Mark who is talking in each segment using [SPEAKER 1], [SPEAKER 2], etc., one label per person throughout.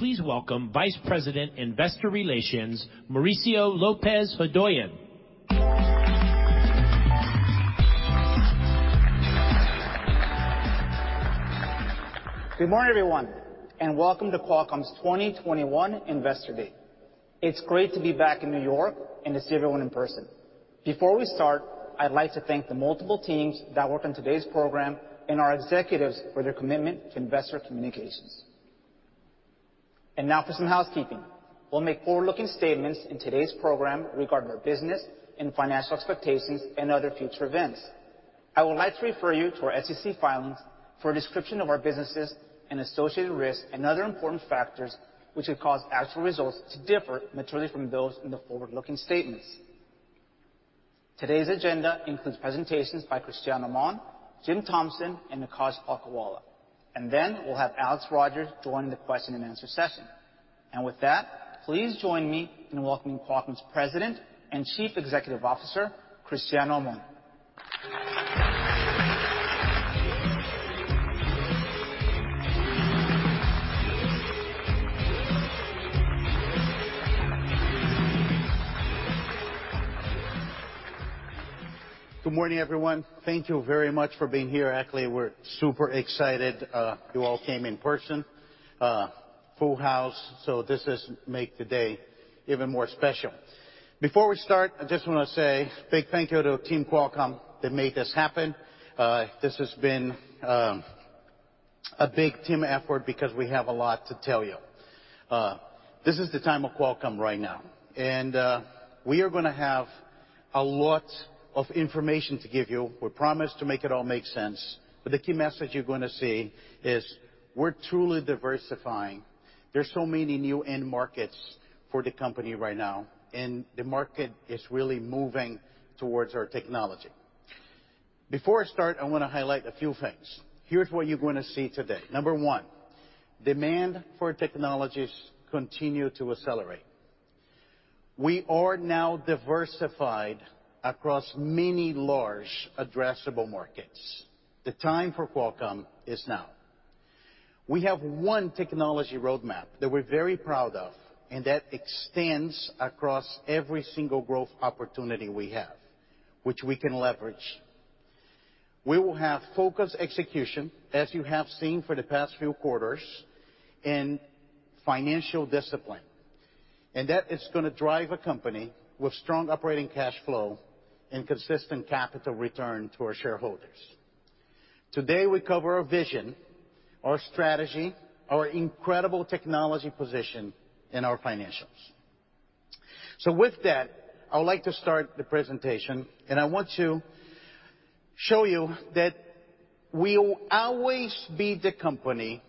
[SPEAKER 1] Please welcome Vice President, Investor Relations, Mauricio Lopez-Hodoyan.
[SPEAKER 2] Good morning everyone, and welcome to Qualcomm's 2021 Investor Day. It's great to be back in New York and to see everyone in person. Before we start, I'd like to thank the multiple teams that worked on today's program and our executives for their commitment to investor communications. Now for some housekeeping. We'll make forward-looking statements in today's program regarding our business and financial expectations and other future events. I would like to refer you to our SEC filings for a description of our businesses and associated risks and other important factors which would cause actual results to differ materially from those in the forward-looking statements. Today's agenda includes presentations by Cristiano Amon, Jim Thompson, and Akash Palkhiwala. Then we'll have Alex Rogers join the question-and-answer session. With that, please join me in welcoming Qualcomm's President and Chief Executive Officer, Cristiano Amon.
[SPEAKER 3] Good morning, everyone. Thank you very much for being here. Actually, we're super excited, you all came in person. Full house, so this is make the day even more special. Before we start, I just wanna say big thank you to team Qualcomm that made this happen. This has been a big team effort because we have a lot to tell you. This is the time of Qualcomm right now. We are gonna have a lot of information to give you. We promise to make it all make sense, but the key message you're gonna see is we're truly diversifying. There's so many new end markets for the company right now, and the market is really moving towards our technology. Before I start, I wanna highlight a few things. Here's what you're gonna see today. Number one, demand for technologies continue to accelerate. We are now diversified across many large addressable markets. The time for Qualcomm is now. We have one technology roadmap that we're very proud of, and that extends across every single growth opportunity we have, which we can leverage. We will have focused execution, as you have seen for the past few quarters, and financial discipline. That is gonna drive a company with strong operating cash flow and consistent capital return to our shareholders. Today, we cover our vision, our strategy, our incredible technology position, and our financials. With that, I would like to start the presentation, and I want to show you that we will always be the company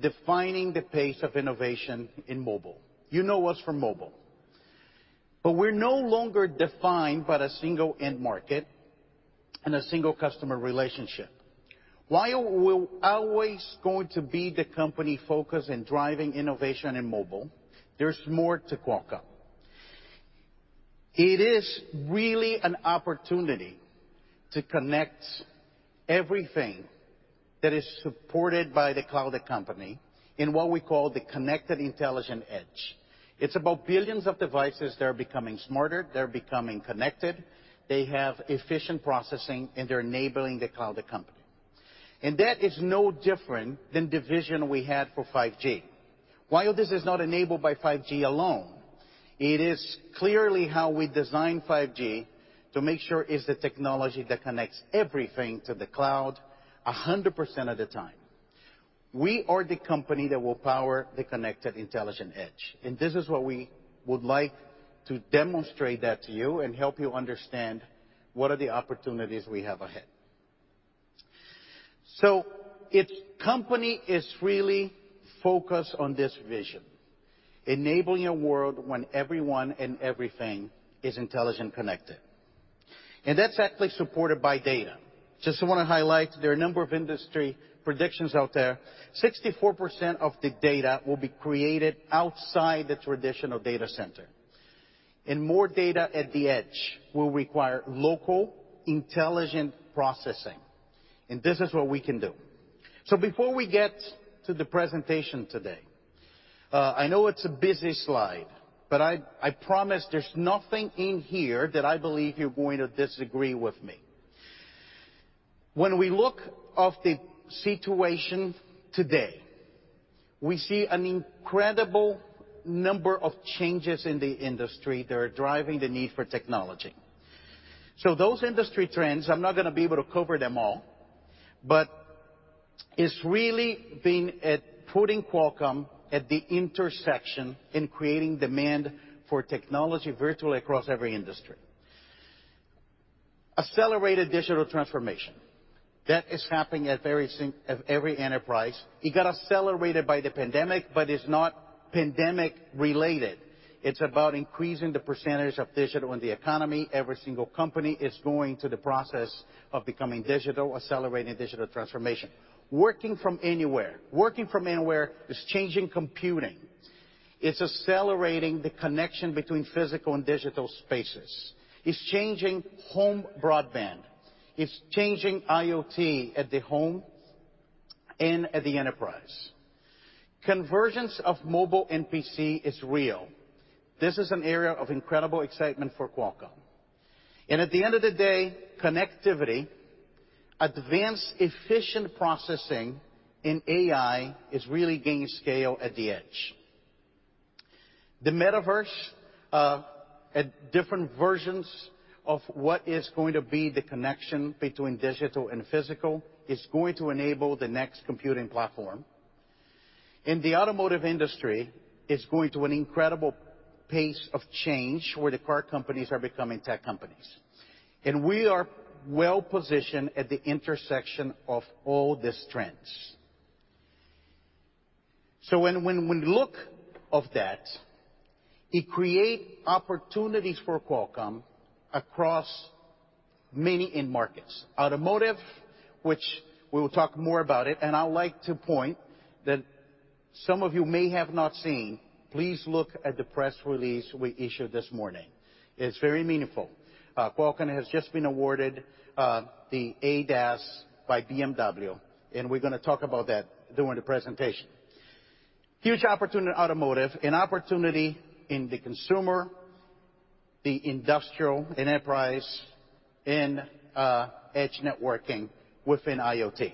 [SPEAKER 3] defining the pace of innovation in mobile. You know us from mobile. We're no longer defined by a single end market and a single customer relationship. While we're always going to be the company focused in driving innovation in mobile, there's more to Qualcomm. It is really an opportunity to connect everything that is supported by cloud computing in what we call the connected intelligent edge. It's about billions of devices that are becoming smarter, they're becoming connected, they have efficient processing, and they're enabling cloud computing. That is no different than the vision we had for 5G. While this is not enabled by 5G alone, it is clearly how we design 5G to make sure it's the technology that connects everything to the cloud 100% of the time. We are the company that will power the connected intelligent edge, and this is what we would like to demonstrate that to you and help you understand what are the opportunities we have ahead. Our company is really focused on this vision, enabling a world where everyone and everything is intelligent, connected. That's actually supported by data. I just wanna highlight, there are a number of industry predictions out there. 64% of the data will be created outside the traditional data center. More data at the edge will require local intelligent processing. This is what we can do. Before we get to the presentation today, I know it's a busy slide, but I promise there's nothing in here that I believe you're going to disagree with me. When we look at the situation today, we see an incredible number of changes in the industry that are driving the need for technology. Those industry trends, I'm not gonna be able to cover them all, but it's really been at putting Qualcomm at the intersection in creating demand for technology virtually across every industry. Accelerated digital transformation. That is happening at every enterprise. It got accelerated by the pandemic, but it's not pandemic related. It's about increasing the percentage of digital in the economy. Every single company is going to the process of becoming digital, accelerating digital transformation. Working from anywhere. Working from anywhere is changing computing. It's accelerating the connection between physical and digital spaces. It's changing home broadband. It's changing IoT at the home and at the enterprise. Convergence of mobile and PC is real. This is an area of incredible excitement for Qualcomm. At the end of the day, connectivity, advanced, efficient processing in AI is really gaining scale at the edge. The Metaverse at different versions of what is going to be the connection between digital and physical is going to enable the next computing platform. In the automotive industry, it's going at an incredible pace of change where the car companies are becoming tech companies. We are well-positioned at the intersection of all these trends. When we look at that, it creates opportunities for Qualcomm across many end markets. Automotive, which we will talk more about it, and I like to point that some of you may have not seen, please look at the press release we issued this morning. It's very meaningful. Qualcomm has just been awarded the ADAS by BMW, and we're gonna talk about that during the presentation. Huge opportunity automotive and opportunity in the consumer, the industrial, enterprise, in edge networking within IoT.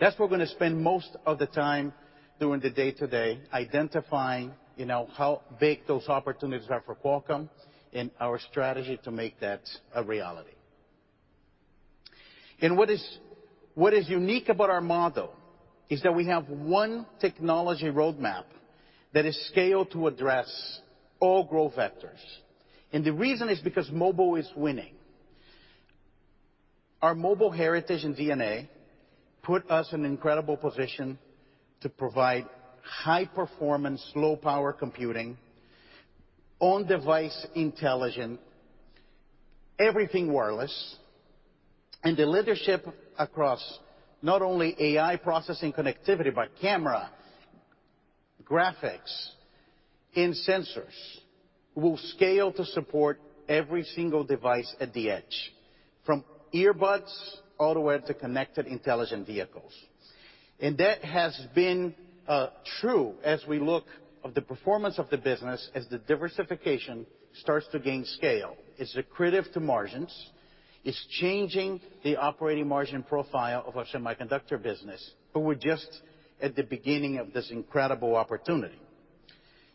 [SPEAKER 3] That's what we're gonna spend most of the time during the day today, identifying, you know, how big those opportunities are for Qualcomm and our strategy to make that a reality. What is unique about our model is that we have one technology roadmap that is scaled to address all growth vectors. The reason is because mobile is winning. Our mobile heritage and DNA put us in incredible position to provide high performance, low power computing, on device intelligence, everything wireless. The leadership across not only AI processing connectivity, but camera, graphics, and sensors, will scale to support every single device at the edge, from earbuds all the way up to connected intelligent vehicles. That has been true as we look at the performance of the business as the diversification starts to gain scale. It's accretive to margins. It's changing the operating margin profile of our semiconductor business, but we're just at the beginning of this incredible opportunity.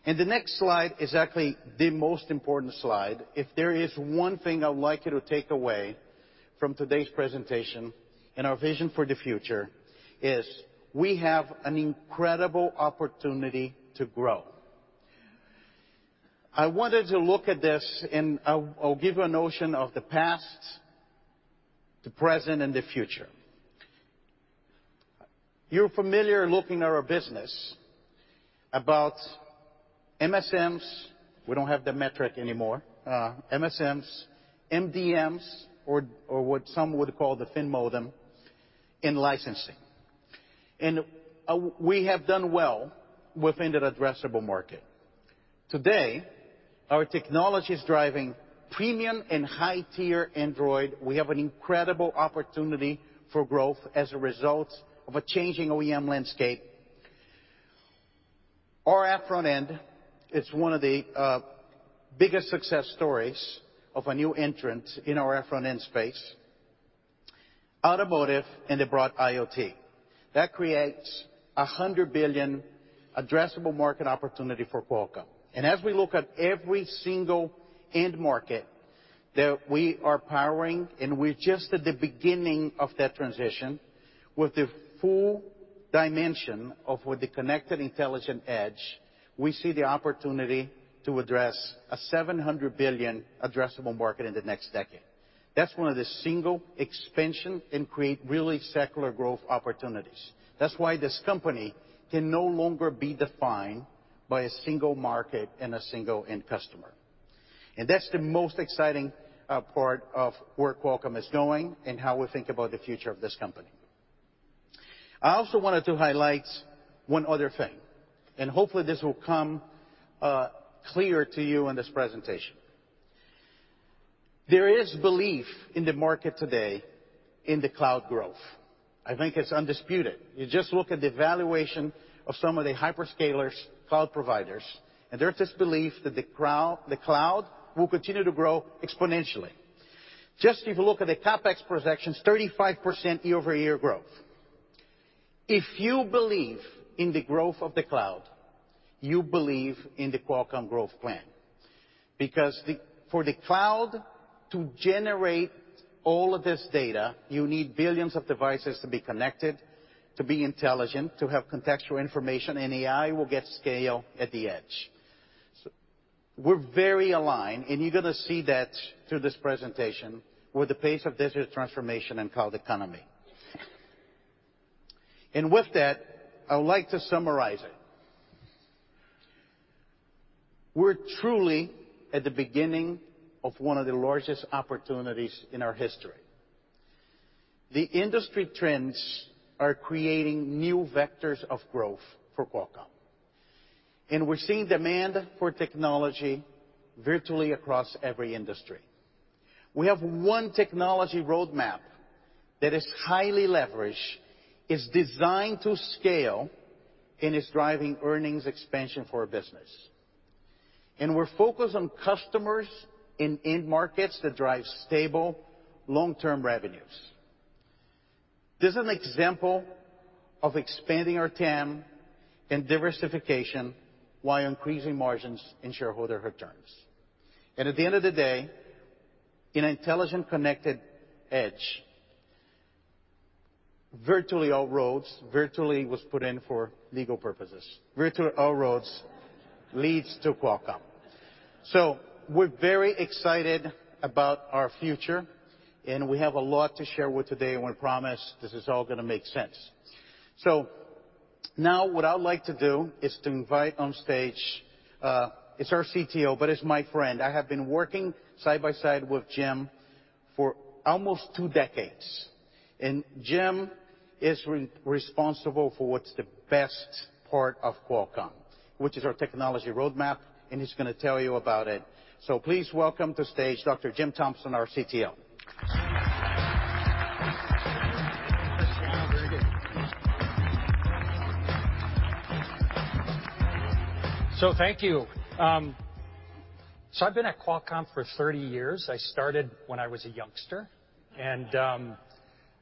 [SPEAKER 3] The next slide is actually the most important slide. If there is one thing I would like you to take away from today's presentation and our vision for the future, is we have an incredible opportunity to grow. I wanted to look at this and I'll give you a notion of the past, the present, and the future. You're familiar looking at our business, about MSMs. We don't have the metric anymore. MSMs, MDMs or what some would call the thin modem in licensing. We have done well within that addressable market. Today, our technology is driving premium and high tier Android. We have an incredible opportunity for growth as a result of a changing OEM landscape. RF front-end, it's one of the biggest success stories of a new entrant in RF front-end space, automotive and the broad IoT. That creates a $100 billion addressable market opportunity for Qualcomm. As we look at every single end market that we are powering, and we're just at the beginning of that transition with the full dimension of the connected intelligent edge, we see the opportunity to address a $700 billion addressable market in the next decade. That's one of the single expansion and create really secular growth opportunities. That's why this company can no longer be defined by a single market and a single end customer. That's the most exciting part of where Qualcomm is going and how we think about the future of this company. I also wanted to highlight one other thing, and hopefully this will come clear to you in this presentation. There is belief in the market today in the cloud growth. I think it's undisputed. You just look at the valuation of some of the hyperscalers, cloud providers, and there's this belief that the cloud will continue to grow exponentially. Just if you look at the CapEx projections, 35% year-over-year growth. If you believe in the growth of the cloud, you believe in the Qualcomm growth plan. Because the, for the cloud to generate all of this data, you need billions of devices to be connected, to be intelligent, to have contextual information, and AI will get scale at the edge. We're very aligned, and you're gonna see that through this presentation, with the pace of digital transformation and cloud economy. With that, I would like to summarize it. We're truly at the beginning of one of the largest opportunities in our history. The industry trends are creating new vectors of growth for Qualcomm, and we're seeing demand for technology virtually across every industry. We have one technology roadmap that is highly leveraged, is designed to scale, and is driving earnings expansion for our business. We're focused on customers in end markets that drive stable long-term revenues. This is an example of expanding our TAM and diversification while increasing margins and shareholder returns. At the end of the day, in intelligent connected edge, virtually all roads virtually was put in for legal purposes. Virtually all roads leads to Qualcomm. We're very excited about our future, and we have a lot to share with you today, and I promise this is all gonna make sense. Now what I'd like to do is to invite on stage is our CTO, but is my friend. I have been working side by side with Jim for almost two decades. Jim is responsible for what's the best part of Qualcomm, which is our technology roadmap, and he's gonna tell you about it. Please welcome to stage Dr. Jim Thompson, our CTO. Very good.
[SPEAKER 4] Thank you. I've been at Qualcomm for 30 years. I started when I was a youngster.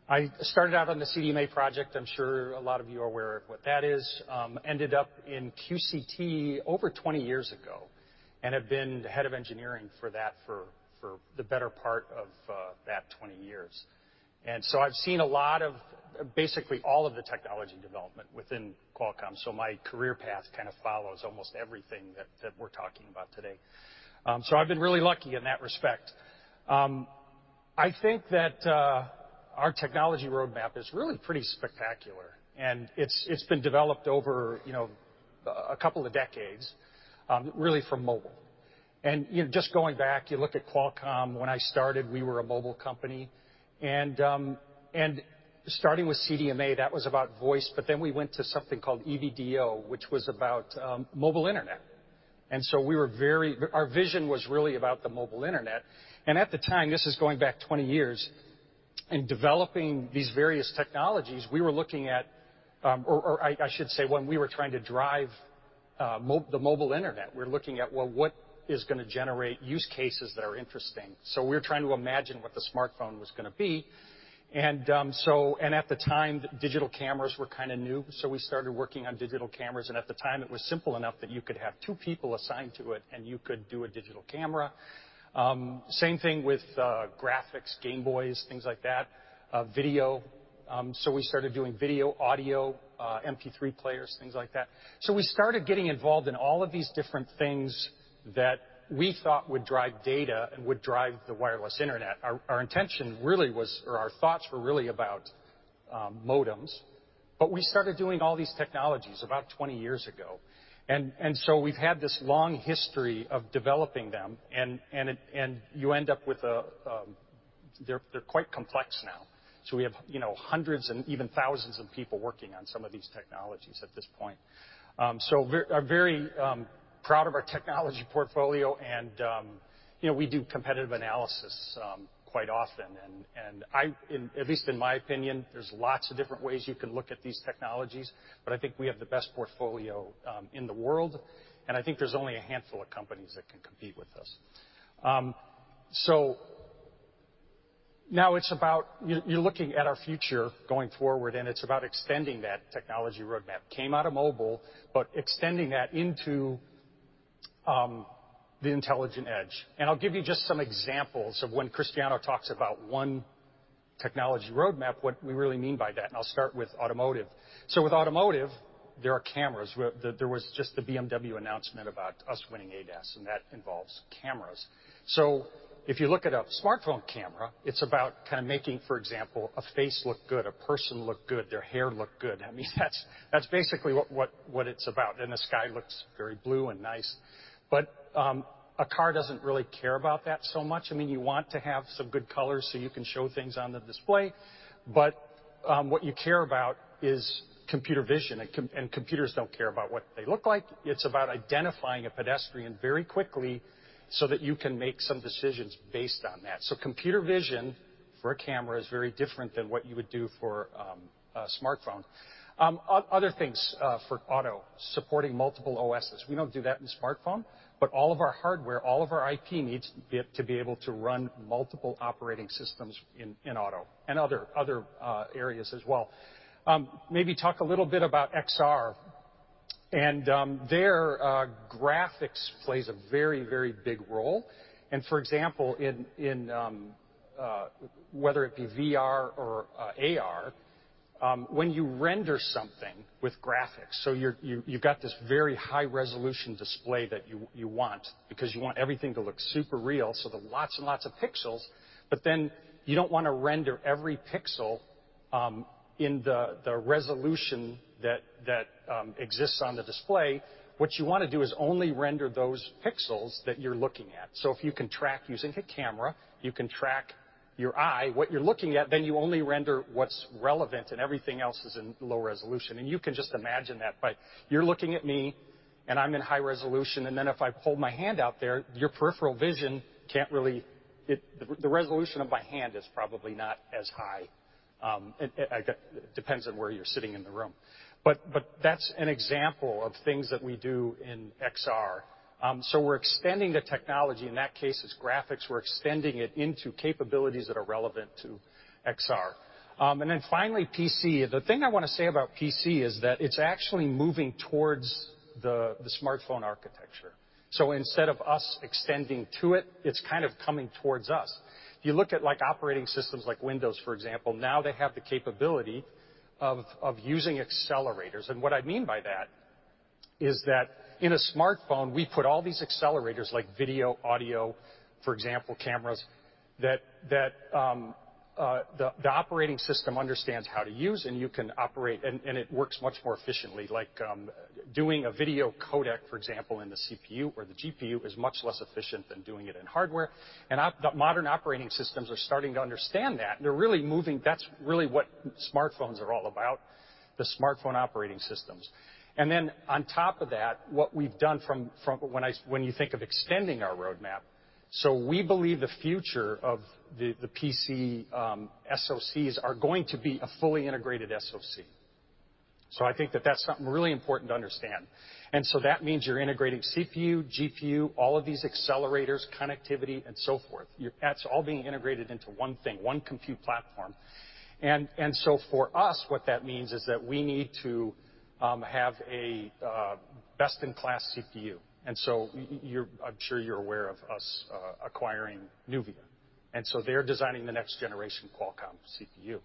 [SPEAKER 4] I started out on the CDMA project. I'm sure a lot of you are aware of what that is. I ended up in QCT over 20 years ago and have been the head of engineering for that for the better part of that 20 years. I've seen a lot of basically all of the technology development within Qualcomm. My career path kind of follows almost everything that we're talking about today. I've been really lucky in that respect. I think that our technology roadmap is really pretty spectacular, and it's been developed over, you know, a couple of decades, really from mobile. You know, just going back, you look at Qualcomm, when I started, we were a mobile company. Starting with CDMA, that was about voice, but then we went to something called EV-DO, which was about mobile internet. Our vision was really about the mobile internet. At the time, this is going back 20 years, in developing these various technologies, we were looking at, or I should say when we were trying to drive the mobile internet, we're looking at, well, what is gonna generate use cases that are interesting. We're trying to imagine what the smartphone was gonna be. At the time, digital cameras were kinda new, so we started working on digital cameras. At the time, it was simple enough that you could have two people assigned to it, and you could do a digital camera. Same thing with graphics, Game Boys, things like that, video. We started doing video, audio, MP3 players, things like that. We started getting involved in all of these different things that we thought would drive data and would drive the wireless internet. Our intention really was or our thoughts were really about modems, but we started doing all these technologies about 20 years ago. And so we've had this long history of developing them, and you end up with a. They're quite complex now. We have, you know, hundreds and even thousands of people working on some of these technologies at this point. Very proud of our technology portfolio and, you know, we do competitive analysis quite often. In at least my opinion, there's lots of different ways you can look at these technologies, but I think we have the best portfolio in the world, and I think there's only a handful of companies that can compete with us. Now it's about you're looking at our future going forward, and it's about extending that technology roadmap. It came out of mobile, but extending that into the intelligent edge. I'll give you just some examples of when Cristiano talks about one technology roadmap, what we really mean by that, and I'll start with automotive. With automotive, there are cameras. There was just the BMW announcement about us winning ADAS, and that involves cameras. If you look at a smartphone camera, it's about kinda making, for example, a face look good, a person look good, their hair look good. I mean, that's basically what it's about, and the sky looks very blue and nice. A car doesn't really care about that so much. I mean, you want to have some good colors so you can show things on the display. What you care about is computer vision and computers don't care about what they look like. It's about identifying a pedestrian very quickly so that you can make some decisions based on that. Computer vision for a camera is very different than what you would do for a smartphone. Other things for auto, supporting multiple OSs. We don't do that in a smartphone, but all of our hardware, all of our IP needs to be able to run multiple operating systems in auto and other areas as well. Maybe talk a little bit about XR and their graphics plays a very, very big role. For example, whether it be VR or AR, when you render something with graphics, so you've got this very high resolution display that you want because you want everything to look super real, so there are lots and lots of pixels. Then you don't wanna render every pixel in the resolution that exists on the display, what you wanna do is only render those pixels that you're looking at. If you can track using a camera, you can track your eye, what you're looking at, then you only render what's relevant and everything else is in low resolution. You can just imagine that by, you're looking at me, and I'm in high resolution, and then if I hold my hand out there, your peripheral vision can't really. The resolution of my hand is probably not as high. I got. Depends on where you're sitting in the room. That's an example of things that we do in XR. We're extending the technology. In that case, it's graphics. We're extending it into capabilities that are relevant to XR. Finally, PC. The thing I wanna say about PC is that it's actually moving towards the smartphone architecture. Instead of us extending to it's kind of coming towards us. If you look at, like, operating systems like Windows, for example, now they have the capability of using accelerators. What I mean by that is that in a smartphone, we put all these accelerators like video, audio, for example, cameras, that the operating system understands how to use, and you can operate, and it works much more efficiently. Like, doing a video codec, for example, in the CPU or the GPU is much less efficient than doing it in hardware. The modern operating systems are starting to understand that, and they're really moving. That's really what smartphones are all about, the smartphone operating systems. Then on top of that, what we've done when you think of extending our roadmap. We believe the future of the PC SoCs are going to be a fully integrated SoC. I think that that's something really important to understand. That means you're integrating CPU, GPU, all of these accelerators, connectivity, and so forth. That's all being integrated into one thing, one compute platform. For us, what that means is that we need to have a best-in-class CPU. I'm sure you're aware of us acquiring NUVIA, and so they're designing the next generation Qualcomm CPU.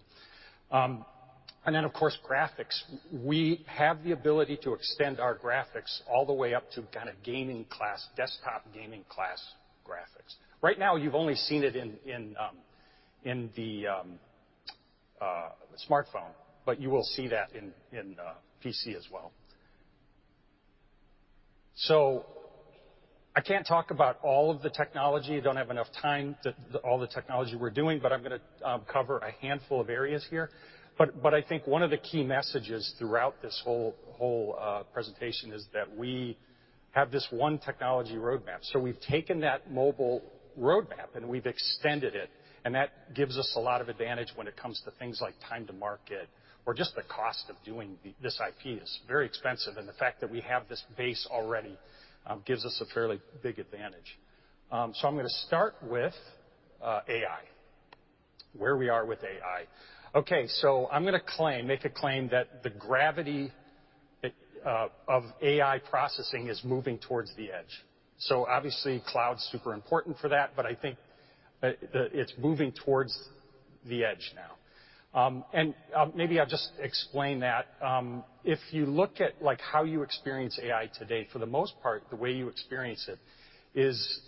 [SPEAKER 4] And then of course, graphics. We have the ability to extend our graphics all the way up to kinda gaming class, desktop gaming class graphics. Right now, you've only seen it in the smartphone, but you will see that in PC as well. I can't talk about all of the technology. Don't have enough time to all the technology we're doing, but I'm gonna cover a handful of areas here. I think one of the key messages throughout this whole presentation is that we have this one technology roadmap. We've taken that mobile roadmap, and we've extended it, and that gives us a lot of advantage when it comes to things like time to market or just the cost of doing this IP is very expensive, and the fact that we have this base already gives us a fairly big advantage. I'm gonna start with AI, where we are with AI. I'm gonna make a claim that the gravity of AI processing is moving towards the edge. Obviously, cloud's super important for that, but I think it's moving towards the edge now. Maybe I'll just explain that. If you look at, like, how you experience AI today, for the most part, the way you experience it is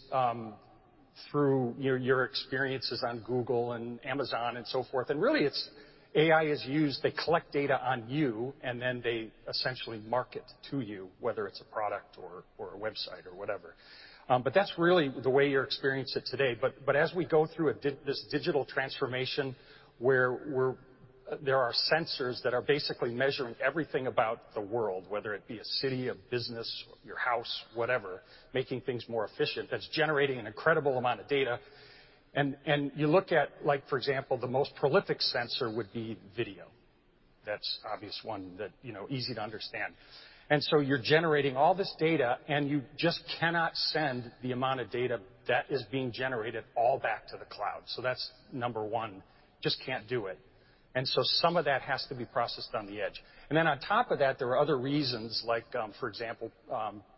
[SPEAKER 4] through your experiences on Google and Amazon and so forth. Really it's AI is used, they collect data on you, and then they essentially market to you, whether it's a product or a website or whatever. But that's really the way you experience it today. As we go through this digital transformation where there are sensors that are basically measuring everything about the world, whether it be a city, a business, your house, whatever, making things more efficient, that's generating an incredible amount of data. You look at, like, for example, the most prolific sensor would be video. That's obvious one that, you know, easy to understand. You're generating all this data, and you just cannot send the amount of data that is being generated all back to the cloud. That's number one. Just can't do it. Some of that has to be processed on the edge. Then on top of that, there are other reasons like, for example,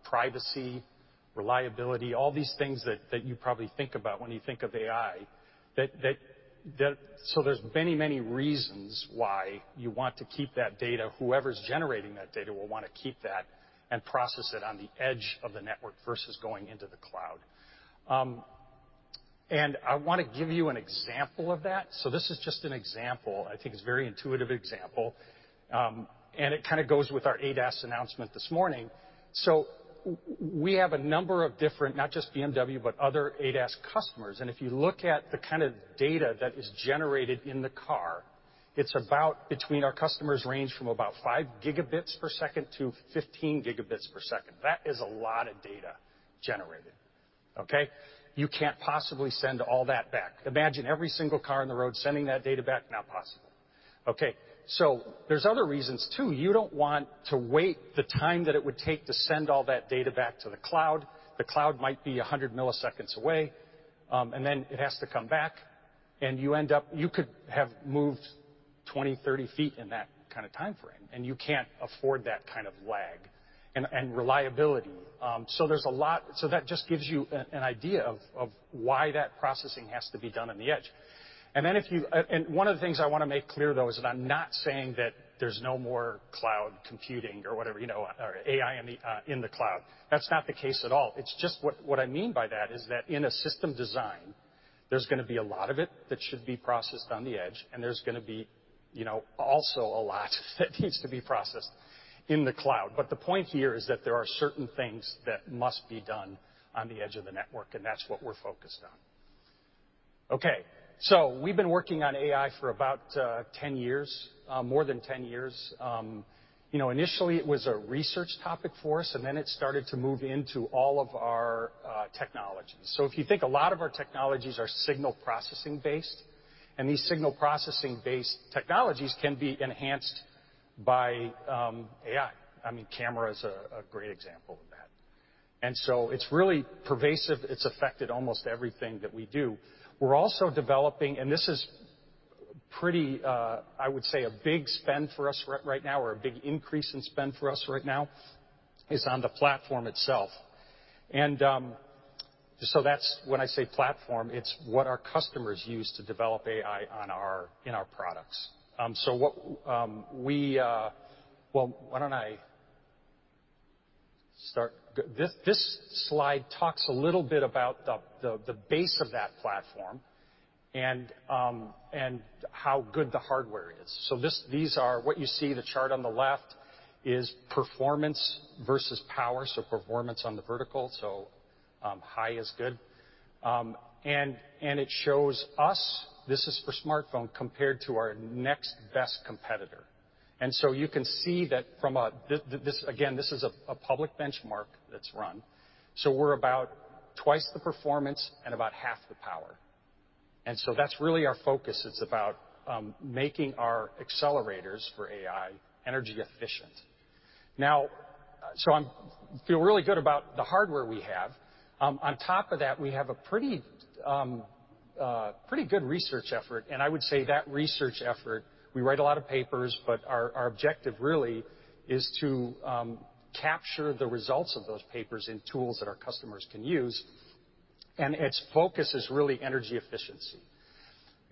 [SPEAKER 4] privacy, reliability, all these things that you probably think about when you think of AI that. There's many, many reasons why you want to keep that data. Whoever's generating that data will wanna keep that and process it on the edge of the network versus going into the cloud. I wanna give you an example of that. This is just an example, I think it's a very intuitive example. It kinda goes with our ADAS announcement this morning. We have a number of different, not just BMW, but other ADAS customers, and if you look at the kind of data that is generated in the car, it's about, between our customers, range from about 5 Gbps to 15 Gbps. That is a lot of data generated, okay. You can't possibly send all that back. Imagine every single car on the road sending that data back. Not possible. Okay, there are other reasons too. You don't want to wait the time that it would take to send all that data back to the cloud. The cloud might be 100 milliseconds away, and then it has to come back, and you end up. You could have moved 20, 30 feet in that kinda timeframe, and you can't afford that kind of lag and reliability. That just gives you an idea of why that processing has to be done on the edge. One of the things I wanna make clear, though, is that I'm not saying that there's no more cloud computing or whatever, you know, or AI in the cloud. That's not the case at all. It's just what I mean by that is that in a system design there's gonna be a lot of it that should be processed on the edge, and there's gonna be, you know, also a lot that needs to be processed in the cloud. The point here is that there are certain things that must be done on the edge of the network, and that's what we're focused on. Okay. We've been working on AI for about 10 years, more than 10 years. You know, initially it was a research topic for us, and then it started to move into all of our technologies. If you think a lot of our technologies are signal processing based, and these signal processing-based technologies can be enhanced by AI. I mean, camera is a great example of that. It's really pervasive. It's affected almost everything that we do. We're also developing, and this is pretty, I would say a big spend for us right now or a big increase in spend for us right now, is on the platform itself. When I say platform, it's what our customers use to develop AI in our products. Well, why don't I start. This slide talks a little bit about the base of that platform and how good the hardware is. What you see, the chart on the left is performance versus power, so performance on the vertical. High is good. And it shows us, this is for smartphone compared to our next best competitor. You can see that from a. This, again, this is a public benchmark that's run. We're about twice the performance and about half the power. That's really our focus. It's about making our accelerators for AI energy efficient. I feel really good about the hardware we have. On top of that, we have a pretty good research effort. I would say that research effort, we write a lot of papers, but our objective really is to capture the results of those papers in tools that our customers can use, and its focus is really energy efficiency.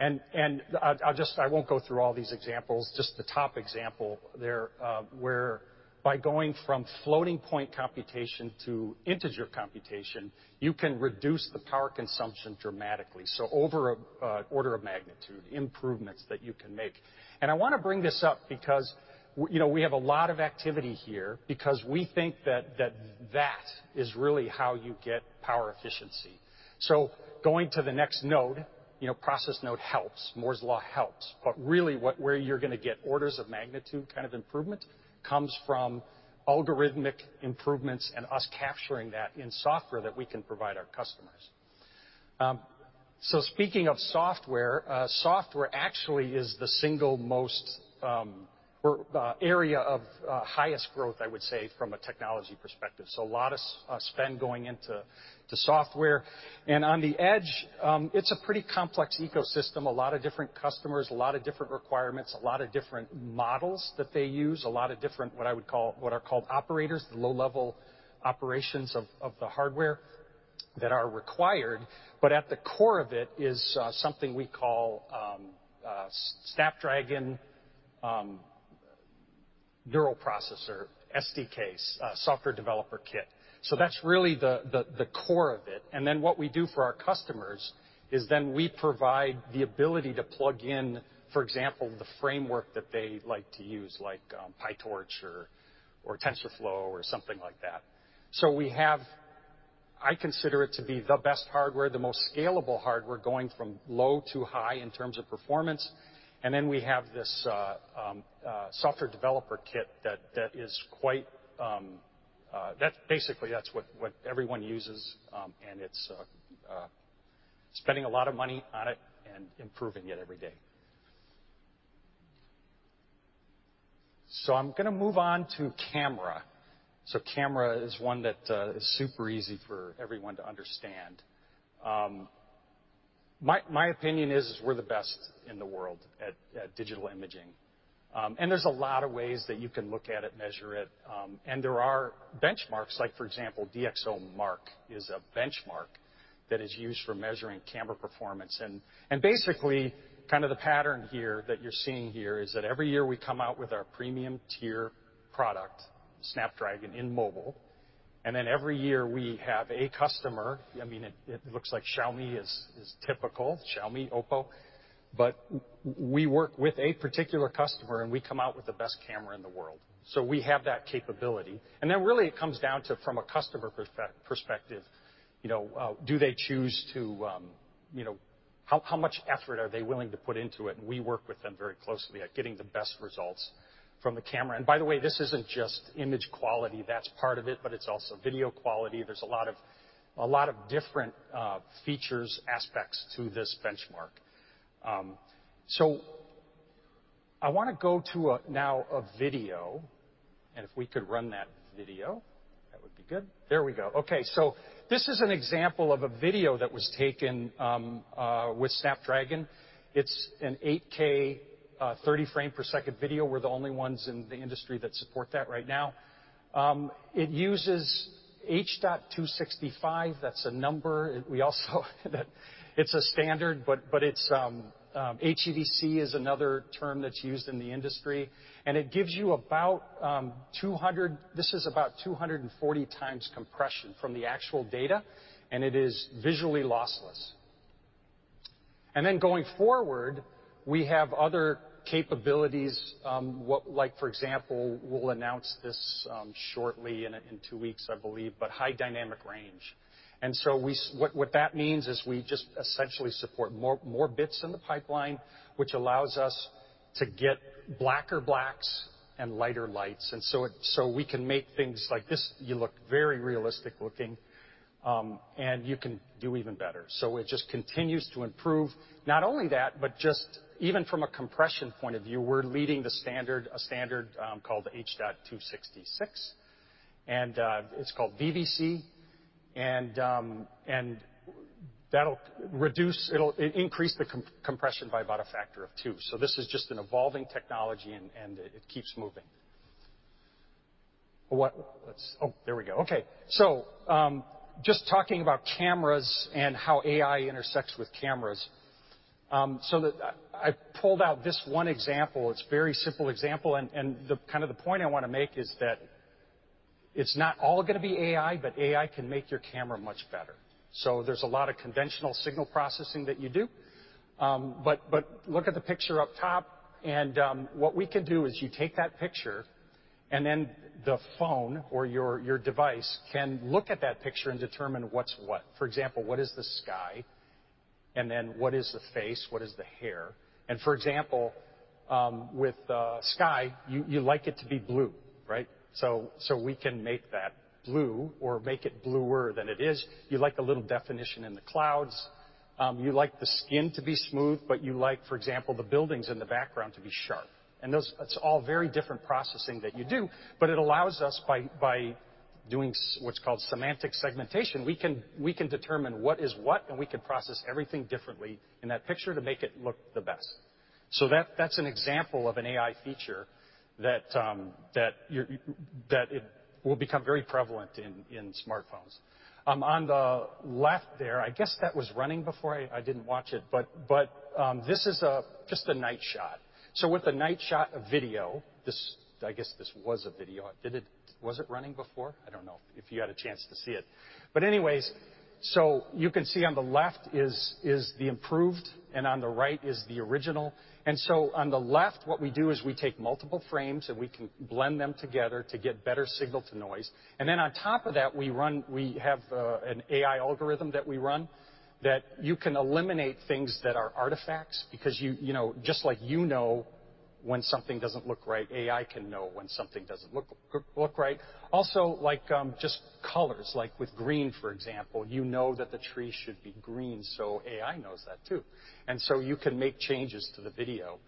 [SPEAKER 4] I won't go through all these examples, just the top example there, where by going from floating point computation to integer computation, you can reduce the power consumption dramatically, so over an order of magnitude improvements that you can make. I wanna bring this up because, you know, we have a lot of activity here because we think that that is really how you get power efficiency. Going to the next node, you know, process node helps. Moore's Law helps. But really where you're gonna get orders of magnitude kind of improvement comes from algorithmic improvements and us capturing that in software that we can provide our customers. Speaking of software actually is the single most area of highest growth, I would say, from a technology perspective. A lot of spend going into software. On the edge, it's a pretty complex ecosystem. A lot of different customers, a lot of different requirements, a lot of different models that they use, a lot of different what are called operators, the low-level operations of the hardware that are required. At the core of it is something we call Snapdragon Neural Processor SDKs software developer kit. That's really the core of it. What we do for our customers is then we provide the ability to plug in, for example, the framework that they like to use, like PyTorch or TensorFlow or something like that. We have, I consider it to be the best hardware, the most scalable hardware going from low to high in terms of performance. Then we have this software developer kit that is quite. That's basically what everyone uses, and it's spending a lot of money on it and improving it every day. I'm gonna move on to camera. Camera is one that is super easy for everyone to understand. My opinion is we're the best in the world at digital imaging. There's a lot of ways that you can look at it, measure it. There are benchmarks, like for example, DXOMARK is a benchmark that is used for measuring camera performance. Basically, kind of the pattern here that you're seeing here is that every year we come out with our premium tier product, Snapdragon in mobile. Then every year we have a customer. I mean, it looks like Xiaomi is typical. Xiaomi, OPPO. But we work with a particular customer, and we come out with the best camera in the world. We have that capability. Really it comes down to from a customer perspective, you know, do they choose to, you know. How much effort are they willing to put into it? We work with them very closely at getting the best results from the camera. By the way, this isn't just image quality. That's part of it, but it's also video quality. There's a lot of different features, aspects to this benchmark. I wanna go to a video, and if we could run that video, that would be good. There we go. Okay. This is an example of a video that was taken with Snapdragon. It's an 8K, 30 frame per second video. We're the only ones in the industry that support that right now. It uses H.265. That's a number. We also know that it's a standard, but HEVC is another term that's used in the industry, and it gives you about 240x compression from the actual data, and it is visually lossless. Then going forward, we have other capabilities, like, for example, we'll announce this shortly in two weeks, I believe, but high dynamic range. What that means is we just essentially support more bits in the pipeline, which allows us to get blacker blacks and lighter lights. We can make things like this. They look very realistic looking, and you can do even better. It just continues to improve. Not only that, but just even from a compression point of view, we're leading the standard, called H.266, and it's called VVC, and that'll increase the compression by about a factor of 2. This is just an evolving technology, and it keeps moving. What? Let's. Oh, there we go. Okay. Just talking about cameras and how AI intersects with cameras. I pulled out this one example. It's very simple example, and the kind of the point I wanna make is that it's not all gonna be AI, but AI can make your camera much better. There's a lot of conventional signal processing that you do. Look at the picture up top, and what we can do is you take that picture, and then the phone or your device can look at that picture and determine what's what. For example, what is the sky? Then what is the face? What is the hair? For example, with sky, you like it to be blue, right? So we can make that blue or make it bluer than it is. You like a little definition in the clouds. You like the skin to be smooth, but you like, for example, the buildings in the background to be sharp. That's all very different processing that you do, but it allows us, by doing what's called semantic segmentation, we can determine what is what, and we can process everything differently in that picture to make it look the best. That's an example of an AI feature that it will become very prevalent in smartphones. On the left there, I guess that was running before. I didn't watch it, but this is just a night shot. With the night shot of video, I guess this was a video. Was it running before? I don't know if you had a chance to see it. Anyways, you can see on the left is the improved and on the right is the original. On the left, what we do is we take multiple frames, and we can blend them together to get better signal-to-noise. On top of that, we have an AI algorithm that we run that can eliminate things that are artifacts because you know, just like you know when something doesn't look right, AI can know when something doesn't look right. Also, like, just colors, like with green, for example, you know that the tree should be green, so AI knows that too. You can make changes to the video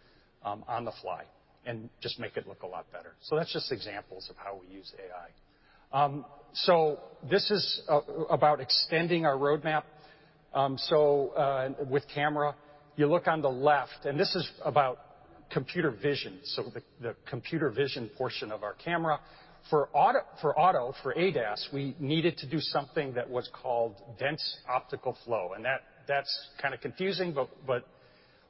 [SPEAKER 4] on the fly and just make it look a lot better. That's just examples of how we use AI. This is about extending our roadmap with camera. You look on the left, and this is about computer vision, so the computer vision portion of our camera. For auto for ADAS, we needed to do something that was called dense optical flow. That's kinda confusing, but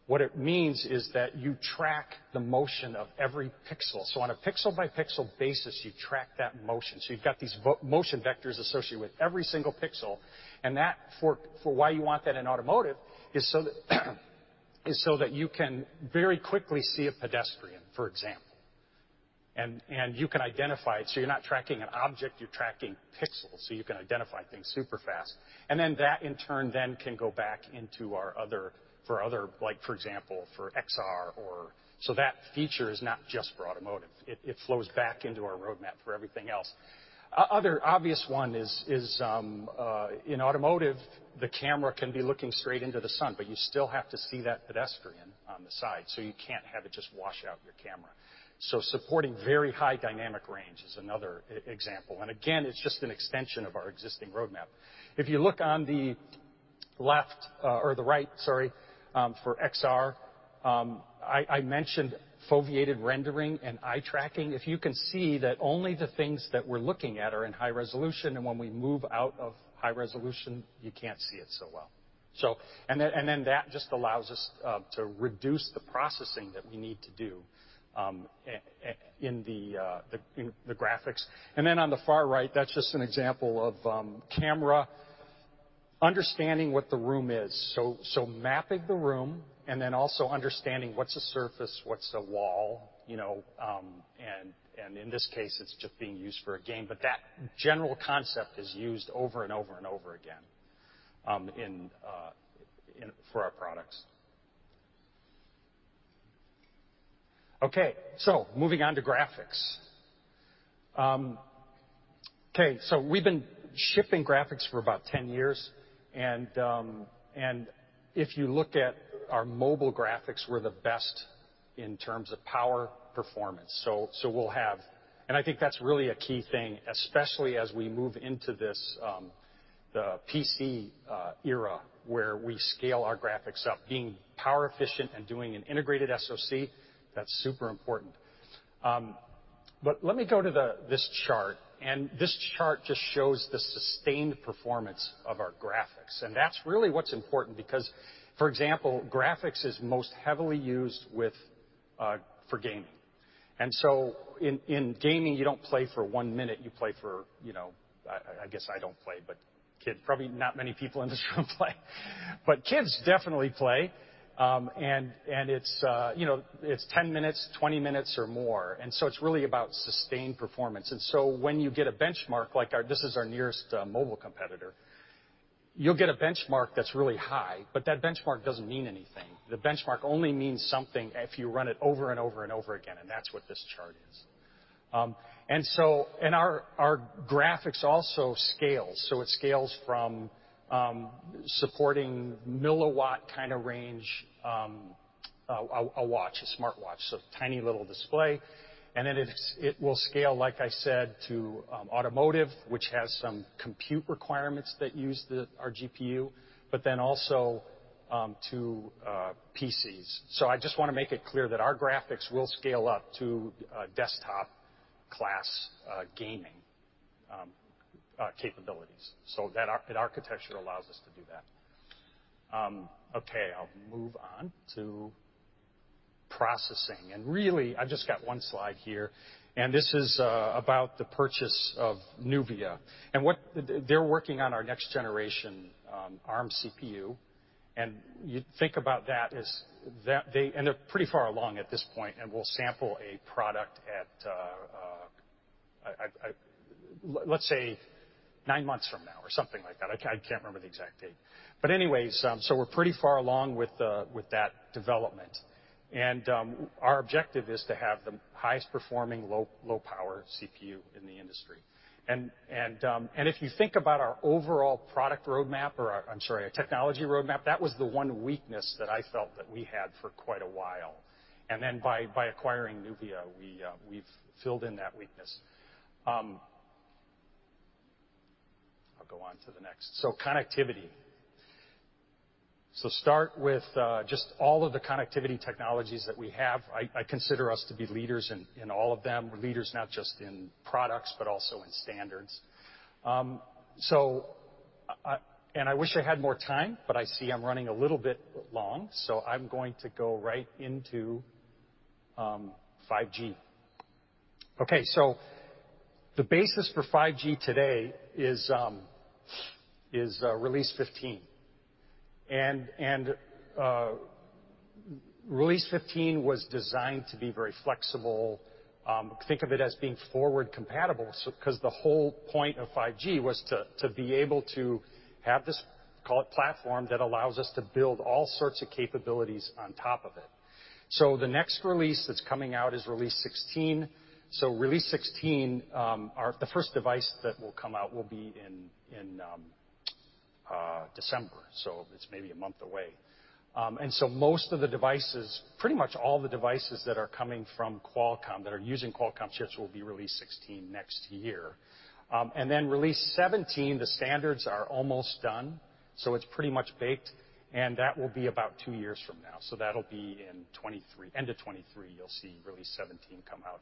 [SPEAKER 4] what it means is that you track the motion of every pixel. On a pixel-by-pixel basis, you track that motion. You've got these motion vectors associated with every single pixel. That's why you want that in automotive, so that you can very quickly see a pedestrian, for example. You can identify it, so you're not tracking an object. You're tracking pixels, so you can identify things super fast. Then that, in turn, can go back into our other, like for example, for XR or other. That feature is not just for automotive. It flows back into our roadmap for everything else. Other obvious one is in automotive, the camera can be looking straight into the sun, but you still have to see that pedestrian on the side, so you can't have it just wash out your camera. Supporting very high dynamic range is another example. Again, it's just an extension of our existing roadmap. If you look on the left or the right, sorry, for XR, I mentioned foveated rendering and eye tracking. If you can see that only the things that we're looking at are in high resolution, and when we move out of high resolution, you can't see it so well. That just allows us to reduce the processing that we need to do in the graphics. Then on the far right, that's just an example of camera understanding what the room is. Mapping the room and then also understanding what's a surface, what's a wall, you know, and in this case, it's just being used for a game. That general concept is used over and over and over again in for our products. Okay, moving on to graphics. Okay, we've been shipping graphics for about 10 years, and if you look at our mobile graphics, we're the best in terms of power performance. I think that's really a key thing, especially as we move into this the PC era, where we scale our graphics up. Being power efficient and doing an integrated SoC, that's super important. Let me go to this chart, and this chart just shows the sustained performance of our graphics. That's really what's important because, for example, graphics is most heavily used with for gaming. In gaming, you don't play for one minute, you play for, you know, I guess I don't play, but probably not many people in this room play, but kids definitely play. It's, you know, it's 10 minutes, 20 minutes or more, and it's really about sustained performance. When you get a benchmark like ours. This is our nearest mobile competitor. You'll get a benchmark that's really high, but that benchmark doesn't mean anything. The benchmark only means something if you run it over and over and over again, and that's what this chart is. Our graphics also scales. It scales from supporting milliwatt kind of range, a watch, a smartwatch, so tiny little display. Then it's, it will scale, like I said, to automotive, which has some compute requirements that use our GPU, but then also to PCs. I just wanna make it clear that our graphics will scale up to desktop class gaming capabilities. The architecture allows us to do that. Okay, I'll move on to processing. Really, I've just got one slide here, and this is about the purchase of NUVIA. What they're working on our next generation ARM CPU, and you think about that they... They're pretty far along at this point, and we'll sample a product. Let's say nine months from now or something like that. I can't remember the exact date. Anyways, we're pretty far along with that development. Our objective is to have the highest performing low power CPU in the industry. If you think about our overall product roadmap or our. I'm sorry, our technology roadmap, that was the one weakness that I felt that we had for quite a while. By acquiring NUVIA, we've filled in that weakness. I'll go on to the next. Connectivity. Start with just all of the connectivity technologies that we have. I consider us to be leaders in all of them. We're leaders not just in products, but also in standards. I wish I had more time, but I see I'm running a little bit long, so I'm going to go right into 5G. Okay, so the basis for 5G today is Release 15. Release 15 was designed to be very flexible. Think of it as being forward compatible so 'cause the whole point of 5G was to be able to have this, call it platform, that allows us to build all sorts of capabilities on top of it. The next release that's coming out is Release 16. Release 16, are the first device that will come out will be in December, so it's maybe a month away. Most of the devices, pretty much all the devices that are coming from Qualcomm, that are using Qualcomm chips will be Release 16 next year. Release 17, the standards are almost done, so it's pretty much baked, and that will be about two years from now. That'll be in 2023. End of 2023, you'll see Release 17 come out.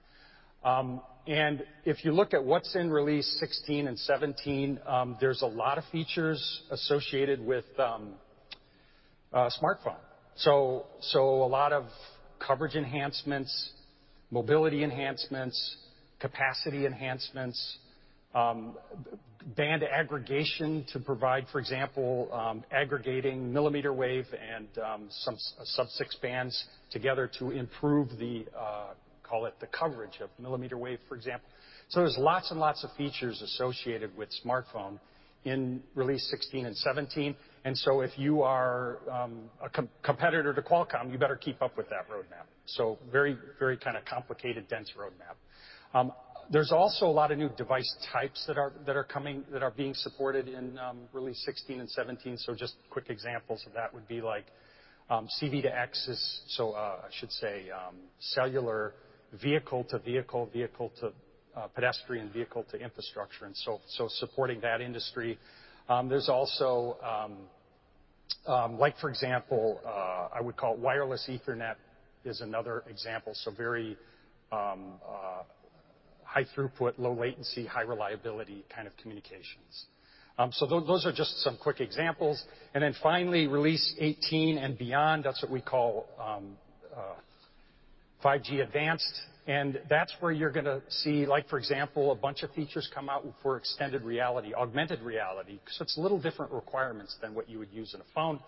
[SPEAKER 4] If you look at what's in Release 16 and 17, there's a lot of features associated with a smartphone. A lot of coverage enhancements, mobility enhancements, capacity enhancements, band aggregation to provide, for example, aggregating millimeter wave and some sub-6 bands together to improve the coverage of millimeter wave, for example. There's lots and lots of features associated with smartphone in Release 16 and 17. If you are a competitor to Qualcomm, you better keep up with that roadmap. Very, very kind of complicated, dense roadmap. There's also a lot of new device types that are coming that are being supported in Release 16 and 17. Just quick examples of that would be like C-V2X. I should say cellular vehicle to vehicle to pedestrian, vehicle to infrastructure, and supporting that industry. There's also like for example I would call it wireless Ethernet is another example. Very high throughput, low latency, high reliability kind of communications. Those are just some quick examples. Finally, Release 18 and beyond, that's what we call 5G-Advanced. That's where you're gonna see, like, for example, a bunch of features come out for extended reality, augmented reality. It's a little different requirements than what you would use in a phone.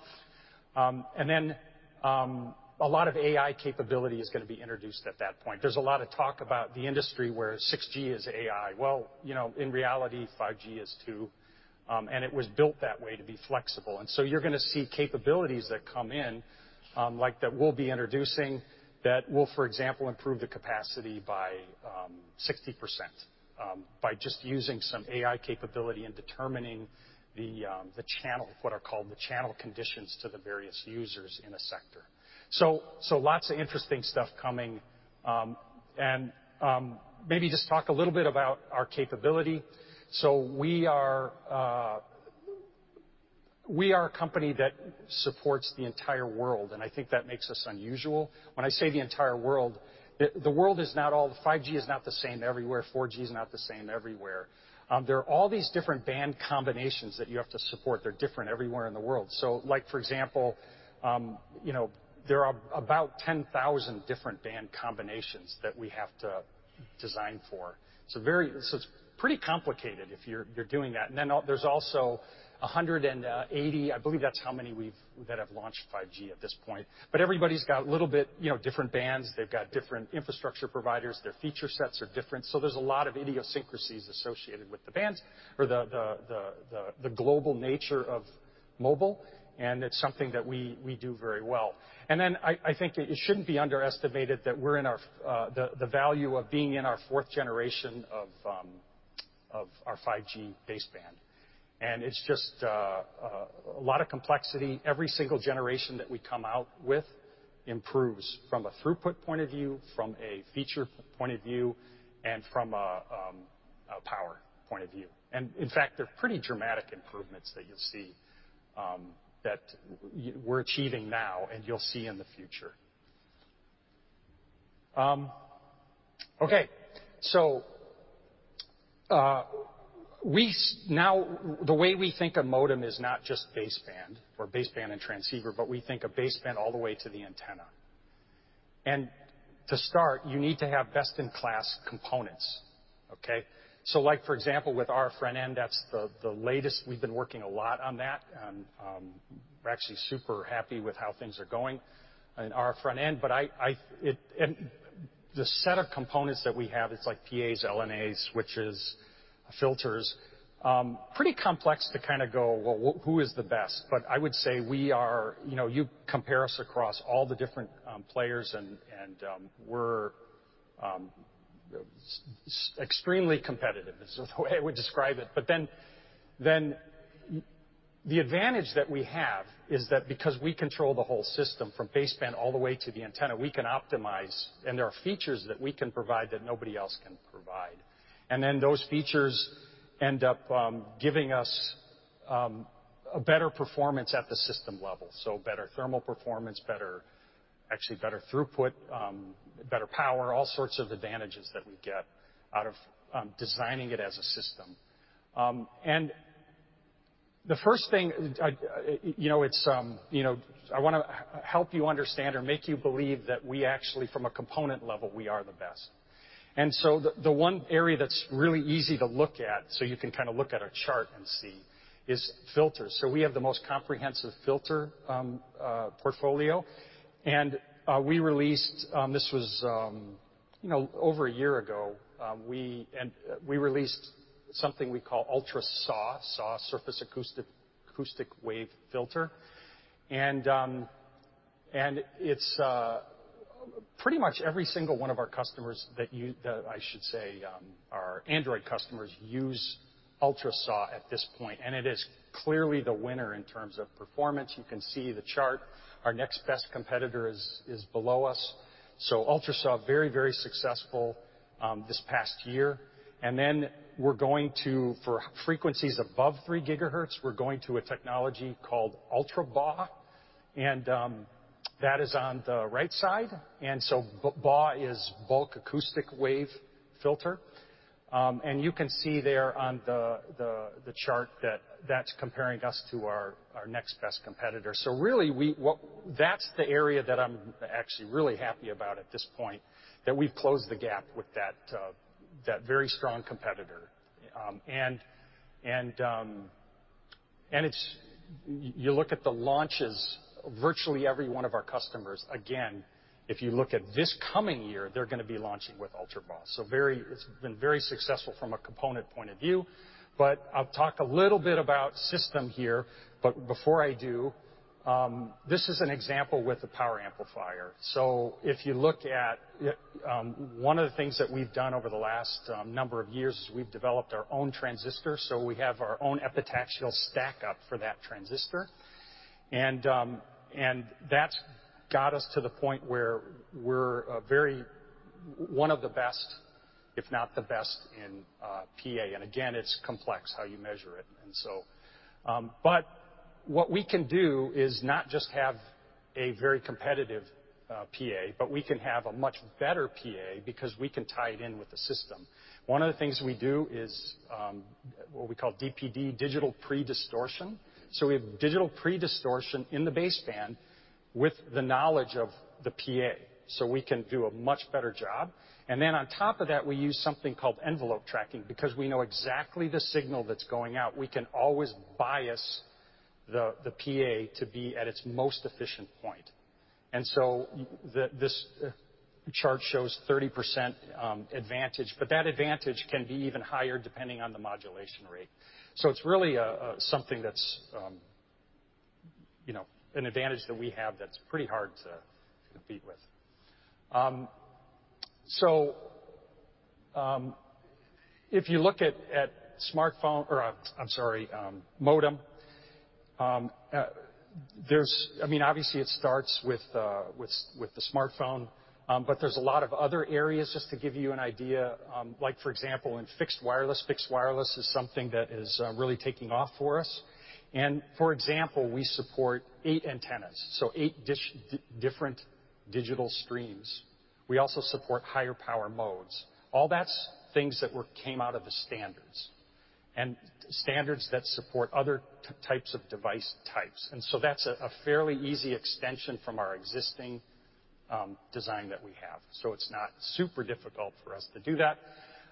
[SPEAKER 4] A lot of AI capability is gonna be introduced at that point. There's a lot of talk about the industry where 6G is AI. Well, you know, in reality, 5G is too. It was built that way to be flexible. You're gonna see capabilities that come in, like that we'll be introducing that will, for example, improve the capacity by 60%, by just using some AI capability and determining the channel, what are called the channel conditions to the various users in a sector. Lots of interesting stuff coming. Maybe just talk a little bit about our capability. We are a company that supports the entire world, and I think that makes us unusual. When I say the entire world, the world is not all 5G. 5G is not the same everywhere, 4G is not the same everywhere. There are all these different band combinations that you have to support. They're different everywhere in the world. Like for example, you know, there are about 10,000 different band combinations that we have to design for. It's pretty complicated if you're doing that. And then there's also 180, I believe that's how many that have launched 5G at this point. But everybody's got a little bit, you know, different bands. They've got different infrastructure providers. Their feature sets are different. There's a lot of idiosyncrasies associated with the bands or the global nature of mobile, and it's something that we do very well. I think it shouldn't be underestimated that the value of being in our fourth generation of our 5G baseband. It's just a lot of complexity. Every single generation that we come out with improves from a throughput point of view, from a feature point of view, and from a power point of view. In fact, they're pretty dramatic improvements that you'll see that we're achieving now and you'll see in the future. Okay. Now the way we think of modem is not just baseband or baseband and transceiver, but we think of baseband all the way to the antenna. To start, you need to have best-in-class components, okay? Like for example, with our front-end, that's the latest. We've been working a lot on that, and we're actually super happy with how things are going in our front-end. The set of components that we have, it's like PAs, LNAs, switches, filters, pretty complex to kinda go, well, who is the best? I would say we are, you know, you compare us across all the different players and we're extremely competitive is the way I would describe it. The advantage that we have is that because we control the whole system from baseband all the way to the antenna, we can optimize, and there are features that we can provide that nobody else can provide. Those features end up giving us a better performance at the system level, so better thermal performance, actually better throughput, better power, all sorts of advantages that we get out of designing it as a system. The first thing I wanna help you understand or make you believe that we actually, from a component level, we are the best. The one area that's really easy to look at, so you can kinda look at a chart and see, is filters. We have the most comprehensive filter portfolio. We released something we call ultraSAW, SAW surface acoustic wave filter, you know over a year ago. It's pretty much every single one of our customers that, I should say, our Android customers use ultraSAW at this point, and it is clearly the winner in terms of performance. You can see the chart. Our next best competitor is below us. ultraSAW very successful this past year. We're going to a technology called ultraBAW for frequencies above 3 GHz, and that is on the right side. BAW is bulk acoustic wave filter. You can see there on the chart that that's comparing us to our next best competitor. That's the area that I'm actually really happy about at this point, that we've closed the gap with that very strong competitor. You look at the launches, virtually every one of our customers, again, if you look at this coming year, they're gonna be launching with ultraBAW. It's been very successful from a component point of view. I'll talk a little bit about system here, but before I do, this is an example with the power amplifier. If you look at one of the things that we've done over the last number of years is we've developed our own transistor. We have our own epitaxial stack up for that transistor. That's got us to the point where we're one of the best, if not the best in PA. It's complex how you measure it. What we can do is not just have a very competitive PA, but we can have a much better PA because we can tie it in with the system. One of the things we do is what we call DPD, digital predistortion. We have digital predistortion in the baseband with the knowledge of the PA, so we can do a much better job. Then on top of that, we use something called envelope tracking. Because we know exactly the signal that's going out, we can always bias the PA to be at its most efficient point. This chart shows 30% advantage, but that advantage can be even higher depending on the modulation rate. It's really something that's, you know, an advantage that we have that's pretty hard to compete with. If you look at smartphone, or, I'm sorry, modem, there's I mean, obviously, it starts with the smartphone, but there's a lot of other areas just to give you an idea, like for example, in fixed wireless. Fixed wireless is something that is really taking off for us. For example, we support eight antennas, so eight different digital streams. We also support higher power modes. All those things that came out of the standards and standards that support other types of device types. That's a fairly easy extension from our existing design that we have. It's not super difficult for us to do that.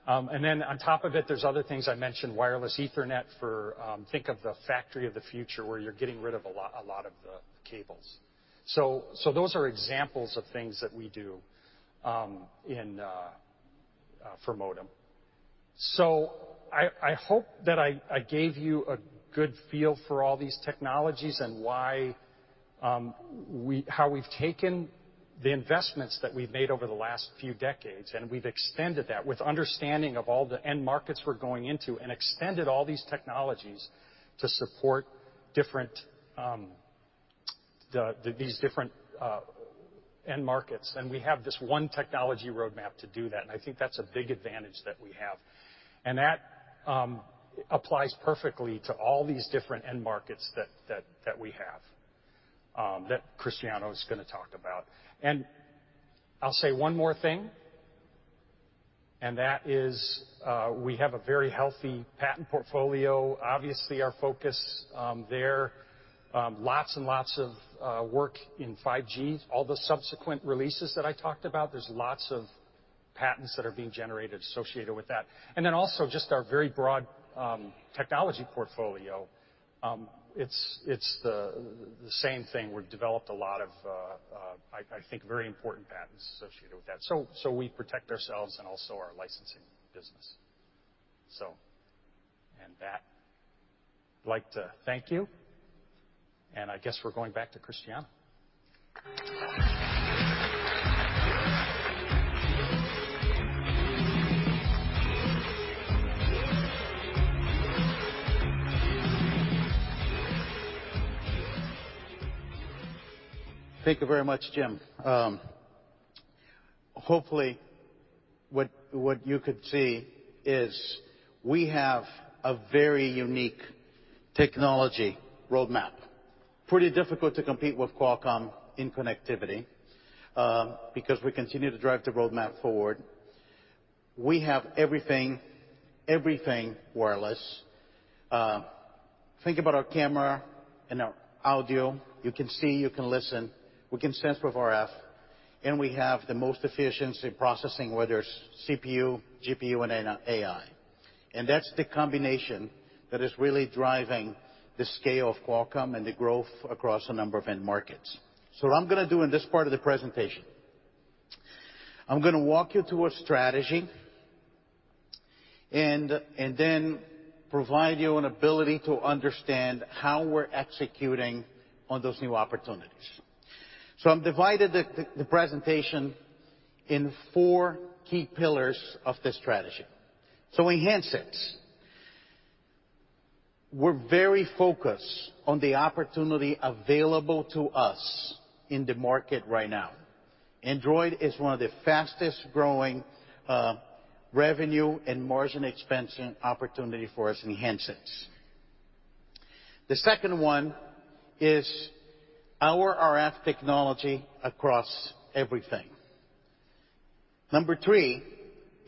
[SPEAKER 4] And then on top of it, there's other things I mentioned, wireless Ethernet for, think of the factory of the future where you're getting rid of a lot of the cables. Those are examples of things that we do for modem. I hope that I gave you a good feel for all these technologies and why we've taken the investments that we've made over the last few decades, and we've extended that with understanding of all the end markets we're going into and extended all these technologies to support different these different end markets. We have this one technology roadmap to do that, and I think that's a big advantage that we have. That applies perfectly to all these different end markets that we have that Cristiano is gonna talk about. I'll say one more thing, and that is, we have a very healthy patent portfolio. Obviously, our focus there, lots and lots of work in 5G. All the subsequent releases that I talked about, there's lots of patents that are being generated associated with that. Then also just our very broad technology portfolio. It's the same thing. We've developed a lot of I think very important patents associated with that. So we protect ourselves and also our licensing business. That, I'd like to thank you, and I guess we're going back to Cristiano.
[SPEAKER 3] Thank you very much, Jim. Hopefully, what you could see is we have a very unique technology roadmap. Pretty difficult to compete with Qualcomm in connectivity, because we continue to drive the roadmap forward. We have everything wireless. Think about our camera and our audio. You can see, you can listen, we can sense with RF, and we have the most efficient processing, whether it's CPU, GPU, and an AI. That's the combination that is really driving the scale of Qualcomm and the growth across a number of end markets. What I'm gonna do in this part of the presentation, I'm gonna walk you through our strategy and then provide you an ability to understand how we're executing on those new opportunities. I've divided the presentation in four key pillars of the strategy. In handsets, we're very focused on the opportunity available to us in the market right now. Android is one of the fastest-growing revenue and margin expansion opportunity for us in handsets. The second one is our RF technology across everything. Number three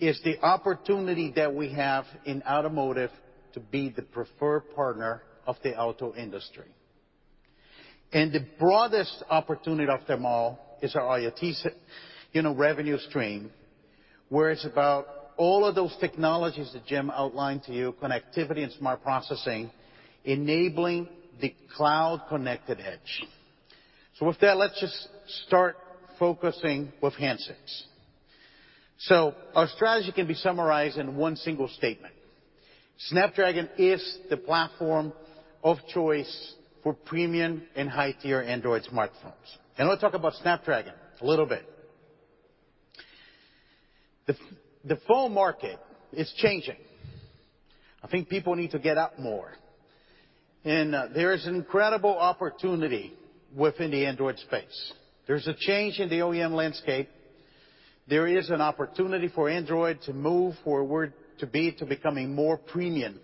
[SPEAKER 3] is the opportunity that we have in automotive to be the preferred partner of the auto industry. And the broadest opportunity of them all is our IoT revenue stream, you know, where it's about all of those technologies that Jim outlined to you, connectivity and smart processing, enabling the cloud-connected edge. With that, let's just start focusing with handsets. Our strategy can be summarized in one single statement. Snapdragon is the platform of choice for premium and high-tier Android smartphones. Let's talk about Snapdragon a little bit. The phone market is changing. I think people need to get out more. There is incredible opportunity within the Android space. There's a change in the OEM landscape. There is an opportunity for Android to move forward to becoming more premium.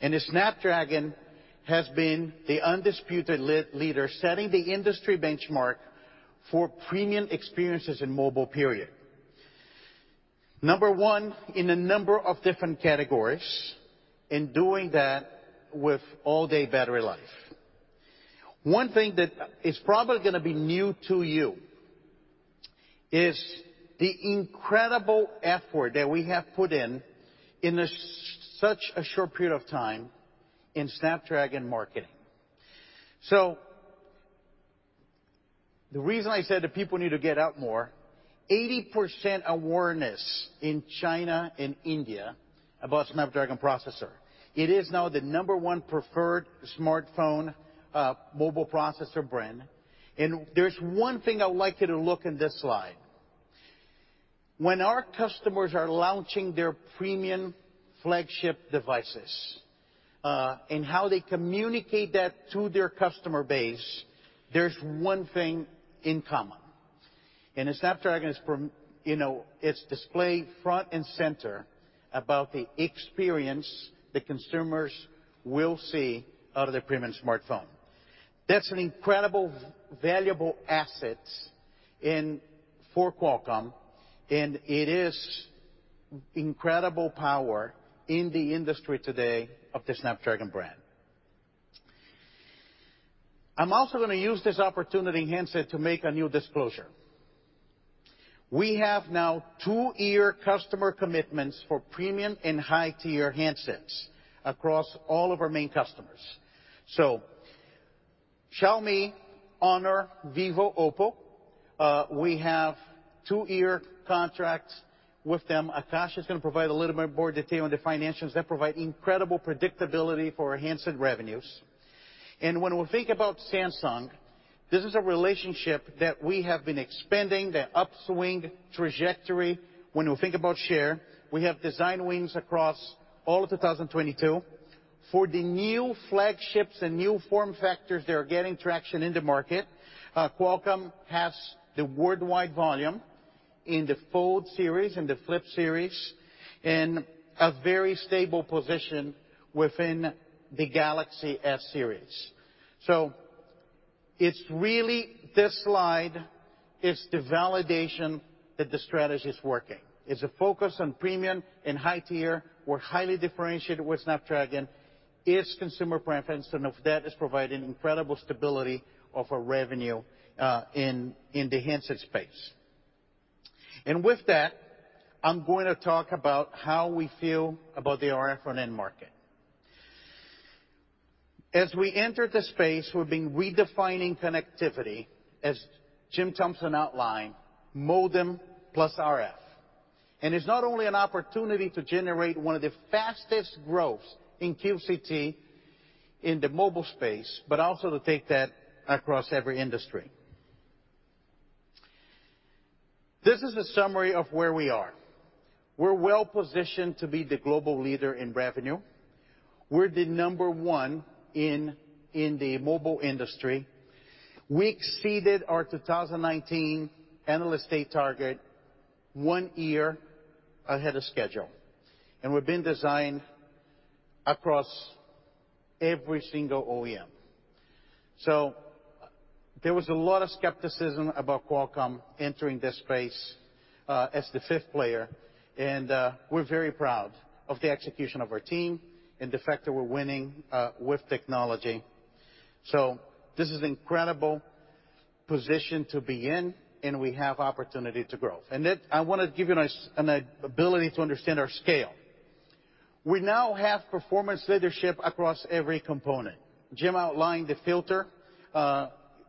[SPEAKER 3] The Snapdragon has been the undisputed leader, setting the industry benchmark for premium experiences in mobile, period. Number one in a number of different categories, and doing that with all-day battery life. One thing that is probably gonna be new to you is the incredible effort that we have put in in such a short period of time in Snapdragon marketing. The reason I said that people need to get out more, 80% awareness in China and India about Snapdragon processor. It is now the number one preferred smartphone, mobile processor brand. There's one thing I would like you to look in this slide. When our customers are launching their premium flagship devices, and how they communicate that to their customer base, there's one thing in common. You know, it's displayed front and center about the experience the consumers will see out of their premium smartphone. That's an incredible, valuable asset in, for Qualcomm, and it is incredible power in the industry today of the Snapdragon brand. I'm also gonna use this opportunity, hence it, to make a new disclosure. We have now two-year customer commitments for premium and high-tier handsets across all of our main customers. Xiaomi, Honor, Vivo, OPPO, we have two-year contracts with them. Akash is gonna provide a little more detail on the financials that provide incredible predictability for our handset revenues. When we think about Samsung, this is a relationship that we have been expanding, the upswing trajectory. When you think about share, we have design wins across all of 2022. For the new flagships and new form factors that are getting traction in the market, Qualcomm has the worldwide volume in the Fold series and the Flip series, and a very stable position within the Galaxy S series. It's really, this slide is the validation that the strategy is working. It's a focus on premium and high-tier. We're highly differentiated with Snapdragon. It's consumer preference, and that is providing incredible stability of our revenue in the handset space. With that, I'm going to talk about how we feel about the RF front end market. As we enter the space, we've been redefining connectivity, as Jim Thompson outlined, modem plus RF. It's not only an opportunity to generate one of the fastest growths in QCT in the mobile space, but also to take that across every industry. This is a summary of where we are. We're well-positioned to be the global leader in revenue. We're the number one in the mobile industry. We exceeded our 2019 analyst day target one year ahead of schedule, and we've been designed across every single OEM. There was a lot of skepticism about Qualcomm entering this space, as the fifth player, and we're very proud of the execution of our team and the fact that we're winning with technology. This is incredible position to be in, and we have opportunity to grow. Then I wanna give you an ability to understand our scale. We now have performance leadership across every component. Jim outlined the filter.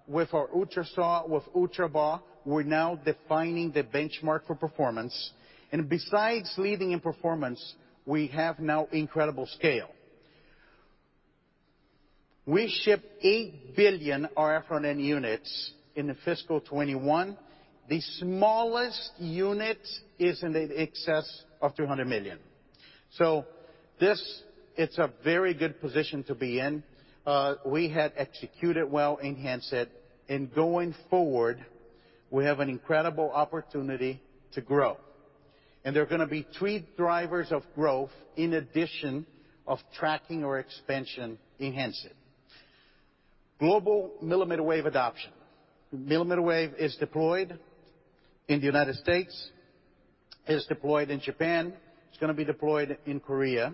[SPEAKER 3] With our ultraSAW, with ultraBAW, we're now defining the benchmark for performance. Besides leading in performance, we have now incredible scale. We shipped 8 billion RF front-end units in fiscal 2021. The smallest unit is in excess of 300 million. This, it's a very good position to be in. We had executed well in handset, and going forward, we have an incredible opportunity to grow. There are gonna be three drivers of growth in addition to tracking or expansion in handset. Global millimeter wave adoption. Millimeter wave is deployed in the United States, is deployed in Japan, it's gonna be deployed in Korea,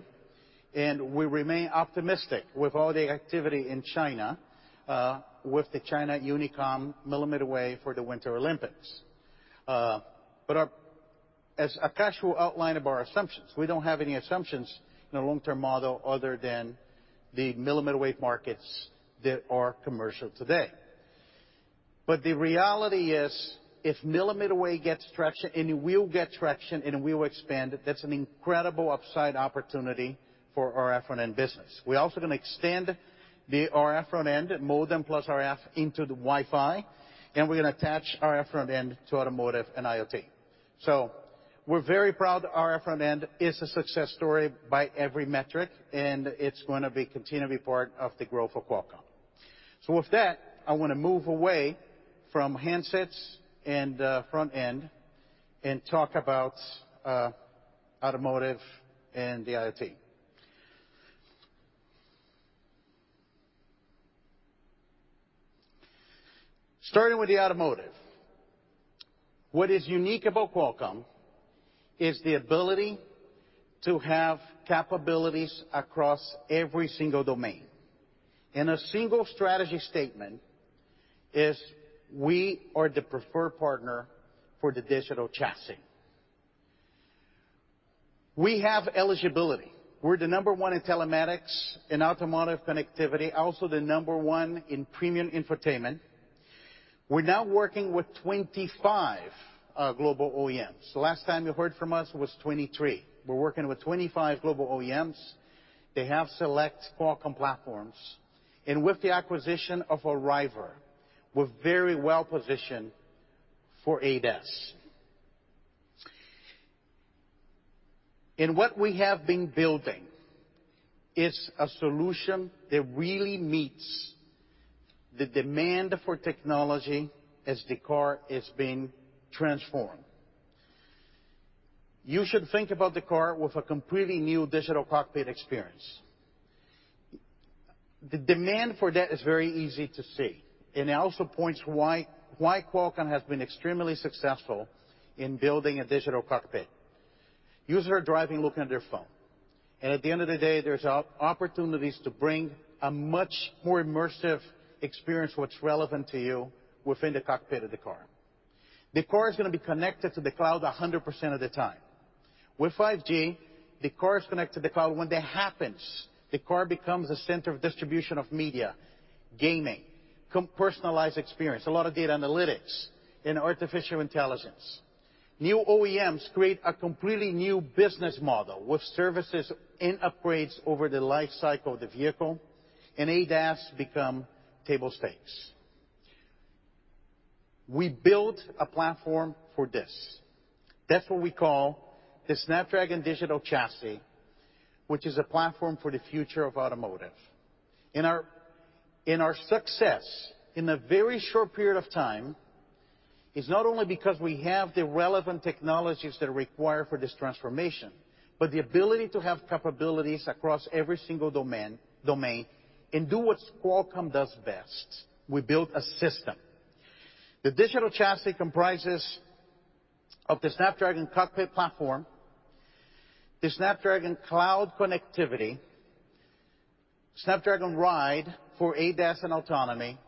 [SPEAKER 3] and we remain optimistic with all the activity in China, with the China Unicom millimeter wave for the Winter Olympics. But our... As Akash will outline our assumptions, we don't have any assumptions in our long-term model other than the millimeter wave markets that are commercial today. The reality is, if millimeter wave gets traction, and it will get traction, and it will expand, that's an incredible upside opportunity for our RF front-end business. We're also gonna extend the RF front-end, modem plus RF, into the Wi-Fi, and we're gonna attach RF front-end to automotive and IoT. We're very proud that RF front-end is a success story by every metric, and it's gonna continue to be part of the growth of Qualcomm. With that, I wanna move away from handsets and front end, and talk about automotive and the IoT. Starting with the automotive. What is unique about Qualcomm is the ability to have capabilities across every single domain. Our single strategy statement is we are the preferred partner for the digital chassis. We have leadership. We're the number one in telematics, in automotive connectivity, also the number one in premium infotainment. We're now working with 25 global OEMs. The last time you heard from us was 23. We're working with 25 global OEMs. They have select Qualcomm platforms. With the acquisition of Arriver, we're very well positioned for ADAS. What we have been building is a solution that really meets the demand for technology as the car is being transformed. You should think about the car with a completely new digital cockpit experience. The demand for that is very easy to see, and it also points why Qualcomm has been extremely successful in building a digital cockpit. Users are driving looking at their phone, and at the end of the day, there's opportunities to bring a much more immersive experience, what's relevant to you within the cockpit of the car. The car is gonna be connected to the cloud 100% of the time. With 5G, the car is connected to the cloud. When that happens, the car becomes the center of distribution of media, gaming, personalized experience, a lot of data analytics and artificial intelligence. New OEMs create a completely new business model with services and upgrades over the life cycle of the vehicle and ADAS become table stakes. We built a platform for this. That's what we call the Snapdragon Digital Chassis, which is a platform for the future of automotive. Our success in a very short period of time is not only because we have the relevant technologies that are required for this transformation, but the ability to have capabilities across every single domain and do what Qualcomm does best. We build a system. The Digital Chassis comprises of the Snapdragon Cockpit Platform, the Snapdragon Auto Connectivity, Snapdragon Ride for ADAS and autonomy,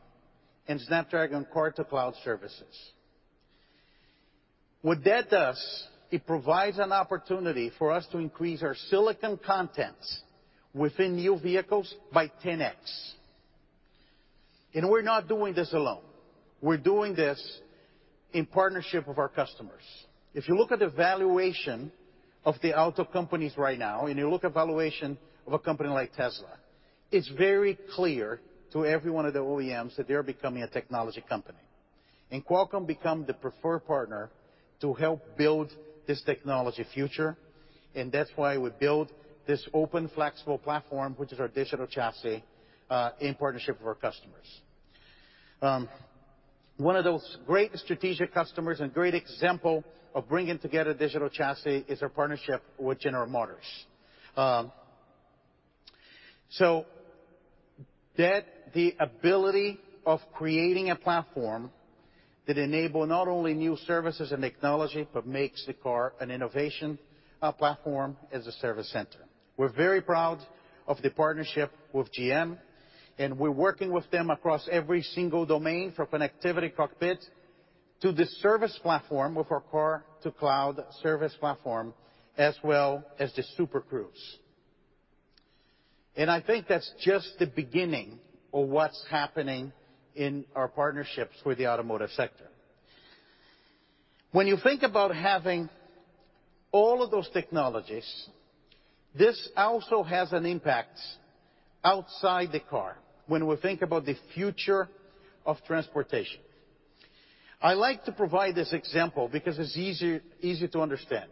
[SPEAKER 3] and Snapdragon Car-to-Cloud Services. What that does, it provides an opportunity for us to increase our silicon contents within new vehicles by 10x. We're not doing this alone. We're doing this in partnership with our customers. If you look at the valuation of the auto companies right now, and you look at valuation of a company like Tesla, it's very clear to every one of the OEMs that they're becoming a technology company. Qualcomm become the preferred partner to help build this technology future, and that's why we build this open flexible platform, which is our Digital Chassis, in partnership with our customers. One of those great strategic customers and great example of bringing together Digital Chassis is our partnership with General Motors. That's the ability of creating a platform that enable not only new services and technology but makes the car an innovation platform as a service center. We're very proud of the partnership with GM, and we're working with them across every single domain from connectivity cockpit to the service platform with our Car-to-Cloud service Platform, as well as the Super Cruise. I think that's just the beginning of what's happening in our partnerships with the automotive sector. When you think about having all of those technologies, this also has an impact outside the car when we think about the future of transportation. I like to provide this example because it's easier, easy to understand.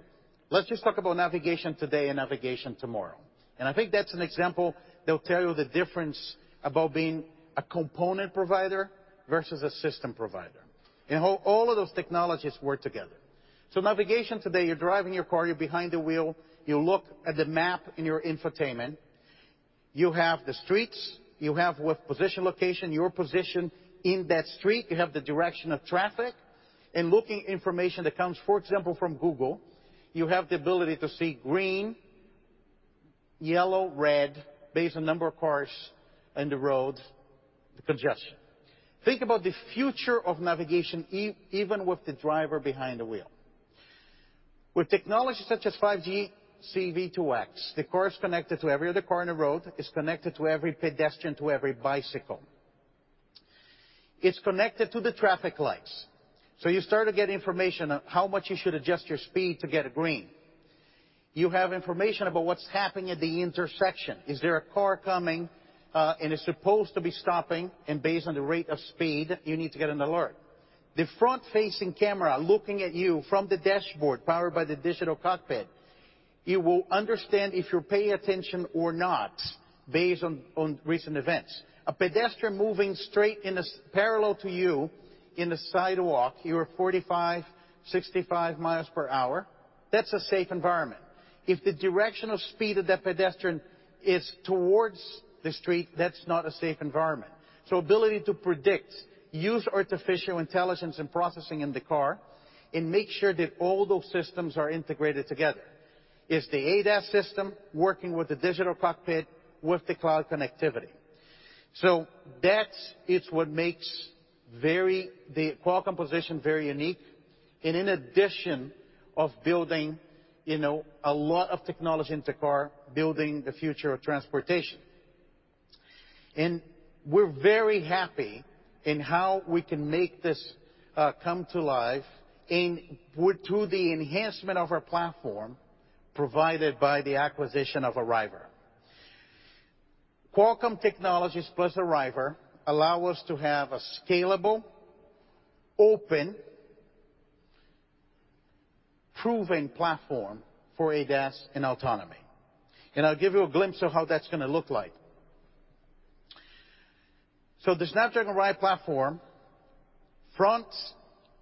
[SPEAKER 3] Let's just talk about navigation today and navigation tomorrow. I think that's an example that'll tell you the difference about being a component provider versus a system provider, and how all of those technologies work together. Navigation today, you're driving your car, you're behind the wheel, you look at the map in your infotainment. You have the streets, you have what position, location, your position in that street. You have the direction of traffic. Looking information that comes, for example, from Google, you have the ability to see green, yellow, red based on number of cars in the road, the congestion. Think about the future of navigation even with the driver behind the wheel. With technology such as 5G C-V2X, the car is connected to every other car on the road. It's connected to every pedestrian, to every bicycle. It's connected to the traffic lights, so you start to get information on how much you should adjust your speed to get a green. You have information about what's happening at the intersection. Is there a car coming, and is supposed to be stopping, and based on the rate of speed, you need to get an alert. The front-facing camera looking at you from the dashboard powered by the digital cockpit, it will understand if you're paying attention or not based on recent events. A pedestrian moving straight in a parallel to you in the sidewalk, you're 45, 65 miles per hour, that's a safe environment. If the direction of speed of that pedestrian is towards the street, that's not a safe environment. Ability to predict, use artificial intelligence and processing in the car, and make sure that all those systems are integrated together. It's the ADAS system working with the digital cockpit with the cloud connectivity. That's what makes the Qualcomm position very unique, and in addition to building, you know, a lot of technology in the car, building the future of transportation. We're very happy with how we can make this come to life through the enhancement of our platform provided by the acquisition of Arriver. Qualcomm Technologies plus Arriver allow us to have a scalable, open, proven platform for ADAS and autonomy. I'll give you a glimpse of how that's gonna look like. The Snapdragon Ride Platform, front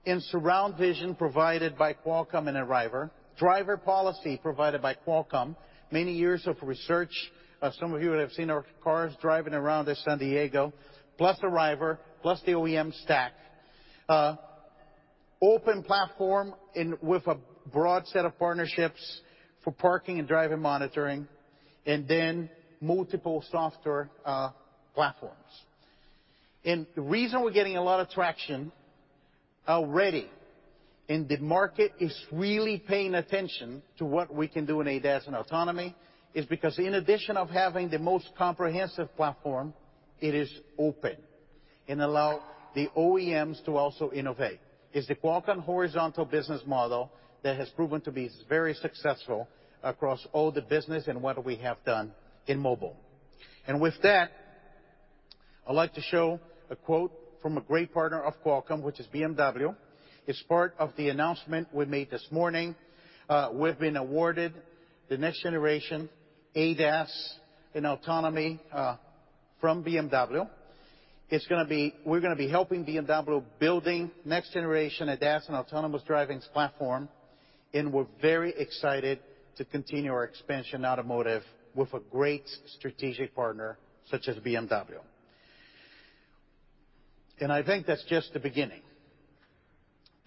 [SPEAKER 3] and surround vision provided by Qualcomm and Arriver. Driver policy provided by Qualcomm. Many years of research, some of you have seen our cars driving around in San Diego, plus Arriver, plus the OEM stack. Open platform with a broad set of partnerships for parking and driving monitoring, and then multiple software platforms. The reason we're getting a lot of traction already, and the market is really paying attention to what we can do in ADAS and autonomy, is because in addition to having the most comprehensive platform, it is open and allow the OEMs to also innovate. It's the Qualcomm horizontal business model that has proven to be very successful across all the business and what we have done in mobile. With that, I'd like to show a quote from a great partner of Qualcomm, which is BMW. As part of the announcement we made this morning, we've been awarded the next generation ADAS in autonomy from BMW. We're gonna be helping BMW build next generation ADAS and autonomous driving platform, and we're very excited to continue our expansion automotive with a great strategic partner such as BMW. I think that's just the beginning.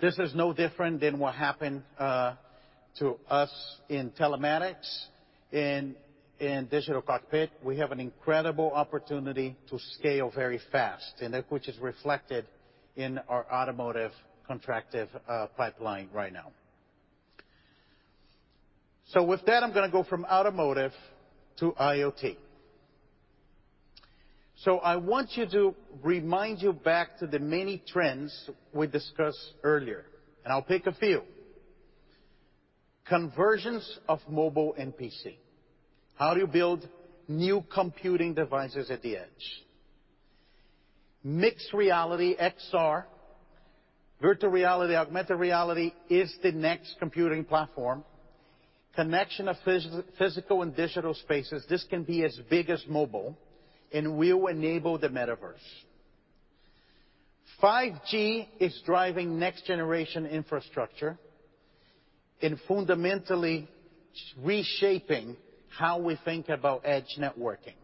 [SPEAKER 3] This is no different than what happened to us in telematics. In digital cockpit, we have an incredible opportunity to scale very fast, and that which is reflected in our automotive contract pipeline right now. With that, I'm gonna go from automotive to IoT. I want to take you back to the many trends we discussed earlier, and I'll pick a few. Convergence of mobile and PC. How do you build new computing devices at the edge? Mixed reality, XR, virtual reality, augmented reality is the next computing platform. Connection of physical and digital spaces, this can be as big as mobile, and will enable the Metaverse. 5G is driving next generation infrastructure and fundamentally reshaping how we think about edge networking.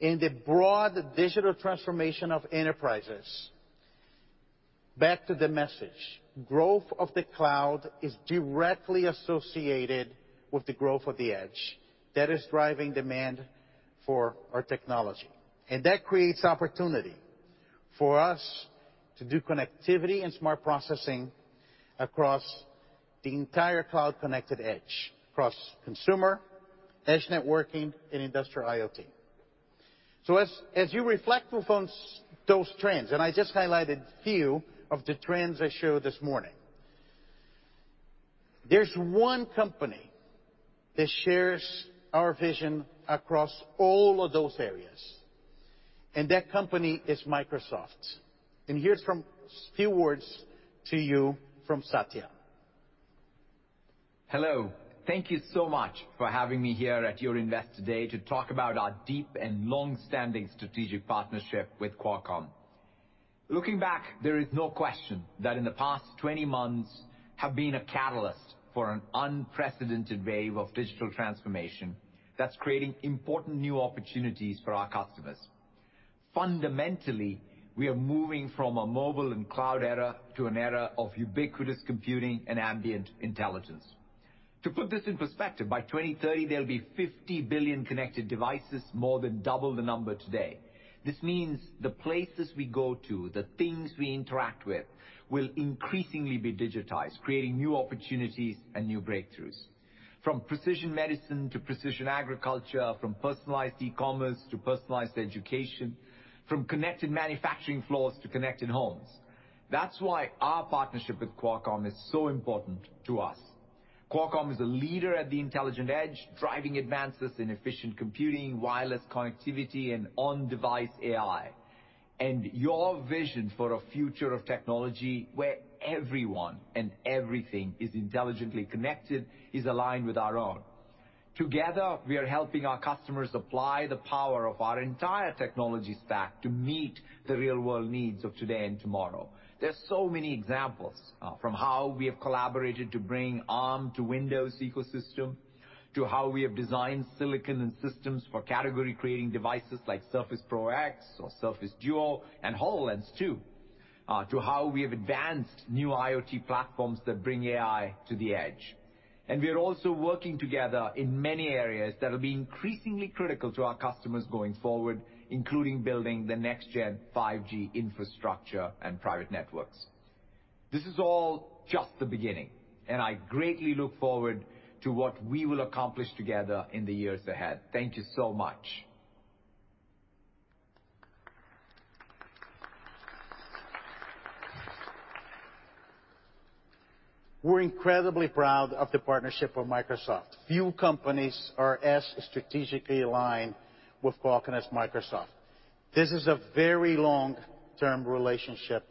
[SPEAKER 3] In the broad digital transformation of enterprises, back to the message. Growth of the cloud is directly associated with the growth of the edge. That is driving demand for our technology. That creates opportunity for us to do connectivity and smart processing across the entire cloud-connected edge. Across consumer, edge networking, and industrial IoT. As you reflect upon those trends, and I just highlighted few of the trends I showed this morning. There's one company that shares our vision across all of those areas, and that company is Microsoft. Here are a few words from Satya.
[SPEAKER 5] Hello. Thank you so much for having me here at your Investor Day to talk about our deep and long-standing strategic partnership with Qualcomm. Looking back, there is no question that in the past 20 months have been a catalyst for an unprecedented wave of digital transformation that's creating important new opportunities for our customers. Fundamentally, we are moving from a mobile and cloud era to an era of ubiquitous computing and ambient intelligence. To put this in perspective, by 2030, there'll be 50 billion connected devices, more than double the number today. This means the places we go to, the things we interact with, will increasingly be digitized, creating new opportunities and new breakthroughs, from precision medicine to precision agriculture, from personalized e-commerce to personalized education, from connected manufacturing floors to connected homes. That's why our partnership with Qualcomm is so important to us. Qualcomm is a leader at the intelligent edge, driving advances in efficient computing, wireless connectivity, and on-device AI. Your vision for a future of technology where everyone and everything is intelligently connected is aligned with our own. Together, we are helping our customers apply the power of our entire technology stack to meet the real-world needs of today and tomorrow. There are so many examples from how we have collaborated to bring ARM to Windows ecosystem, to how we have designed silicon and systems for category-creating devices like Surface Pro X or Surface Duo and HoloLens 2, to how we have advanced new IoT platforms that bring AI to the edge. We are also working together in many areas that will be increasingly critical to our customers going forward, including building the next gen 5G infrastructure and private networks. This is all just the beginning, and I greatly look forward to what we will accomplish together in the years ahead. Thank you so much.
[SPEAKER 3] We're incredibly proud of the partnership with Microsoft. Few companies are as strategically aligned with Qualcomm as Microsoft. This is a very long-term relationship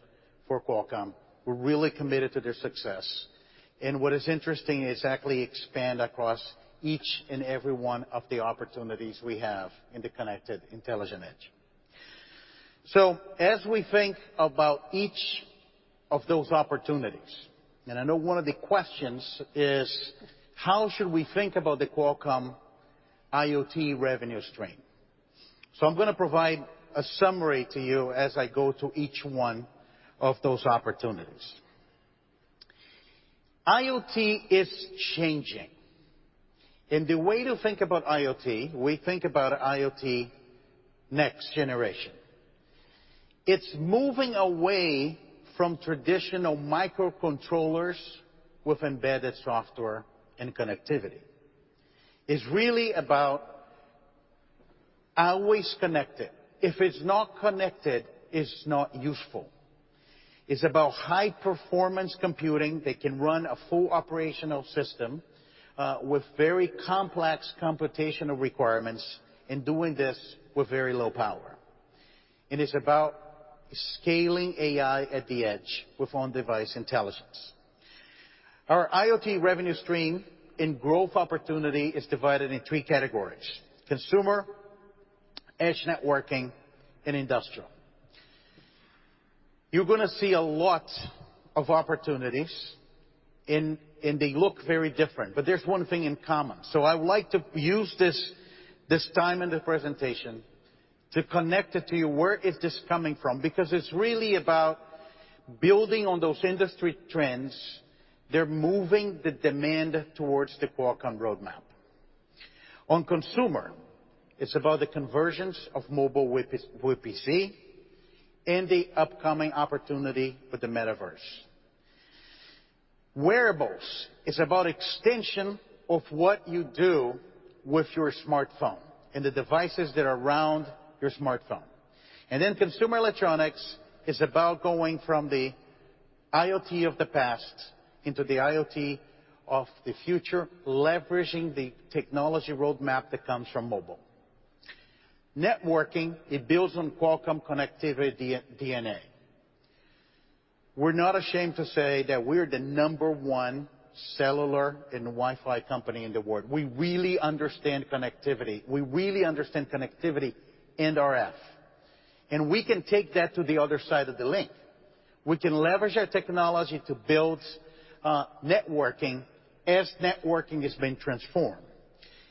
[SPEAKER 3] for Qualcomm. We're really committed to their success. What is interesting, it exactly expands across each and every one of the opportunities we have in the connected intelligent edge. As we think about each of those opportunities, and I know one of the questions is: How should we think about the Qualcomm IoT revenue stream? I'm gonna provide a summary to you as I go to each one of those opportunities. IoT is changing. The way to think about IoT, we think about IoT next generation. It's moving away from traditional microcontrollers with embedded software and connectivity. It's really about always connected. If it's not connected, it's not useful. It's about high performance computing that can run a full operational system with very complex computational requirements, and doing this with very low power. It's about scaling AI at the edge with on-device intelligence. Our IoT revenue stream and growth opportunity is divided in three categories, consumer, edge networking, and industrial. You're gonna see a lot of opportunities and they look very different, but there's one thing in common. I would like to use this time in the presentation to connect it to you where is this coming from, because it's really about building on those industry trends. They're moving the demand towards the Qualcomm roadmap. On consumer, it's about the convergence of mobile with PC and the upcoming opportunity with the Metaverse. Wearables is about extension of what you do with your smartphone and the devices that are around your smartphone. Consumer electronics is about going from the IoT of the past into the IoT of the future, leveraging the technology roadmap that comes from mobile. Networking, it builds on Qualcomm connectivity 5G DNA. We're not ashamed to say that we're the number one cellular and Wi-Fi company in the world. We really understand connectivity. We really understand connectivity and RF, and we can take that to the other side of the link. We can leverage our technology to build networking as networking is being transformed.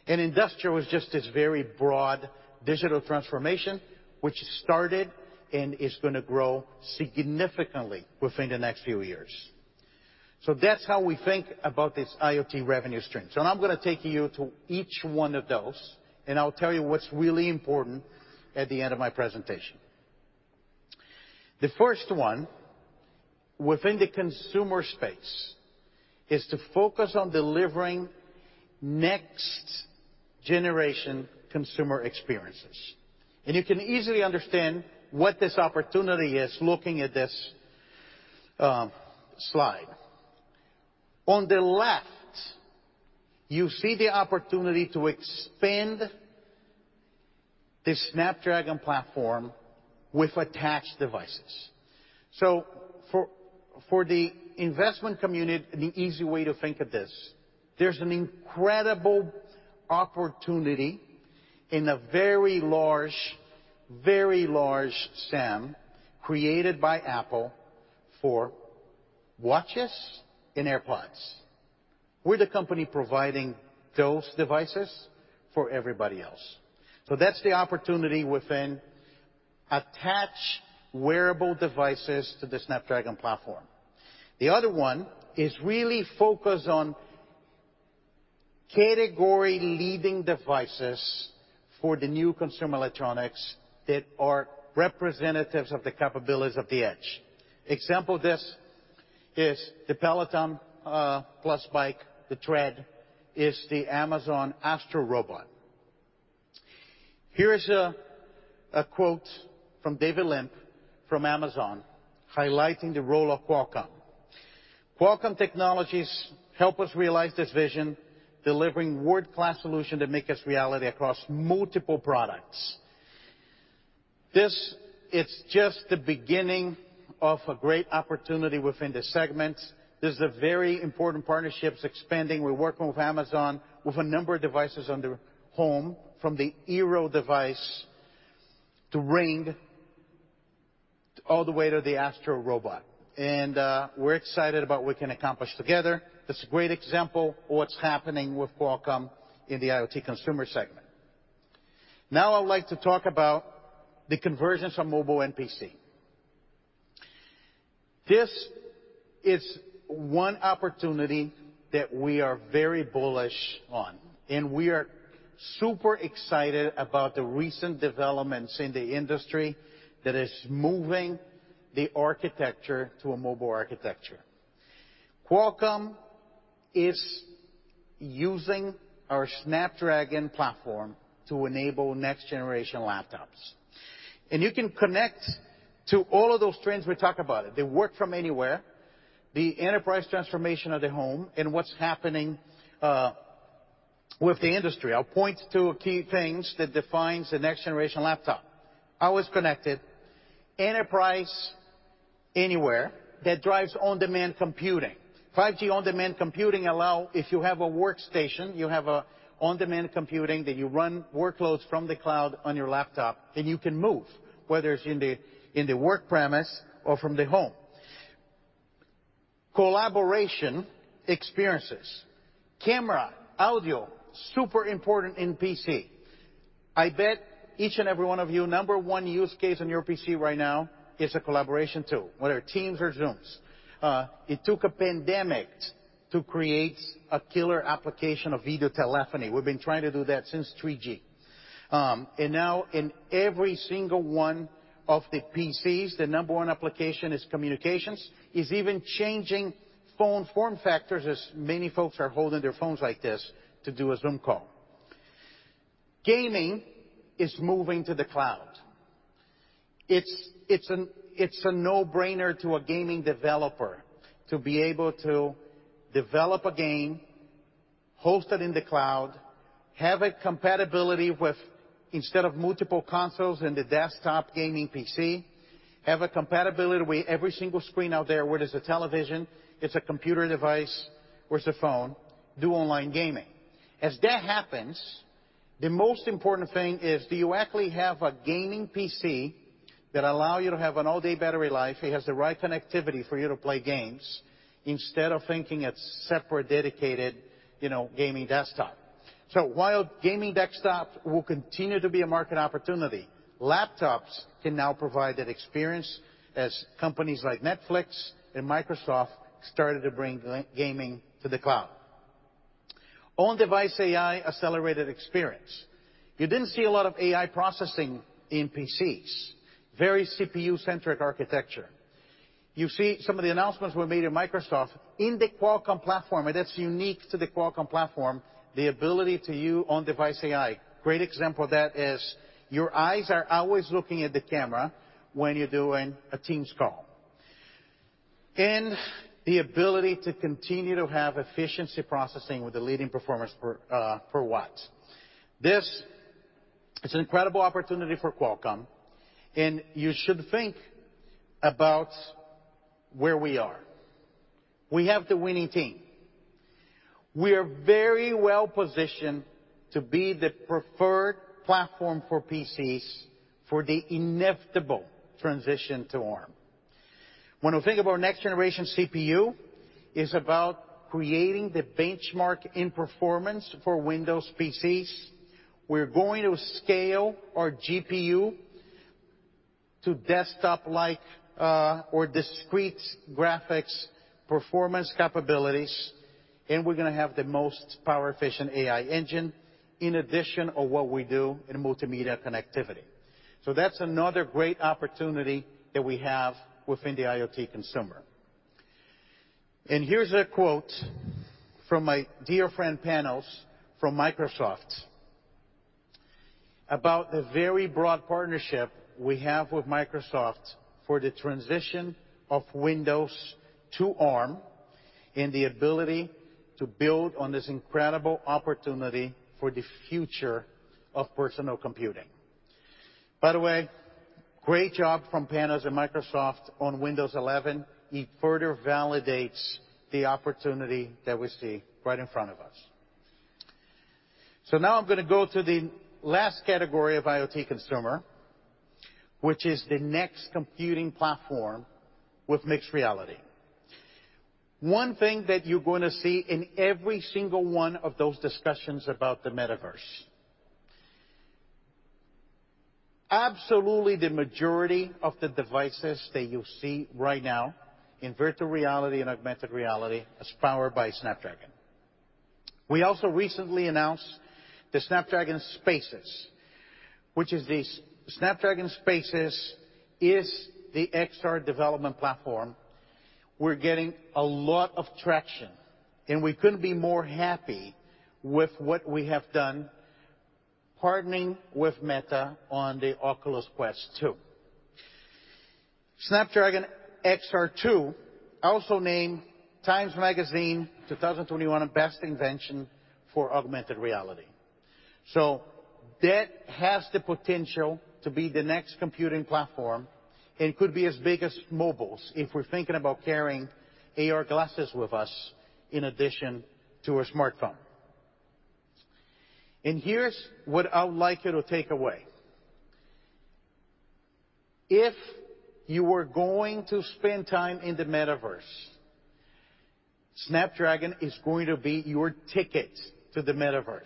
[SPEAKER 3] Industrial is just this very broad digital transformation which started and is gonna grow significantly within the next few years. That's how we think about this IoT revenue stream. Now I'm gonna take you to each one of those, and I'll tell you what's really important at the end of my presentation. The first one, within the consumer space, is to focus on delivering next-generation consumer experiences. You can easily understand what this opportunity is looking at this slide. On the left, you see the opportunity to expand the Snapdragon platform with attached devices. For the investment community, the easy way to think of this, there's an incredible opportunity in a very large SAM created by Apple for watches and AirPods. We're the company providing those devices for everybody else. That's the opportunity within attached wearable devices to the Snapdragon platform. The other one is really focused on category-leading devices for the new consumer electronics that are representatives of the capabilities of the edge. Example of this is the Peloton Bike+, the Tread, is the Amazon Astro robot. Here's a quote from David Limp from Amazon, highlighting the role of Qualcomm. Qualcomm Technologies help us realize this vision, delivering world-class solution that make this reality across multiple products." This is just the beginning of a great opportunity within the segment. This is a very important partnerships expanding. We're working with Amazon with a number of devices under Home, from the Eero device to Ring, all the way to the Astro robot. We're excited about what we can accomplish together. That's a great example of what's happening with Qualcomm in the IoT consumer segment. Now I'd like to talk about the convergence of mobile and PC. This is one opportunity that we are very bullish on, and we are super excited about the recent developments in the industry that is moving the architecture to a mobile architecture. Qualcomm is using our Snapdragon platform to enable next-generation laptops. You can connect to all of those trends we talk about, the work from anywhere, the enterprise transformation of the home, and what's happening with the industry. I'll point to key things that defines the next-generation laptop. Always connected, enterprise anywhere that drives on-demand computing. 5G on-demand computing allow, if you have a workstation, you have a on-demand computing that you run workloads from the cloud on your laptop, and you can move, whether it's in the, in the work premise or from the home. Collaboration experiences. Camera, audio, super important in PC. I bet each and every one of you, number one use case on your PC right now is a collaboration tool, whether Teams or Zoom. It took a pandemic to create a killer application of video telephony. We've been trying to do that since 3G. Now in every single one of the PCs, the number one application is communications. It's even changing phone form factors, as many folks are holding their phones like this to do a Zoom call. Gaming is moving to the cloud. It's a no-brainer to a gaming developer to be able to develop a game, host it in the cloud, have a compatibility with, instead of multiple consoles in the desktop gaming PC, have a compatibility with every single screen out there, whether it's a television, it's a computer device or it's a phone, do online gaming. As that happens, the most important thing is do you actually have a gaming PC that allow you to have an all-day battery life, it has the right connectivity for you to play games, instead of thinking a separate dedicated, you know, gaming desktop. While gaming desktop will continue to be a market opportunity, laptops can now provide that experience as companies like Netflix and Microsoft started to bring gaming to the cloud. On-device AI accelerated experience. You didn't see a lot of AI processing in PCs. Very CPU-centric architecture. You see some of the announcements were made in Microsoft in the Qualcomm platform, and that's unique to the Qualcomm platform, the ability to use on-device AI. Great example of that is your eyes are always looking at the camera when you're doing a Teams call. The ability to continue to have efficiency processing with the leading performance per watt. This is an incredible opportunity for Qualcomm, and you should think about where we are. We have the winning team. We are very well-positioned to be the preferred platform for PCs for the inevitable transition to ARM. When we think about next-generation CPU, it's about creating the benchmark in performance for Windows PCs. We're going to scale our GPU to desktop-like or discrete graphics performance capabilities, and we're gonna have the most power-efficient AI engine in addition to what we do in multimedia connectivity. That's another great opportunity that we have within the IoT consumer. Here's a quote from my dear friend Panos from Microsoft about the very broad partnership we have with Microsoft for the transition of Windows to ARM and the ability to build on this incredible opportunity for the future of personal computing. By the way, great job from Panos and Microsoft on Windows 11. It further validates the opportunity that we see right in front of us. Now I'm gonna go to the last category of IoT consumer, which is the next computing platform with mixed reality. One thing that you're gonna see in every single one of those discussions about the Metaverse. Absolutely the majority of the devices that you see right now in virtual reality and augmented reality is powered by Snapdragon. We also recently announced the Snapdragon Spaces. Snapdragon Spaces is the XR development platform. We're getting a lot of traction, and we couldn't be more happy with what we have done partnering with Meta on the Oculus Quest 2. Snapdragon XR2 also named Time Magazine's 2021 Best Invention for Augmented Reality. That has the potential to be the next computing platform and could be as big as mobiles if we're thinking about carrying AR glasses with us in addition to a smartphone. Here's what I would like you to take away. If you are going to spend time in the Metaverse, Snapdragon is going to be your ticket to the Metaverse.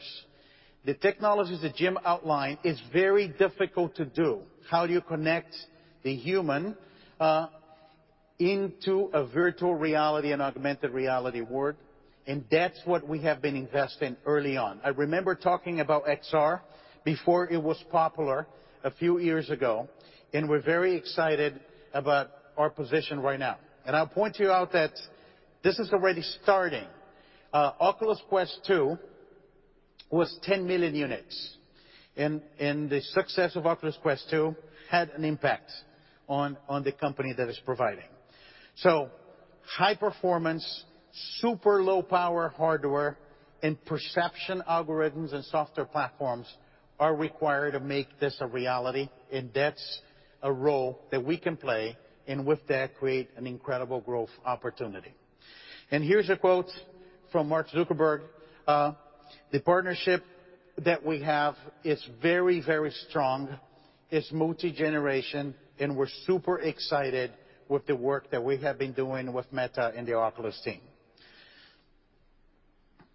[SPEAKER 3] The technologies that Jim outlined is very difficult to do. How you connect the human into a virtual reality and augmented reality world, and that's what we have been investing early on. I remember talking about XR before it was popular a few years ago, and we're very excited about our position right now. I'll point out to you that this is already starting. Oculus Quest 2 was 10 million units. The success of Oculus Quest 2 had an impact on the company that is providing. High performance, super low power hardware and perception algorithms and software platforms are required to make this a reality, and that's a role that we can play, and with that, create an incredible growth opportunity. Here's a quote from Mark Zuckerberg. The partnership that we have is very, very strong. It's multi-generation, and we're super excited with the work that we have been doing with Meta and the Oculus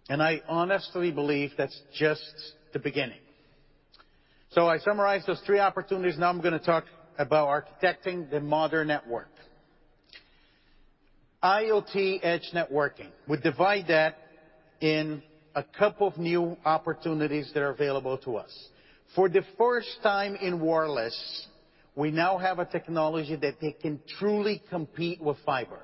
[SPEAKER 3] team. I honestly believe that's just the beginning. I summarized those three opportunities. Now I'm gonna talk about architecting the modern network. IoT edge networking, we divide that in a couple of new opportunities that are available to us. For the first time in wireless, we now have a technology that can truly compete with fiber.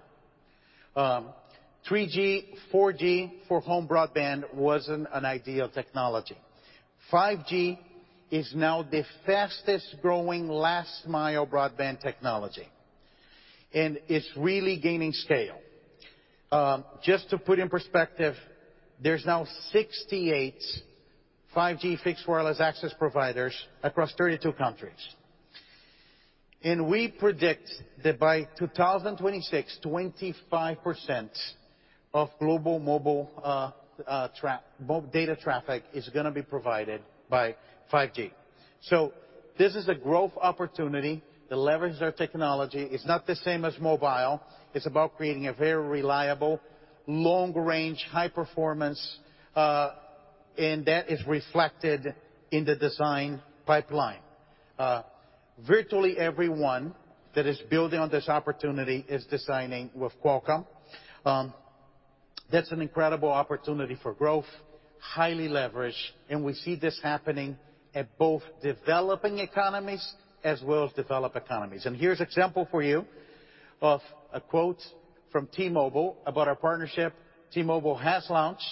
[SPEAKER 3] 3G, 4G for home broadband wasn't an ideal technology. 5G is now the fastest-growing last-mile broadband technology, and it's really gaining scale. Just to put in perspective, there's now 68 5G fixed wireless access providers across 32 countries. We predict that by 2026, 25% of global mobile data traffic is gonna be provided by 5G. This is a growth opportunity to leverage their technology. It's not the same as mobile. It's about creating a very reliable, long range, high performance, and that is reflected in the design pipeline. Virtually everyone that is building on this opportunity is designing with Qualcomm. That's an incredible opportunity for growth, highly leveraged, and we see this happening at both developing economies as well as developed economies. Here's example for you of a quote from T-Mobile about our partnership. T-Mobile has launched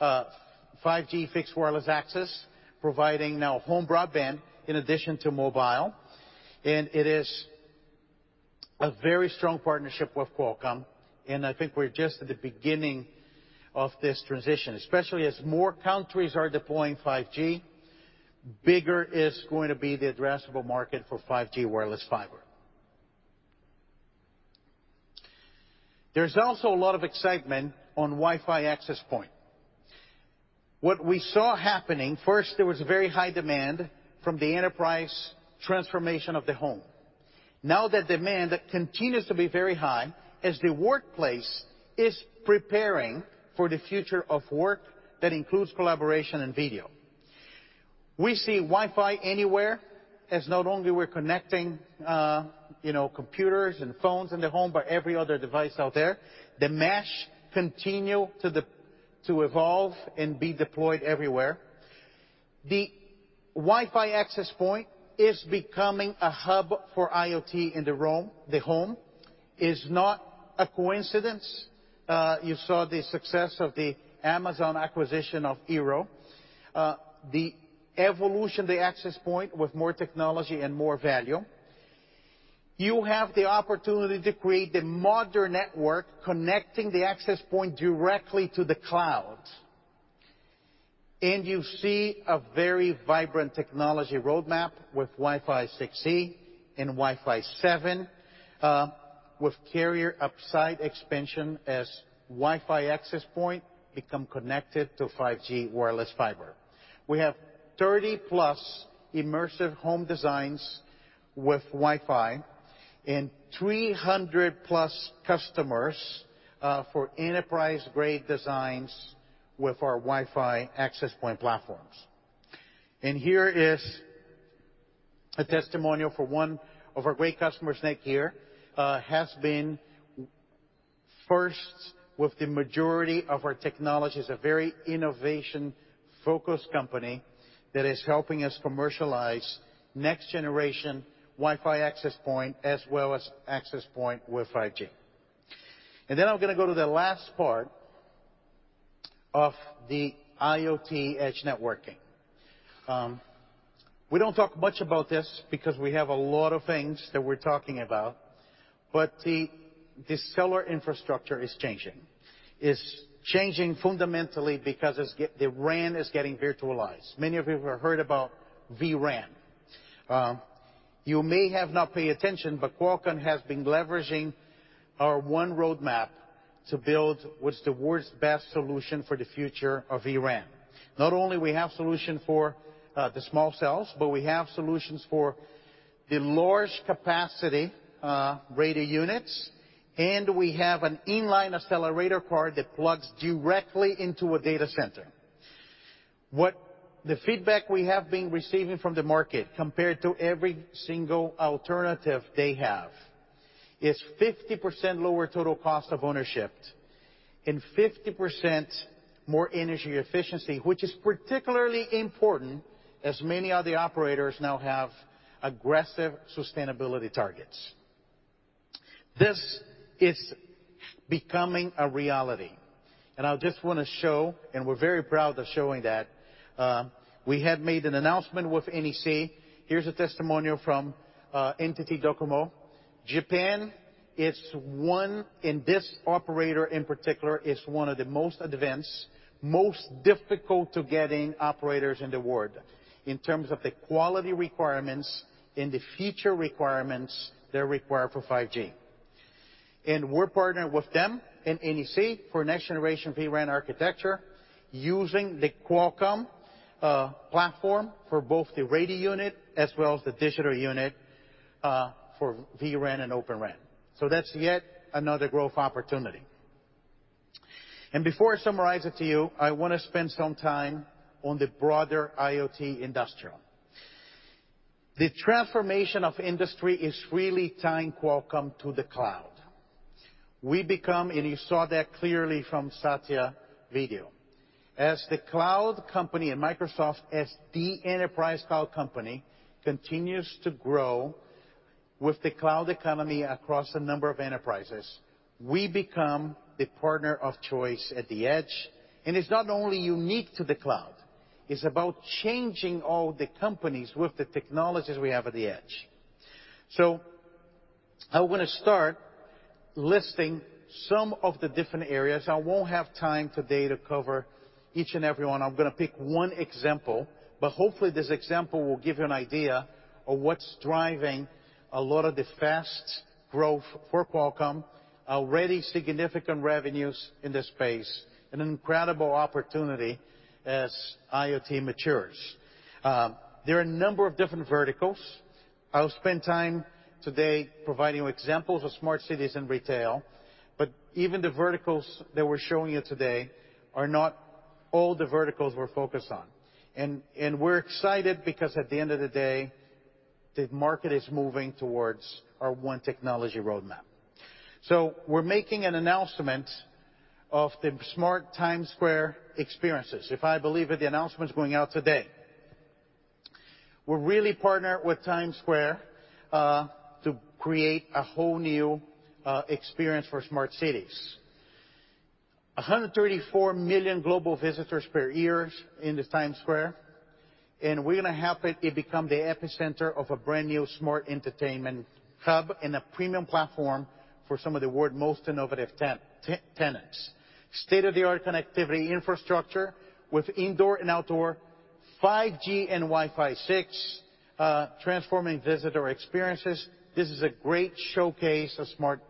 [SPEAKER 3] 5G fixed wireless access, providing now home broadband in addition to mobile, and it is a very strong partnership with Qualcomm. I think we're just at the beginning of this transition, especially as more countries are deploying 5G. Bigger is going to be the addressable market for 5G wireless fiber. There's also a lot of excitement on Wi-Fi access point. What we saw happening, first, there was very high demand from the enterprise transformation of the home. Now that demand continues to be very high as the workplace is preparing for the future of work that includes collaboration and video. We see Wi-Fi anywhere, as not only we're connecting computers and phones in the home, but every other device out there. The mesh continue to evolve and be deployed everywhere. The Wi-Fi access point is becoming a hub for IoT in the home. Is not a coincidence. You saw the success of the Amazon acquisition of Eero. The evolution, the access point with more technology and more value. You have the opportunity to create the modern network connecting the access point directly to the cloud. You see a very vibrant technology roadmap with Wi-Fi 6E and Wi-Fi 7, with carrier upside expansion as Wi-Fi access point become connected to 5G wireless fiber. We have 30+ immersive home designs with Wi-Fi and 300+ customers, for enterprise-grade designs with our Wi-Fi access point platforms. Here is a testimonial for one of our great customers, NETGEAR. NETGEAR has been first with the majority of our technologies, a very innovation-focused company that is helping us commercialize next generation Wi-Fi access point as well as access point with 5G. Then I'm gonna go to the last part of the IoT edge networking. We don't talk much about this because we have a lot of things that we're talking about, but the cellular infrastructure is changing. It's changing fundamentally because the RAN is getting virtualized. Many of you have heard about vRAN. You may have not paid attention, but Qualcomm has been leveraging our own roadmap to build what's the world's best solution for the future of vRAN. Not only we have solution for the small cells, but we have solutions for the large capacity radio units, and we have an inline accelerator card that plugs directly into a data center. What the feedback we have been receiving from the market compared to every single alternative they have is 50% lower total cost of ownership and 50% more energy efficiency, which is particularly important as many of the operators now have aggressive sustainability targets. This is becoming a reality, and I just wanna show, and we're very proud of showing that, we had made an announcement with NEC. Here's a testimonial from, NTT DOCOMO. Japan is one, and this operator in particular, is one of the most advanced, most difficult to get in operators in the world in terms of the quality requirements and the feature requirements they require for 5G. We're partnered with them and NEC for next-generation vRAN architecture using the Qualcomm platform for both the radio unit as well as the digital unit, for vRAN and Open RAN. That's yet another growth opportunity. Before I summarize it to you, I wanna spend some time on the broader IoT industrial. The transformation of industry is really tying Qualcomm to the cloud. We become, and you saw that clearly from Satya video. As the cloud company and Microsoft as the enterprise cloud company continues to grow with the cloud economy across a number of enterprises, we become the partner of choice at the edge. It's not only unique to the cloud, it's about changing all the companies with the technologies we have at the edge. I wanna start listing some of the different areas. I won't have time today to cover each and every one. I'm gonna pick one example, but hopefully, this example will give you an idea of what's driving a lot of the fast growth for Qualcomm, already significant revenues in this space, and an incredible opportunity as IoT matures. There are a number of different verticals. I'll spend time today providing you examples of smart cities and retail, but even the verticals that we're showing you today are not all the verticals we're focused on. We're excited because at the end of the day, the market is moving towards our one technology roadmap. We're making an announcement of the smart Times Square experiences. If I believe it, the announcement is going out today. We're really partnered with Times Square to create a whole new experience for smart cities. 134 million global visitors per year in Times Square, and we're gonna help it become the epicenter of a brand-new smart entertainment hub and a premium platform for some of the world's most innovative tenants. State-of-the-art connectivity infrastructure with indoor and outdoor 5G and Wi-Fi 6, transforming visitor experiences. This is a great showcase of smart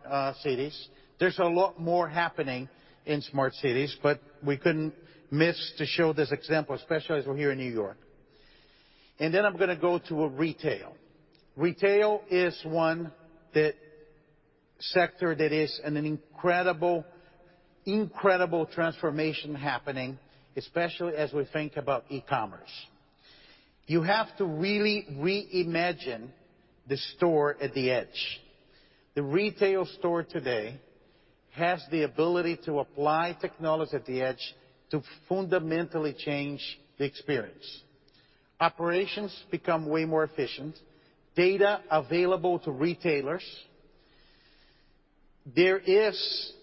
[SPEAKER 3] cities. There's a lot more happening in smart cities, but we couldn't miss to show this example, especially as we're here in New York. I'm gonna go to retail. Retail is one sector that is an incredible transformation happening, especially as we think about e-commerce. You have to really reimagine the store at the edge. The retail store today has the ability to apply technology at the edge to fundamentally change the experience. Operations become way more efficient, data available to retailers. There is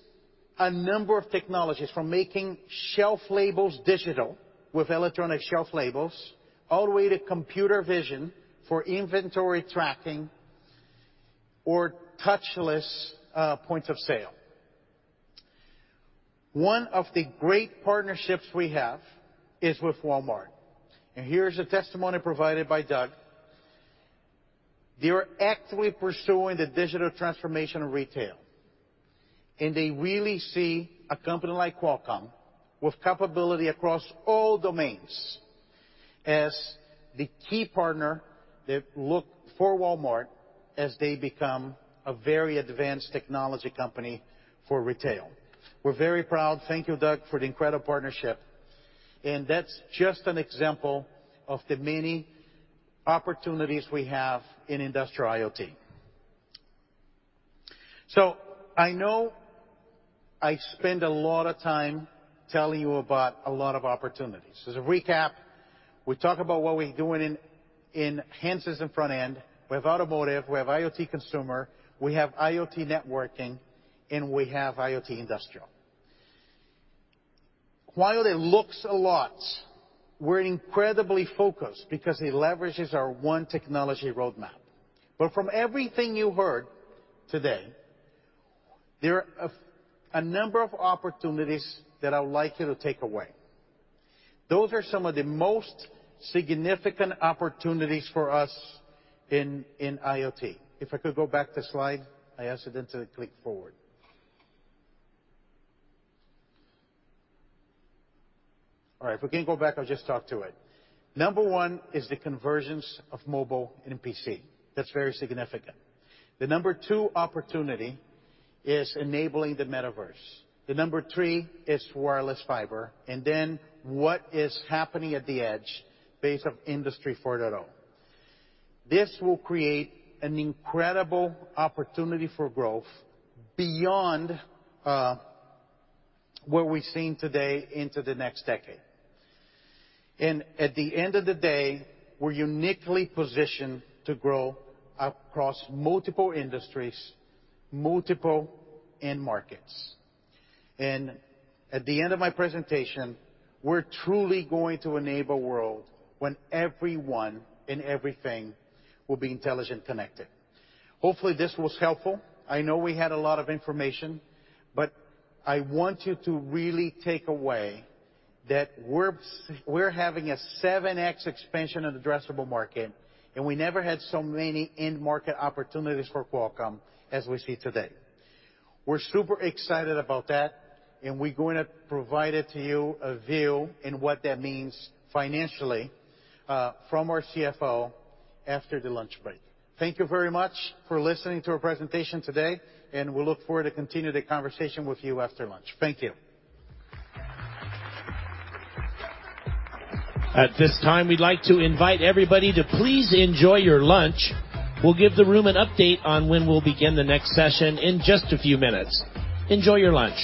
[SPEAKER 3] a number of technologies from making shelf labels digital with electronic shelf labels, all the way to computer vision for inventory tracking or touchless points of sale. One of the great partnerships we have is with Walmart, and here's a testimony provided by Doug. They are actively pursuing the digital transformation of retail, and they really see a company like Qualcomm with capability across all domains as the key partner that look for Walmart as they become a very advanced technology company for retail. We're very proud. Thank you, Doug, for the incredible partnership. That's just an example of the many opportunities we have in industrial IoT. I know I spend a lot of time telling you about a lot of opportunities. As a recap, we talk about what we're doing in handsets and front-end. We have automotive. We have IoT consumer. We have IoT networking, and we have IoT industrial. While it looks a lot, we're incredibly focused because it leverages our one technology roadmap. From everything you heard today, there are a number of opportunities that I would like you to take away. Those are some of the most significant opportunities for us in IoT. If I could go back to slide. I accidentally clicked forward. All right, if we can't go back, I'll just talk to it. Number one is the convergence of mobile and PC. That's very significant. The number two opportunity is enabling the Metaverse. The number three is wireless fiber. Then what is happening at the edge based on Industry 4.0. This will create an incredible opportunity for growth beyond what we're seeing today into the next decade. At the end of the day, we're uniquely positioned to grow across multiple industries, multiple end markets. At the end of my presentation, we're truly going to enable a world when everyone and everything will be intelligent, connected. Hopefully, this was helpful. I know we had a lot of information, but I want you to really take away that we're having a 7x expansion of the addressable market, and we never had so many end market opportunities for Qualcomm as we see today. We're super excited about that, and we're gonna provide it to you, a view, in what that means financially, from our CFO after the lunch break. Thank you very much for listening to our presentation today, and we look forward to continue the conversation with you after lunch. Thank you.
[SPEAKER 1] At this time, we'd like to invite everybody to please enjoy your lunch. We'll give the room an update on when we'll begin the next session in just a few minutes. Enjoy your lunch.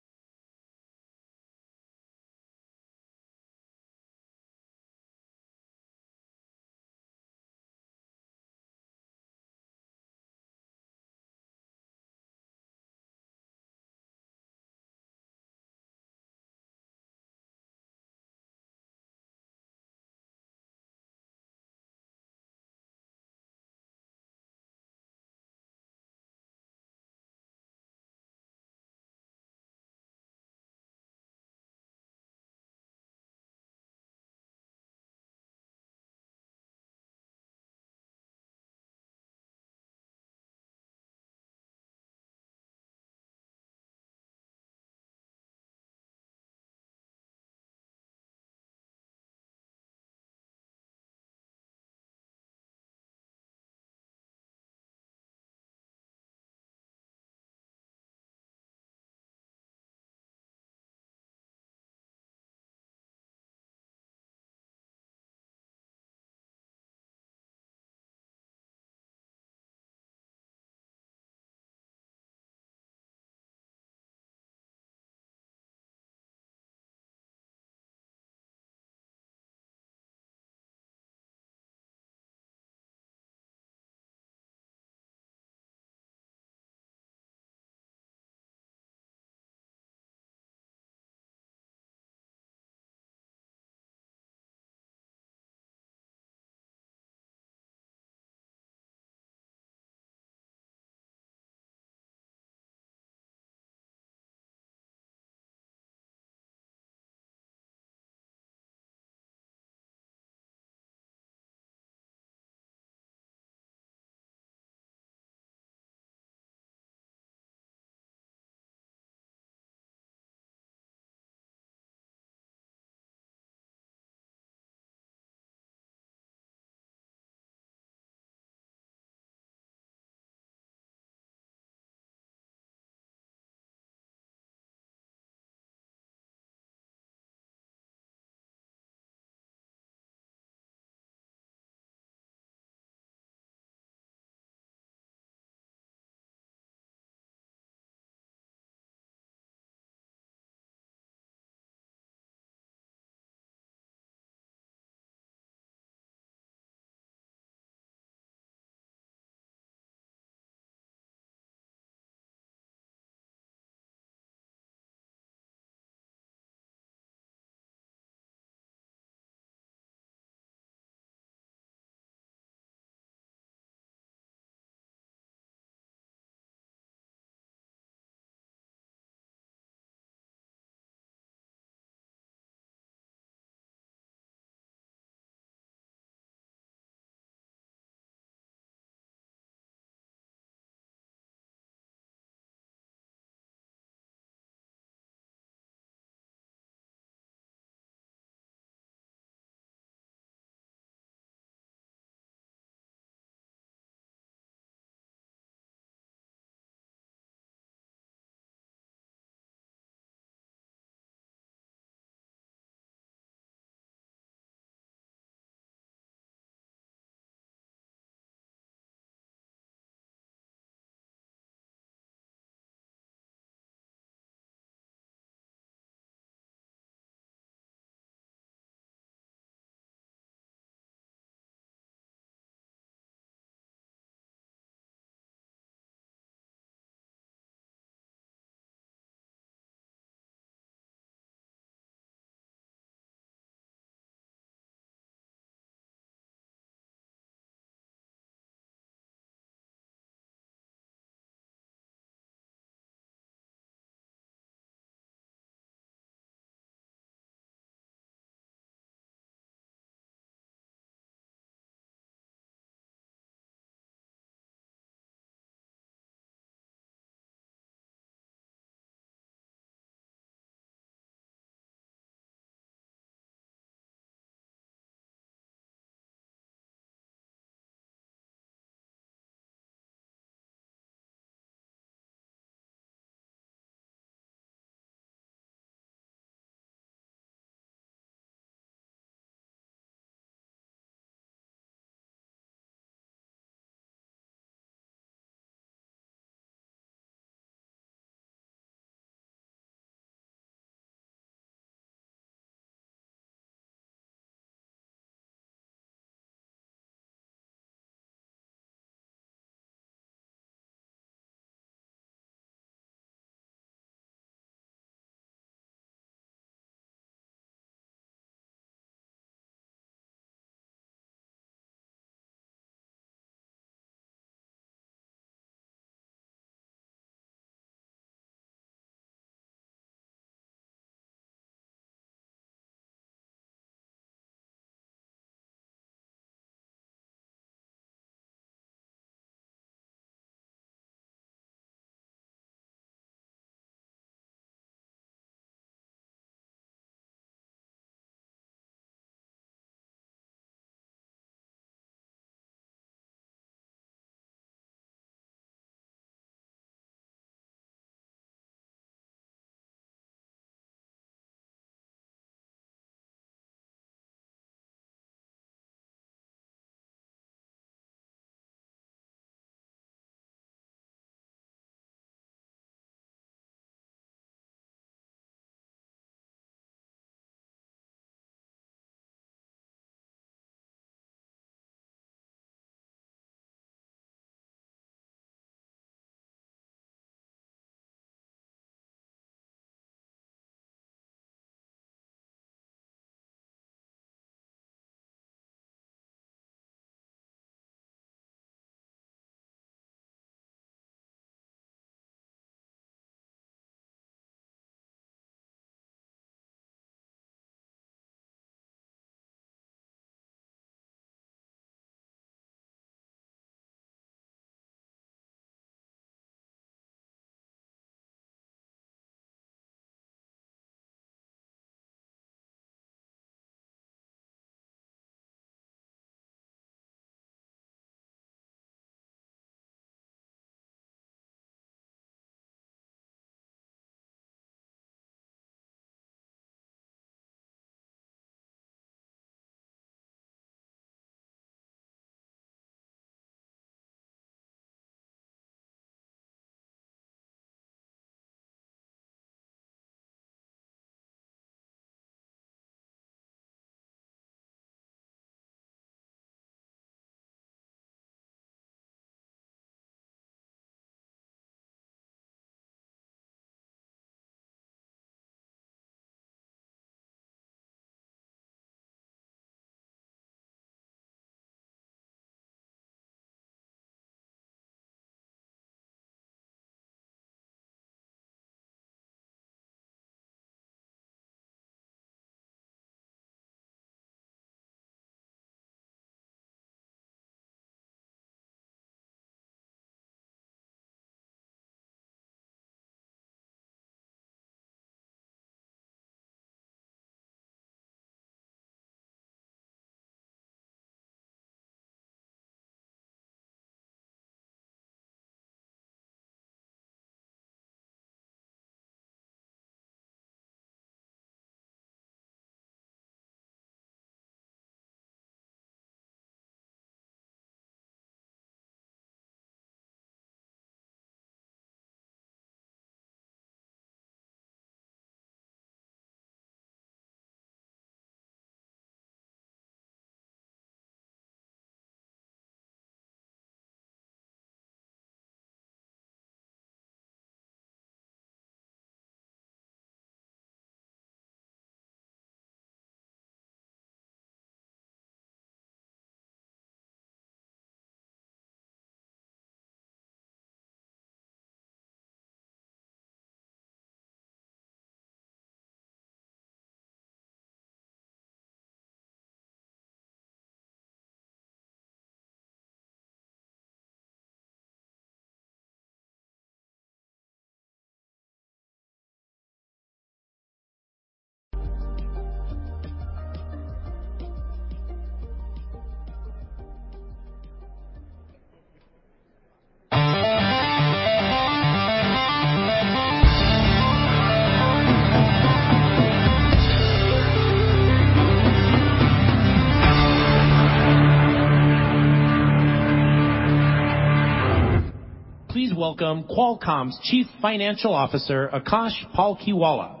[SPEAKER 1] Please welcome Qualcomm's Chief Financial Officer, Akash Palkhiwala.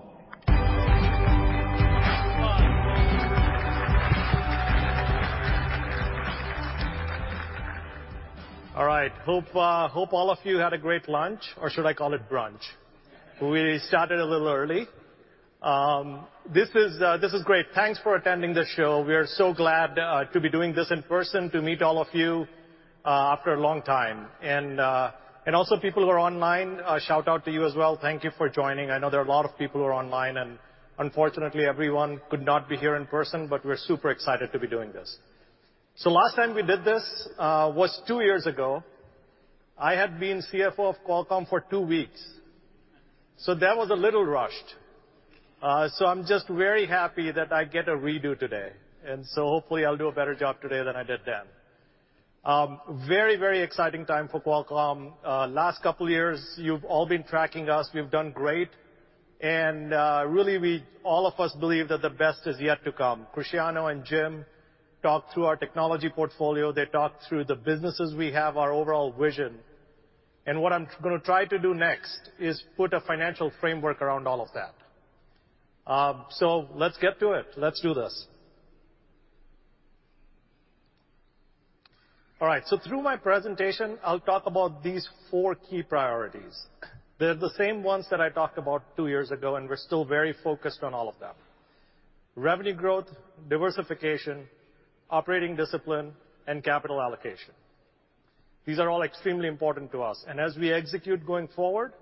[SPEAKER 6] All right. Hope all of you had a great lunch, or should I call it brunch? We started a little early. This is great. Thanks for attending the show. We are so glad to be doing this in person to meet all of you after a long time. Also people who are online, shout out to you as well. Thank you for joining. I know there are a lot of people who are online, and unfortunately, everyone could not be here in person, but we're super excited to be doing this. Last time we did this was two years ago. I had been CFO of Qualcomm for two weeks, so that was a little rushed. I'm just very happy that I get a redo today, and hopefully I'll do a better job today than I did then. Very, very exciting time for Qualcomm. Last couple years, you've all been tracking us. We've done great. Really, all of us believe that the best is yet to come. Cristiano and Jim talked through our technology portfolio. They talked through the businesses we have, our overall vision. What I'm gonna try to do next is put a financial framework around all of that. Let's get to it. Let's do this. All right. Through my presentation, I'll talk about these four key priorities. They're the same ones that I talked about two years ago, and we're still very focused on all of them. Revenue growth, diversification, operating discipline, and capital allocation. These are all extremely important to us. As we execute going forward,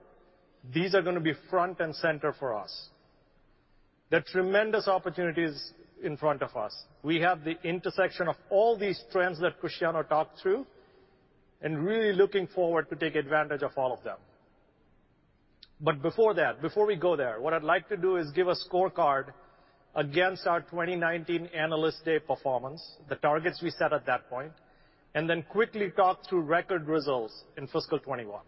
[SPEAKER 6] these are gonna be front and center for us. There are tremendous opportunities in front of us. We have the intersection of all these trends that Cristiano talked through, and really looking forward to take advantage of all of them. Before that, before we go there, what I'd like to do is give a scorecard against our 2019 Analyst Day performance, the targets we set at that point, and then quickly talk through record results in fiscal 2021.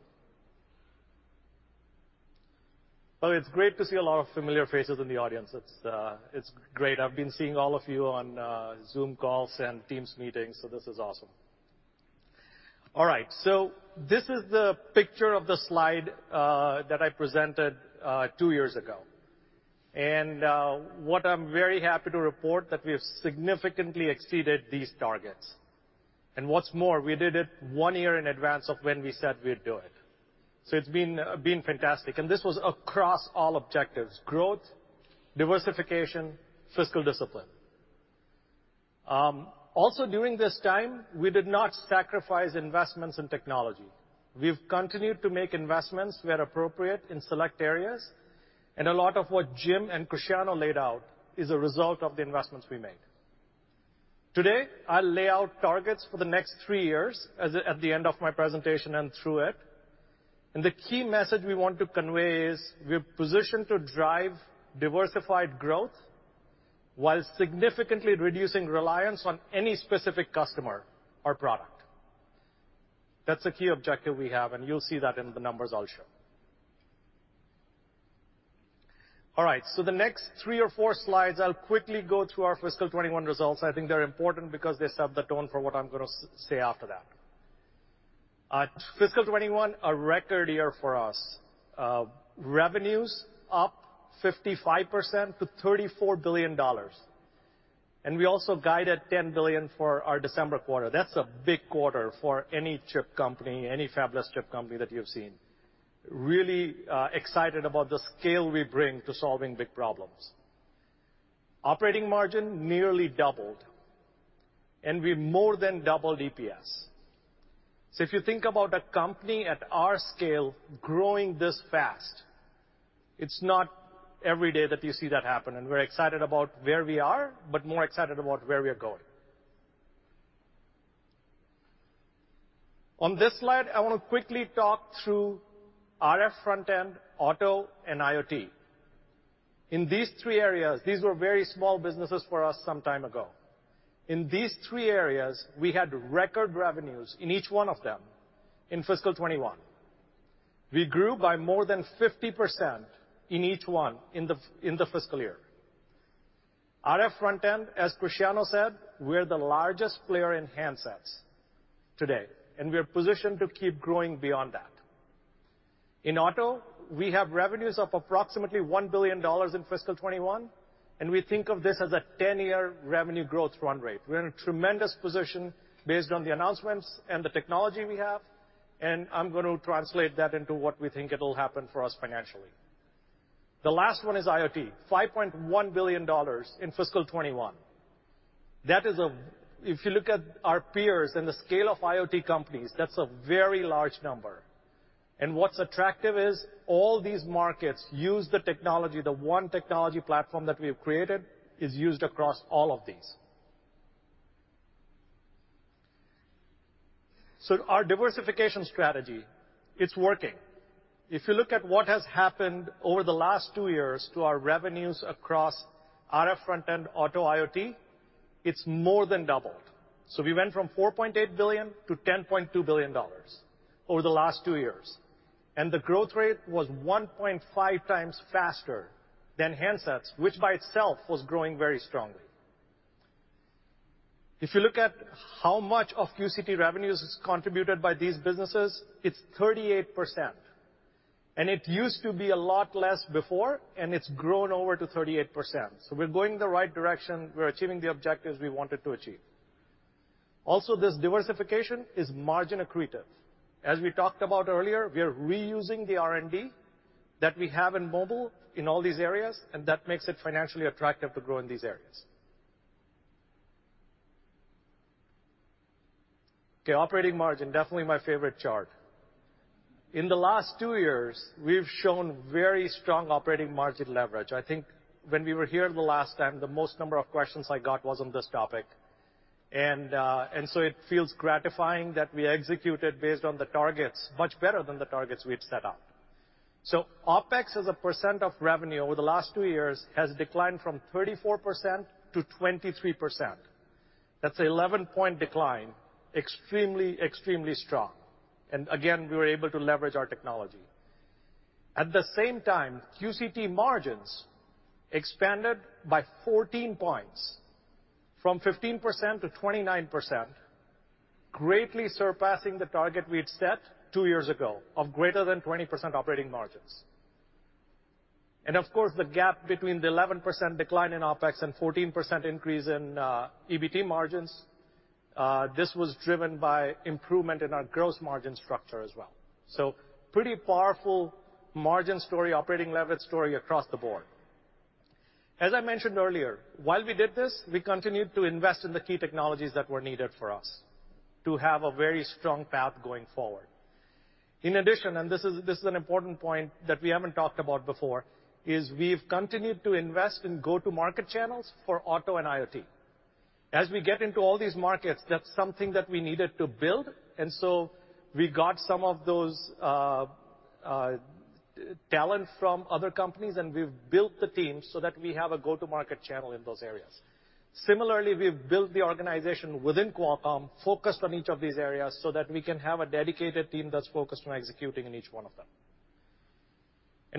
[SPEAKER 6] Well, it's great to see a lot of familiar faces in the audience. It's great. I've been seeing all of you on Zoom calls and Teams meetings, so this is awesome. All right. This is the picture of the slide that I presented two years ago. What I'm very happy to report is that we have significantly exceeded these targets. What's more, we did it one year in advance of when we said we'd do it. It's been fantastic, and this was across all objectives: growth, diversification, fiscal discipline. Also during this time, we did not sacrifice investments in technology. We've continued to make investments where appropriate in select areas, and a lot of what Jim and Cristiano laid out is a result of the investments we made. Today, I'll lay out targets for the next three years at the end of my presentation and through it. The key message we want to convey is we're positioned to drive diversified growth while significantly reducing reliance on any specific customer or product. That's a key objective we have, and you'll see that in the numbers I'll show. All right. The next three or four slides, I'll quickly go through our fiscal 2021 results. I think they're important because they set the tone for what I'm gonna say after that. Fiscal 2021, a record year for us. Revenues up 55% to $34 billion, and we also guided $10 billion for our December quarter. That's a big quarter for any chip company, any fabless chip company that you've seen. Really, excited about the scale we bring to solving big problems. Operating margin nearly doubled, and we more than doubled EPS. If you think about a company at our scale growing this fast, it's not every day that you see that happen, and we're excited about where we are, but more excited about where we are going. On this slide, I wanna quickly talk through RF front-end, auto, and IoT. In these three areas, these were very small businesses for us some time ago. In these three areas, we had record revenues in each one of them in fiscal 2021. We grew by more than 50% in each one in the fiscal year. RF front-end, as Cristiano said, we're the largest player in handsets today, and we are positioned to keep growing beyond that. In auto, we have revenues of approximately $1 billion in fiscal 2021, and we think of this as a 10-year revenue growth run rate. We're in a tremendous position based on the announcements and the technology we have, and I'm gonna translate that into what we think it'll happen for us financially. The last one is IoT, $5.1 billion in fiscal 2021. That is. If you look at our peers and the scale of IoT companies, that's a very large number. What's attractive is all these markets use the technology. The one technology platform that we have created is used across all of these. Our diversification strategy, it's working. If you look at what has happened over the last 2 years to our revenues across RF front-end auto IoT, it's more than doubled. We went from $4.8 billion-$10.2 billion over the last two years, and the growth rate was 1.5x faster than handsets, which by itself was growing very strongly. If you look at how much of QCT revenues is contributed by these businesses, it's 38%. It used to be a lot less before, and it's grown over to 38%. We're going the right direction. We're achieving the objectives we wanted to achieve. Also, this diversification is margin accretive. As we talked about earlier, we are reusing the R&D that we have in mobile in all these areas, and that makes it financially attractive to grow in these areas. Okay, operating margin, definitely my favorite chart. In the last two years, we've shown very strong operating margin leverage. I think when we were here the last time, the most number of questions I got was on this topic. It feels gratifying that we executed based on the targets, much better than the targets we had set out. OpEx as a percent of revenue over the last two years has declined from 34% to 23%. That's 11-point decline, extremely strong. Again, we were able to leverage our technology. At the same time, QCT margins expanded by 14 points from 15% to 29%, greatly surpassing the target we had set two years ago of greater than 20% operating margins. Of course, the gap between the 11% decline in OpEx and 14% increase in EBT margins, this was driven by improvement in our gross margin structure as well. Pretty powerful margin story, operating leverage story across the board. As I mentioned earlier, while we did this, we continued to invest in the key technologies that were needed for us to have a very strong path going forward. In addition, this is an important point that we haven't talked about before, is we've continued to invest in go-to-market channels for auto and IoT. As we get into all these markets, that's something that we needed to build, and so we got some of those talent from other companies, and we've built the team so that we have a go-to-market channel in those areas. Similarly, we've built the organization within Qualcomm focused on each of these areas so that we can have a dedicated team that's focused on executing in each one of them.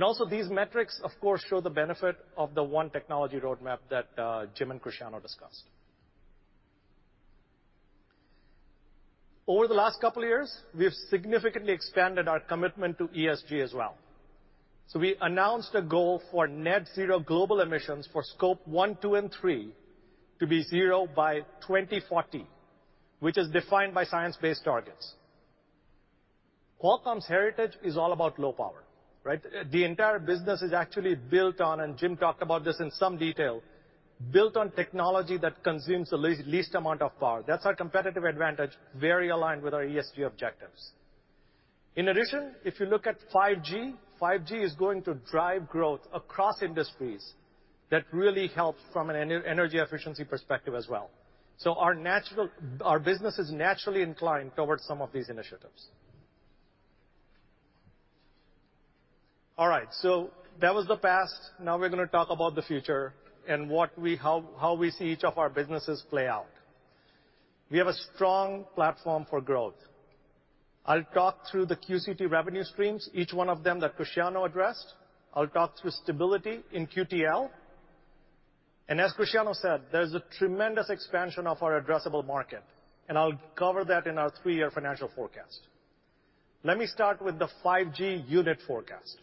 [SPEAKER 6] Also these metrics, of course, show the benefit of the one technology roadmap that Jim and Cristiano discussed. Over the last couple of years, we have significantly expanded our commitment to ESG as well. We announced a goal for net zero global emissions for Scope 1, 2, and 3 to be zero by 2040, which is defined by Science Based Targets. Qualcomm's heritage is all about low power, right? The entire business is actually built on, and Jim talked about this in some detail, built on technology that consumes the least amount of power. That's our competitive advantage, very aligned with our ESG objectives. In addition, if you look at 5G is going to drive growth across industries that really help from an energy efficiency perspective as well. Our business is naturally inclined towards some of these initiatives. All right, that was the past. Now we're gonna talk about the future and how we see each of our businesses play out. We have a strong platform for growth. I'll talk through the QCT revenue streams, each one of them that Cristiano addressed. I'll talk through stability in QTL. As Cristiano said, there's a tremendous expansion of our addressable market, and I'll cover that in our three-year financial forecast. Let me start with the 5G unit forecast.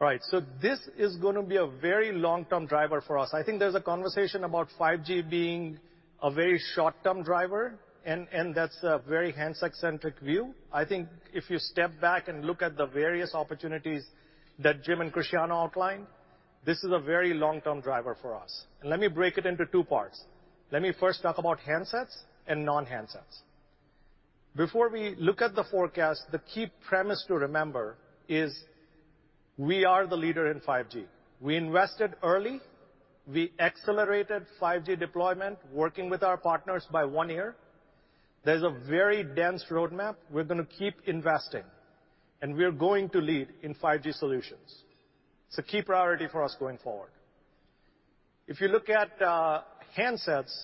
[SPEAKER 6] All right. So this is gonna be a very long-term driver for us. I think there's a conversation about 5G being a very short-term driver, and that's a very handset-centric view. I think if you step back and look at the various opportunities that Jim and Cristiano outlined, this is a very long-term driver for us. Let me break it into two parts. Let me first talk about handsets and non-handsets. Before we look at the forecast, the key premise to remember is we are the leader in 5G. We invested early. We accelerated 5G deployment, working with our partners by one year. There's a very dense roadmap. We're gonna keep investing, and we're going to lead in 5G solutions. It's a key priority for us going forward. If you look at handsets,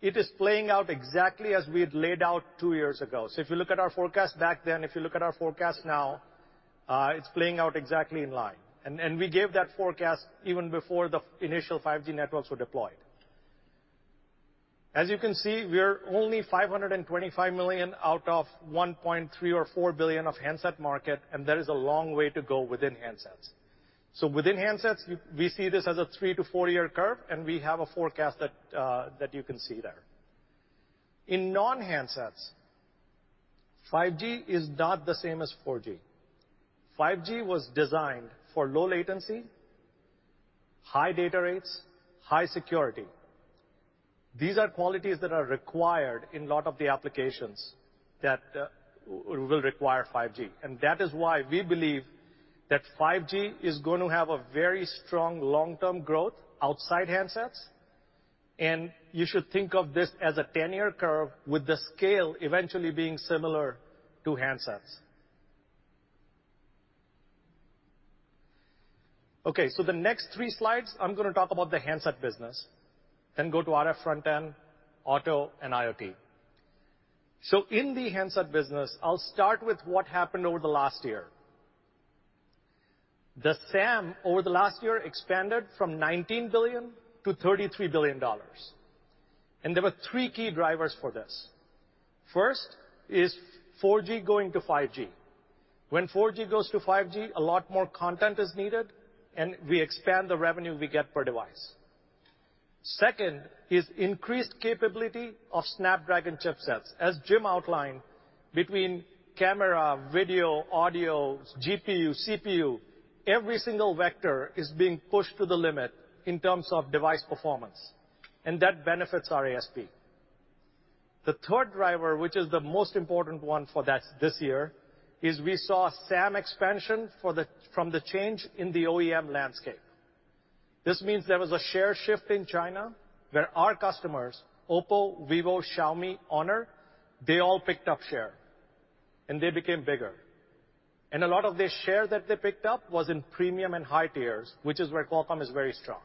[SPEAKER 6] it is playing out exactly as we had laid out two years ago. If you look at our forecast back then, if you look at our forecast now, it's playing out exactly in line. We gave that forecast even before the initial 5G networks were deployed. As you can see, we are only 525 million out of 1.3 or 1.4 billion of handset market, and there is a long way to go within handsets. Within handsets, we see this as a three to four year curve, and we have a forecast that you can see there. In non-handsets, 5G is not the same as 4G. 5G was designed for low latency, high data rates, high security. These are qualities that are required in a lot of the applications that will require 5G. That is why we believe that 5G is going to have a very strong long-term growth outside handsets. You should think of this as a 10-year curve with the scale eventually being similar to handsets. Okay, the next three slides, I'm gonna talk about the handset business, then go to RF front-end, auto, and IoT. In the handset business, I'll start with what happened over the last year. The SAM over the last year expanded from $19 billion to $33 billion, and there were three key drivers for this. First is 4G going to 5G. When 4G goes to 5G, a lot more content is needed, and we expand the revenue we get per device. Second is increased capability of Snapdragon chipsets. As Jim outlined, between camera, video, audio, GPU, CPU, every single vector is being pushed to the limit in terms of device performance, and that benefits our ASP. The third driver, which is the most important one for that this year, is we saw SAM expansion from the change in the OEM landscape. This means there was a share shift in China where our customers, OPPO, Vivo, Xiaomi, Honor, they all picked up share and they became bigger. A lot of the share that they picked up was in premium and high tiers, which is where Qualcomm is very strong.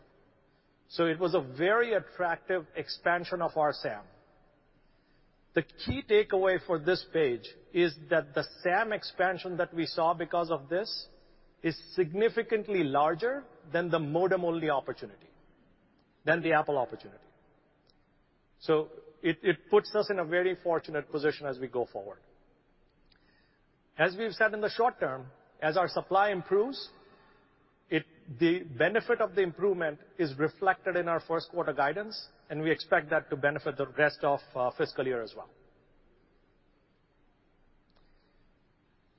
[SPEAKER 6] It was a very attractive expansion of our SAM. The key takeaway for this page is that the SAM expansion that we saw because of this is significantly larger than the modem-only opportunity, than the Apple opportunity. It puts us in a very fortunate position as we go forward. As we've said in the short term, as our supply improves, the benefit of the improvement is reflected in our first quarter guidance, and we expect that to benefit the rest of fiscal year as well.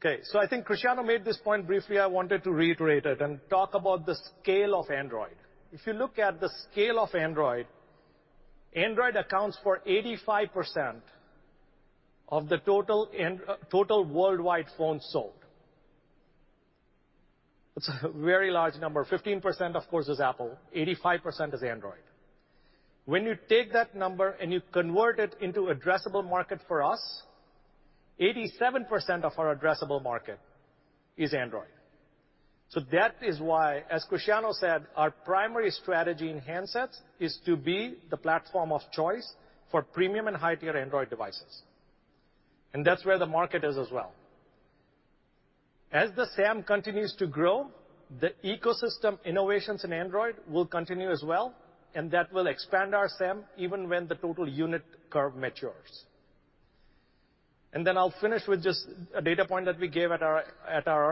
[SPEAKER 6] Okay, I think Cristiano made this point briefly. I wanted to reiterate it and talk about the scale of Android. If you look at the scale of Android accounts for 85% of the total worldwide phones sold. It's a very large number. 15%, of course, is Apple. 85% is Android. When you take that number and you convert it into addressable market for us, 87% of our addressable market is Android. That is why, as Cristiano said, our primary strategy in handsets is to be the platform of choice for premium and high-tier Android devices. That's where the market is as well. As the SAM continues to grow, the ecosystem innovations in Android will continue as well, and that will expand our SAM even when the total unit curve matures. Then I'll finish with just a data point that we gave at our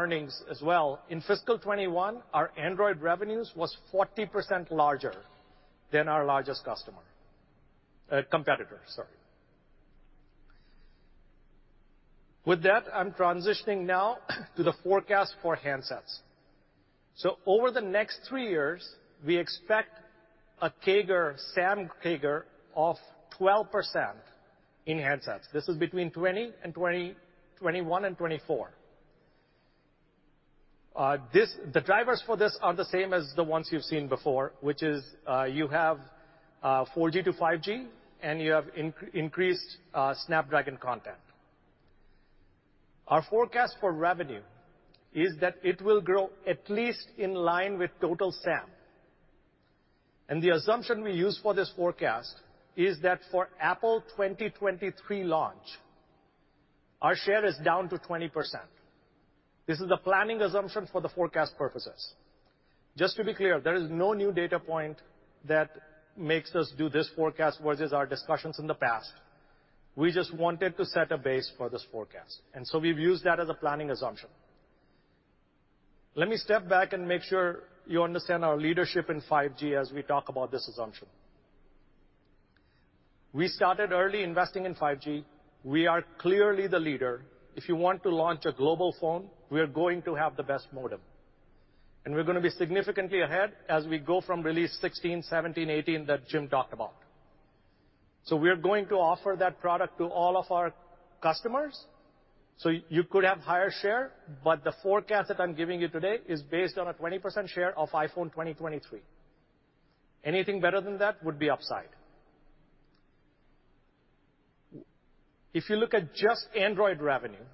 [SPEAKER 6] earnings as well. In fiscal 2021, our Android revenues was 40% larger than our largest customer. Competitor, sorry. With that, I'm transitioning now to the forecast for handsets. Over the next three years, we expect a CAGR, SAM CAGR of 12% in handsets. This is between 2021 and 2024. The drivers for this are the same as the ones you've seen before, which is you have 4G to 5G, and you have increased Snapdragon content. Our forecast for revenue is that it will grow at least in line with total SAM. The assumption we use for this forecast is that for Apple 2023 launch, our share is down to 20%. This is the planning assumption for the forecast purposes. Just to be clear, there is no new data point that makes us do this forecast versus our discussions in the past. We just wanted to set a base for this forecast, and so we've used that as a planning assumption. Let me step back and make sure you understand our leadership in 5G as we talk about this assumption. We started early investing in 5G. We are clearly the leader. If you want to launch a global phone, we are going to have the best modem, and we're gonna be significantly ahead as we go from Release 16, 17, 18 that Jim talked about. We're going to offer that product to all of our customers, so you could have higher share, but the forecast that I'm giving you today is based on a 20% share of iPhone 2023. Anything better than that would be upside. If you look at just Android revenue,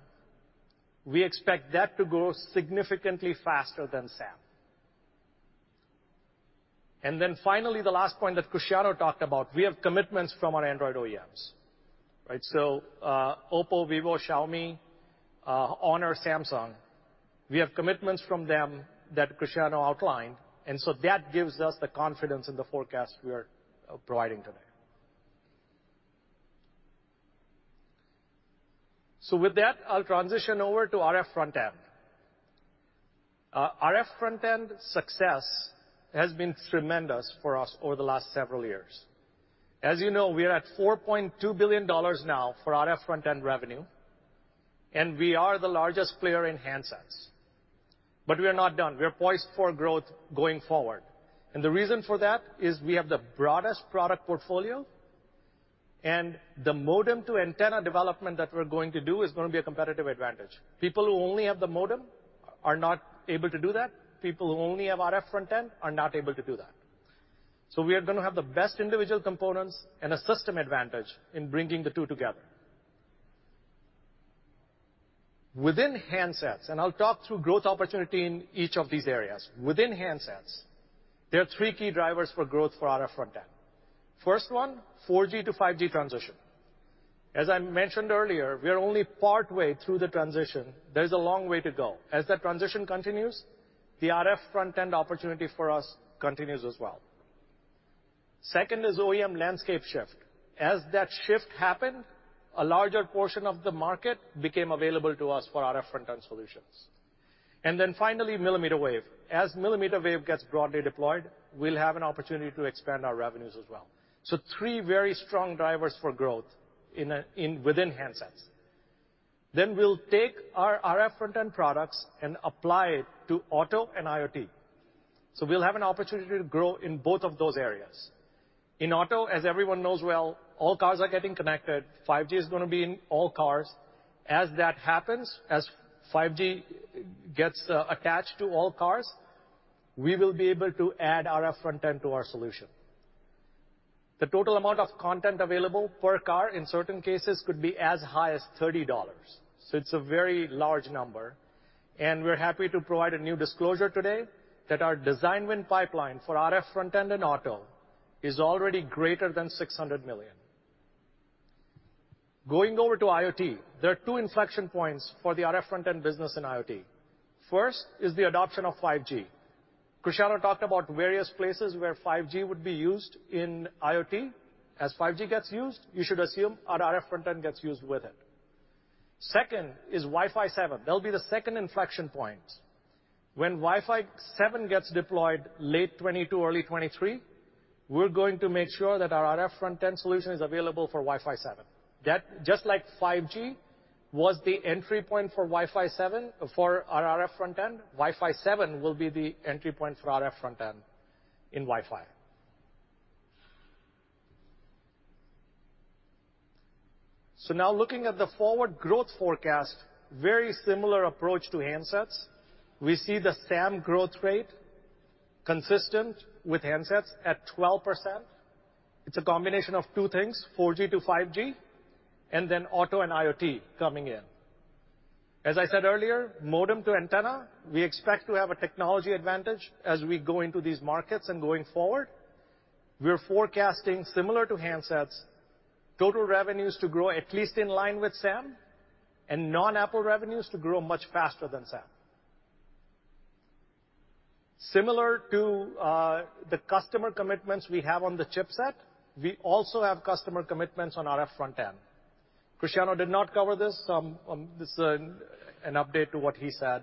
[SPEAKER 6] we expect that to grow significantly faster than SAM. Finally, the last point that Cristiano talked about, we have commitments from our Android OEMs, right? OPPO, Vivo, Xiaomi, Honor, Samsung, we have commitments from them that Cristiano outlined, and so that gives us the confidence in the forecast we are providing today. With that, I'll transition over to RF front-end. RF front-end success has been tremendous for us over the last several years. As you know, we are at $4.2 billion now for RF front-end revenue, and we are the largest player in handsets. We are not done. We are poised for growth going forward. The reason for that is we have the broadest product portfolio, and the modem to antenna development that we're going to do is gonna be a competitive advantage. People who only have the modem are not able to do that. People who only have RF front-end are not able to do that. We are gonna have the best individual components and a system advantage in bringing the two together. Within handsets, and I'll talk through growth opportunity in each of these areas. Within handsets, there are three key drivers for growth for RF front-end. First one, 4G to 5G transition. As I mentioned earlier, we are only partway through the transition. There's a long way to go. As that transition continues, the RF front-end opportunity for us continues as well. Second is OEM landscape shift. As that shift happened, a larger portion of the market became available to us for RF front-end solutions. Then finally, millimeter wave. As millimeter wave gets broadly deployed, we'll have an opportunity to expand our revenues as well. Three very strong drivers for growth within handsets. We'll take our RF front-end products and apply it to auto and IoT. We'll have an opportunity to grow in both of those areas. In auto, as everyone knows well, all cars are getting connected. 5G is gonna be in all cars. As that happens, as 5G gets attached to all cars, we will be able to add RF front-end to our solution. The total amount of content available per car in certain cases could be as high as $30, so it's a very large number, and we're happy to provide a new disclosure today that our design win pipeline for RF front-end and auto is already greater than $600 million. Going over to IoT, there are two inflection points for the RF front-end business in IoT. First is the adoption of 5G. Cristiano talked about various places where 5G would be used in IoT. As 5G gets used, you should assume our RF front-end gets used with it. Second is Wi-Fi 7. That'll be the second inflection point. When Wi-Fi 7 gets deployed late 2022, early 2023, we're going to make sure that our RF front-end solution is available for Wi-Fi 7. That, just like 5G was the entry point for Wi-Fi 7, for our RF front-end, Wi-Fi 7 will be the entry point for RF front-end in Wi-Fi. Now looking at the forward growth forecast, very similar approach to handsets. We see the SAM growth rate consistent with handsets at 12%. It's a combination of two things, 4G to 5G, and then auto and IoT coming in. As I said earlier, modem to antenna, we expect to have a technology advantage as we go into these markets and going forward. We're forecasting similar to handsets, total revenues to grow at least in line with SAM and non-Apple revenues to grow much faster than SAM. Similar to the customer commitments we have on the chipset, we also have customer commitments on RF front-end. Cristiano did not cover this. This is an update to what he said,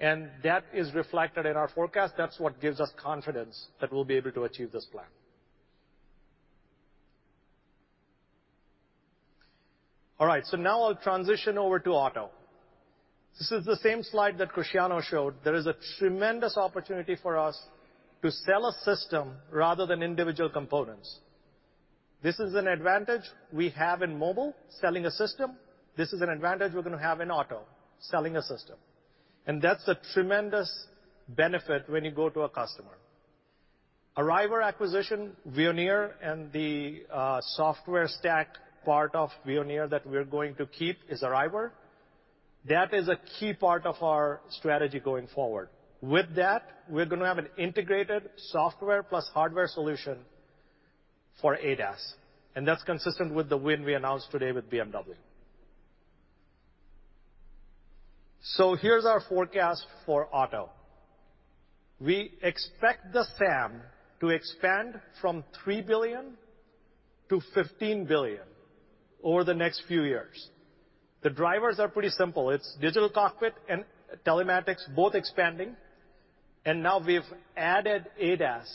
[SPEAKER 6] and that is reflected in our forecast. That's what gives us confidence that we'll be able to achieve this plan. All right, now I'll transition over to auto. This is the same slide that Cristiano showed. There is a tremendous opportunity for us to sell a system rather than individual components. This is an advantage we have in mobile, selling a system. This is an advantage we're gonna have in auto, selling a system. That's a tremendous benefit when you go to a customer. Arriver acquisition, Veoneer, and the software stack part of Veoneer that we're going to keep is Arriver. That is a key part of our strategy going forward. With that, we're gonna have an integrated software plus hardware solution for ADAS, and that's consistent with the win we announced today with BMW. Here's our forecast for auto. We expect the SAM to expand from $3 billion to $15 billion over the next few years. The drivers are pretty simple. It's digital cockpit and telematics both expanding, and now we've added ADAS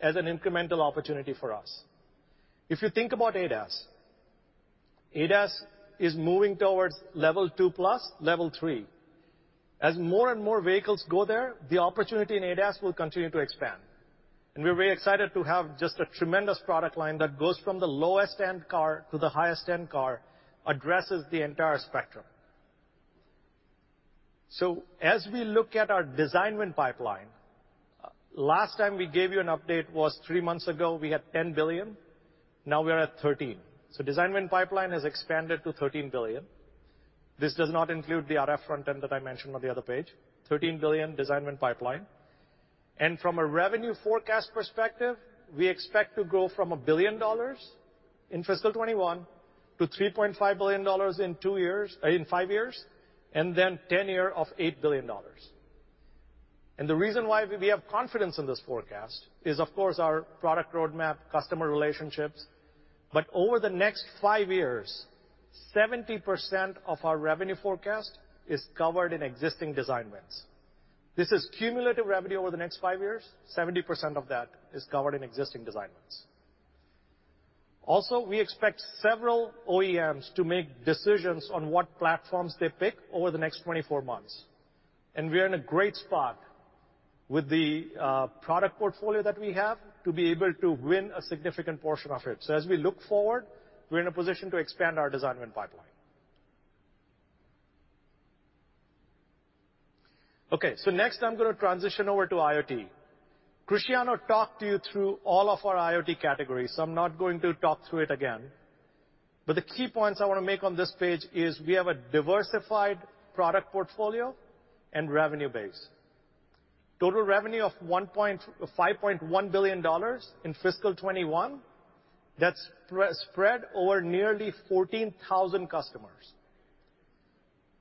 [SPEAKER 6] as an incremental opportunity for us. If you think about ADAS is moving towards level two plus, level three. As more and more vehicles go there, the opportunity in ADAS will continue to expand. We're very excited to have just a tremendous product line that goes from the lowest end car to the highest end car, addresses the entire spectrum. As we look at our design win pipeline, last time we gave you an update was three months ago. We had $10 billion. We're at $13 billion. Design win pipeline has expanded to $13 billion. This does not include the RF front-end that I mentioned on the other page. $13 billion design win pipeline. From a revenue forecast perspective, we expect to grow from $1 billion in fiscal 2021 to $3.5 billion in two years, in five years, and then 10 years of $8 billion. The reason why we have confidence in this forecast is, of course, our product roadmap, customer relationships. Over the next five years, 70% of our revenue forecast is covered in existing design wins. This is cumulative revenue over the next five years, 70% of that is covered in existing design wins. We expect several OEMs to make decisions on what platforms they pick over the next 24 months. We're in a great spot with the product portfolio that we have to be able to win a significant portion of it. As we look forward, we're in a position to expand our design win pipeline. Okay. Next, I'm gonna transition over to IoT. Cristiano talked you through all of our IoT categories, so I'm not going to talk through it again. The key points I wanna make on this page is we have a diversified product portfolio and revenue base. Total revenue of $5.1 billion in fiscal 2021 that's spread over nearly 14,000 customers.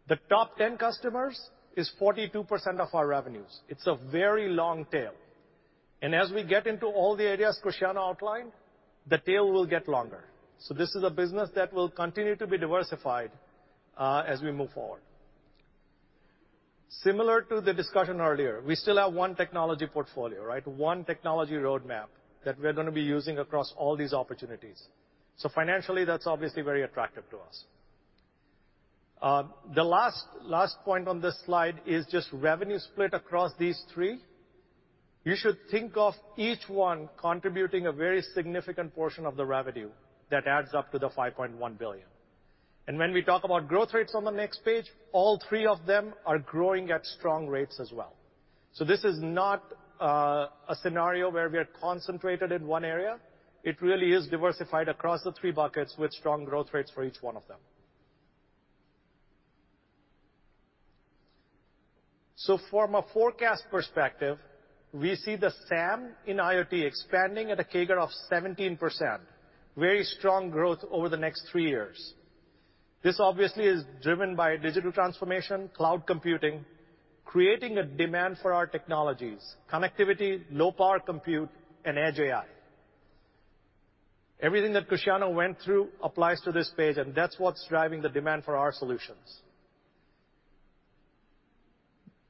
[SPEAKER 6] The top 10 customers is 42% of our revenues. It's a very long tail. As we get into all the areas Cristiano outlined, the tail will get longer. This is a business that will continue to be diversified as we move forward. Similar to the discussion earlier, we still have one technology portfolio, right? One technology roadmap that we're gonna be using across all these opportunities. Financially, that's obviously very attractive to us. The last point on this slide is just revenue split across these three. You should think of each one contributing a very significant portion of the revenue that adds up to the $5.1 billion. When we talk about growth rates on the next page, all three of them are growing at strong rates as well. This is not a scenario where we are concentrated in one area. It really is diversified across the three buckets with strong growth rates for each one of them. From a forecast perspective, we see the SAM in IoT expanding at a CAGR of 17%. Very strong growth over the next three years. This obviously is driven by digital transformation, cloud computing, creating a demand for our technologies, connectivity, low power compute, and Edge AI. Everything that Cristiano went through applies to this page, and that's what's driving the demand for our solutions.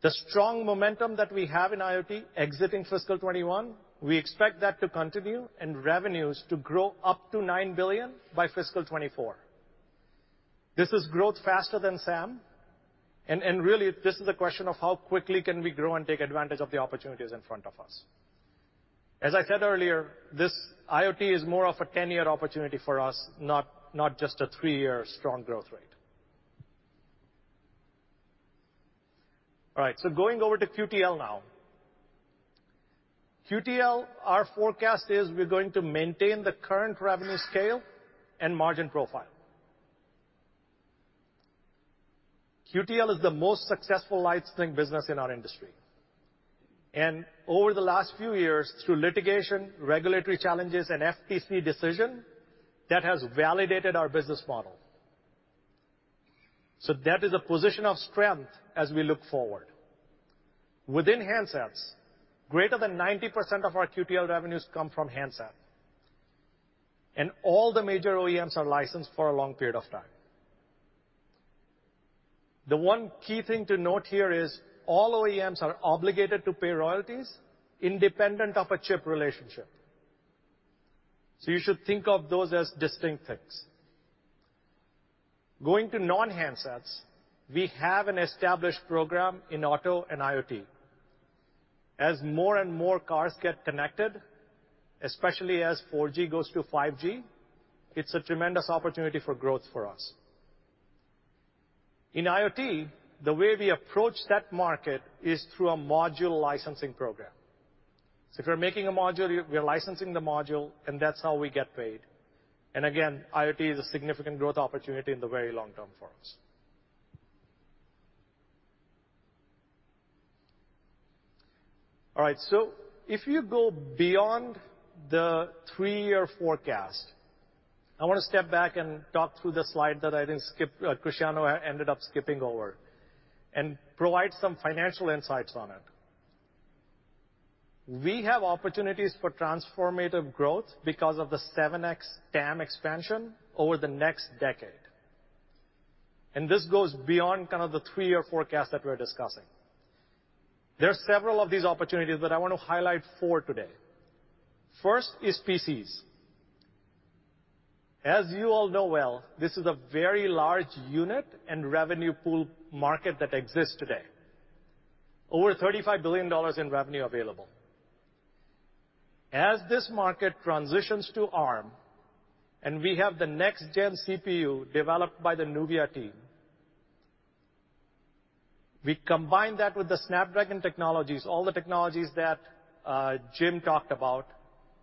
[SPEAKER 6] The strong momentum that we have in IoT exiting fiscal 2021, we expect that to continue and revenues to grow up to $9 billion by fiscal 2024. This is growth faster than SAM. Really, this is a question of how quickly can we grow and take advantage of the opportunities in front of us. As I said earlier, this IoT is more of a 10-year opportunity for us, not just a three-year strong growth rate. All right, going over to QTL now. QTL, our forecast is we're going to maintain the current revenue scale and margin profile. QTL is the most successful licensing business in our industry. Over the last few years, through litigation, regulatory challenges, and FTC decision, that has validated our business model. That is a position of strength as we look forward. Within handsets, greater than 90% of our QTL revenues come from handsets, and all the major OEMs are licensed for a long period of time. The one key thing to note here is all OEMs are obligated to pay royalties independent of a chip relationship. You should think of those as distinct things. Going to non-handsets, we have an established program in auto and IoT. As more and more cars get connected, especially as 4G goes to 5G, it's a tremendous opportunity for growth for us. In IoT, the way we approach that market is through a module licensing program. If you're making a module, you're licensing the module, and that's how we get paid. Again, IoT is a significant growth opportunity in the very long term for us. All right. If you go beyond the three-year forecast, I wanna step back and talk through the slide that I didn't skip, Cristiano ended up skipping over and provide some financial insights on it. We have opportunities for transformative growth because of the 7x TAM expansion over the next decade. This goes beyond kind of the three-year forecast that we're discussing. There are several of these opportunities, but I wanna highlight four today. First is PCs. As you all know well, this is a very large unit and revenue pool market that exists today. Over $35 billion in revenue available. As this market transitions to ARM, and we have the next gen CPU developed by the NUVIA team, we combine that with the Snapdragon Technologies, all the technologies that Jim talked about,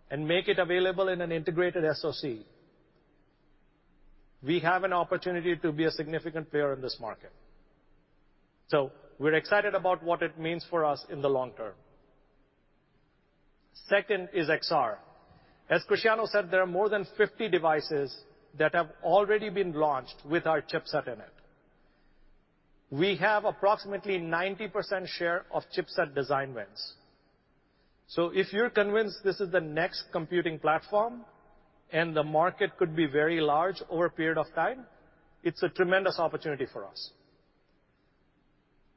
[SPEAKER 6] and make it available in an integrated SoC. We have an opportunity to be a significant player in this market. We're excited about what it means for us in the long term. Second is XR. As Cristiano said, there are more than 50 devices that have already been launched with our chipset in it. We have approximately 90% share of chipset design wins. So if you're convinced this is the next computing platform, and the market could be very large over a period of time, it's a tremendous opportunity for us.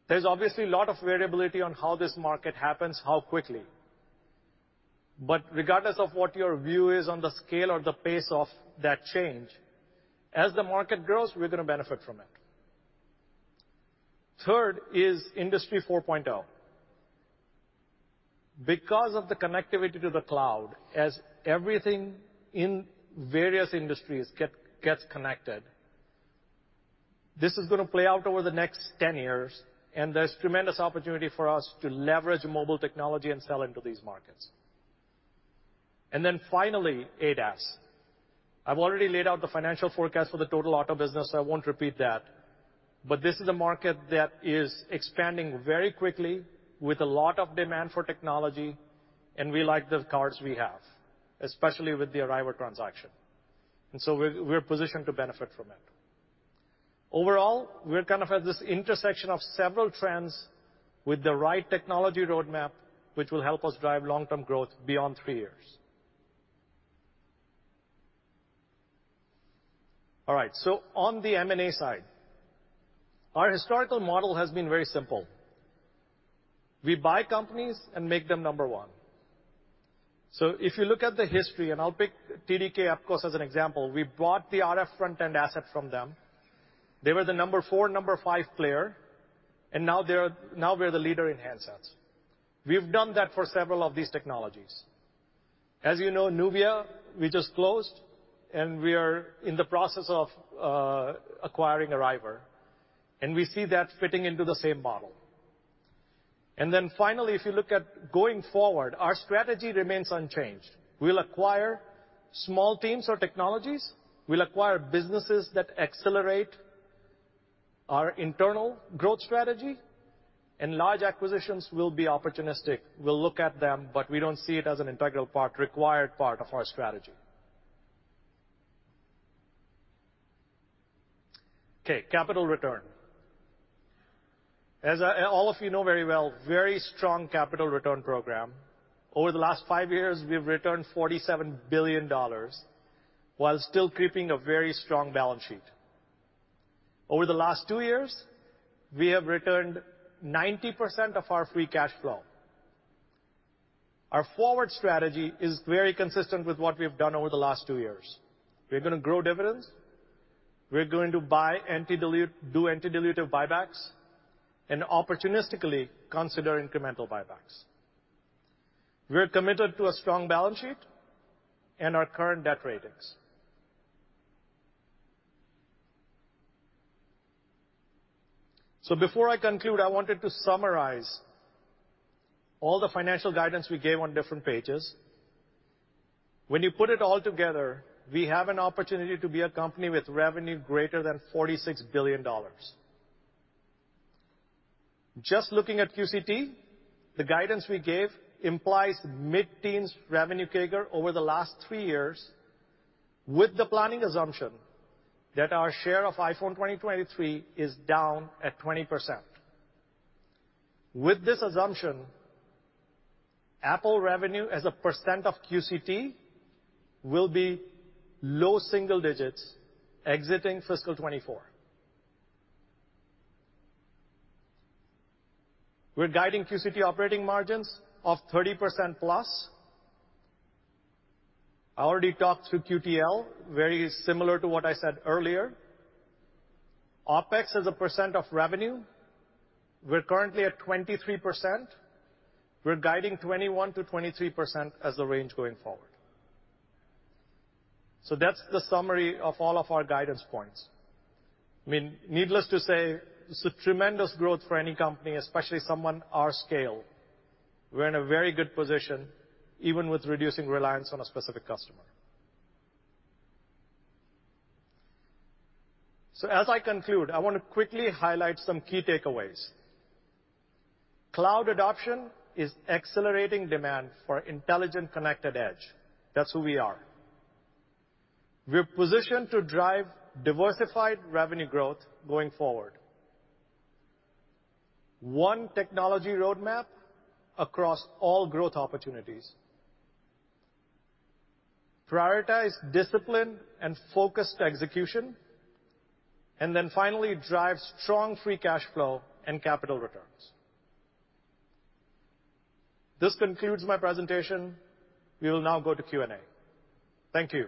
[SPEAKER 6] There's obviously a lot of variability on how this market happens, how quickly. Regardless of what your view is on the scale or the pace of that change, as the market grows, we're gonna benefit from it. Third is Industry 4.0. Because of the connectivity to the cloud, as everything in various industries gets connected, this is gonna play out over the next 10 years, and there's tremendous opportunity for us to leverage mobile technology and sell into these markets. Finally, ADAS. I've already laid out the financial forecast for the total auto business, so I won't repeat that. This is a market that is expanding very quickly with a lot of demand for technology, and we like the cards we have, especially with the Arriver transaction. We're positioned to benefit from it. Overall, we're kind of at this intersection of several trends with the right technology roadmap, which will help us drive long-term growth beyond three years. All right, on the M&A side, our historical model has been very simple. We buy companies and make them number one. If you look at the history, and I'll pick TDK of course as an example, we bought the RF front-end asset from them. They were the number four, number five player, and now we're the leader in handsets. We've done that for several of these technologies. As you know, NUVIA, we just closed, and we are in the process of acquiring Arriver, and we see that fitting into the same model. Finally, if you look at going forward, our strategy remains unchanged. We'll acquire small teams or technologies. We'll acquire businesses that accelerate our internal growth strategy, and large acquisitions will be opportunistic. We'll look at them, but we don't see it as an integral part, required part of our strategy. Okay, capital return. As all of you know very well, very strong capital return program. Over the last five years, we've returned $47 billion while still keeping a very strong balance sheet. Over the last two years, we have returned 90% of our free cash flow. Our forward strategy is very consistent with what we have done over the last two years. We're gonna grow dividends. We're going to buy anti-dilute, do anti-dilutive buybacks, and opportunistically consider incremental buybacks. We're committed to a strong balance sheet and our current debt ratings. Before I conclude, I wanted to summarize all the financial guidance we gave on different pages. When you put it all together, we have an opportunity to be a company with revenue greater than $46 billion. Just looking at QCT, the guidance we gave implies mid-teens revenue CAGR over the last three years with the planning assumption that our share of iPhone 2023 is down at 20%. With this assumption, Apple revenue as a percent of QCT will be low single digits exiting fiscal 2024. We're guiding QCT operating margins of 30%+. I already talked through QTL, very similar to what I said earlier. OpEx as a percent of revenue, we're currently at 23%. We're guiding 21%-23% as the range going forward. That's the summary of all of our guidance points. I mean, needless to say, this is a tremendous growth for any company, especially someone our scale. We're in a very good position, even with reducing reliance on a specific customer. As I conclude, I wanna quickly highlight some key takeaways. Cloud adoption is accelerating demand for intelligent connected edge. That's who we are. We're positioned to drive diversified revenue growth going forward. One technology roadmap across all growth opportunities. Prioritized, disciplined, and focused execution, and then finally, drive strong free cash flow and capital returns. This concludes my presentation. We will now go to Q&A. Thank you.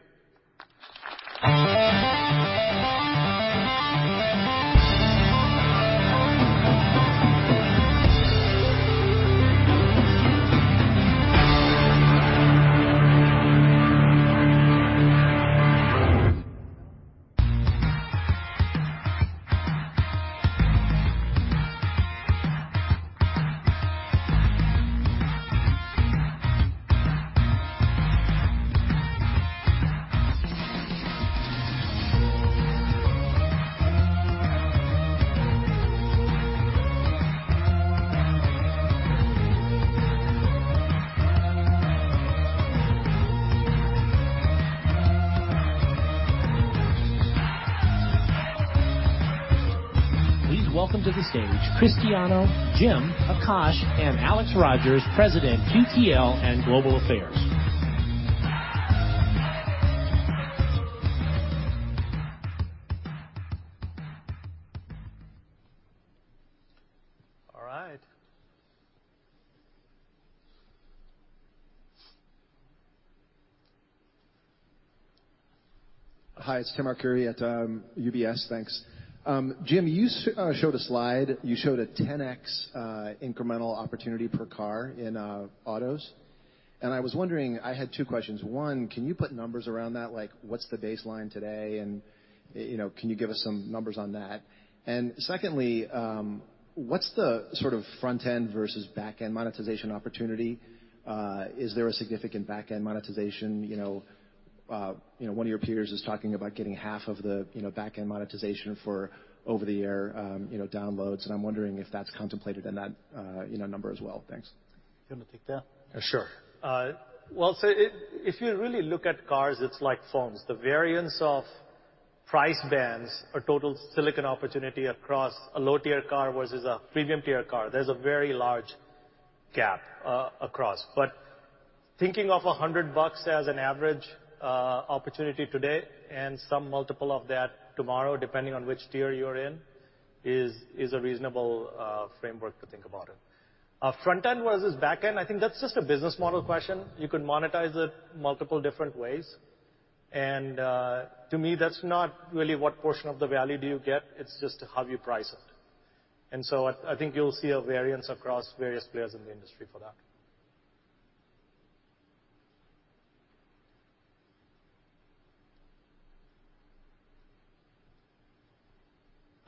[SPEAKER 1] Please welcome to the stage Cristiano, Jim, Akash, and Alex Rogers, President, QTL and Global Affairs.
[SPEAKER 3] All right.
[SPEAKER 7] Hi, it's Timothy Arcuri at UBS. Thanks. Jim, you showed a slide. You showed a 10x incremental opportunity per car in autos. I was wondering, I had two questions. One, can you put numbers around that? Like, what's the baseline today and you know, can you give us some numbers on that? Secondly, what's the sort of front-end versus back-end monetization opportunity? Is there a significant back-end monetization? You know, one of your peers is talking about getting half of the you know, back-end monetization for over the year, downloads, and I'm wondering if that's contemplated in that you know, number as well. Thanks.
[SPEAKER 3] You wanna take that?
[SPEAKER 6] Sure. If you really look at cars, it's like phones. The variance of price bands or total silicon opportunity across a low-tier car versus a premium tier car, there's a very large gap across. Thinking of $100 as an average opportunity today and some multiple of that tomorrow, depending on which tier you're in, is a reasonable framework to think about it. Front-end versus back-end, I think that's just a business model question. You could monetize it multiple different ways. To me, that's not really what portion of the value do you get, it's just how you price it. I think you'll see a variance across various players in the industry for that.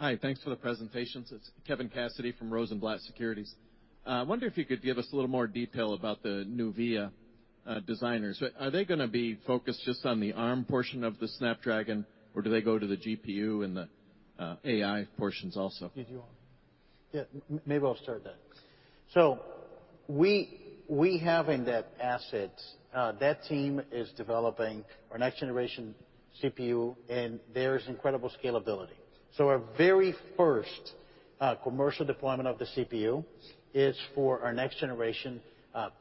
[SPEAKER 8] Hi. Thanks for the presentations. It's Kevin Cassidy from Rosenblatt Securities. Wondering if you could give us a little more detail about the new NUVIA designers. Are they gonna be focused just on the ARM portion of the Snapdragon, or do they go to the GPU and the AI portions also?
[SPEAKER 3] If you want. Maybe I'll start that. We have in that asset that team is developing our next generation CPU, and there's incredible scalability. Our very first commercial deployment of the CPU is for our next generation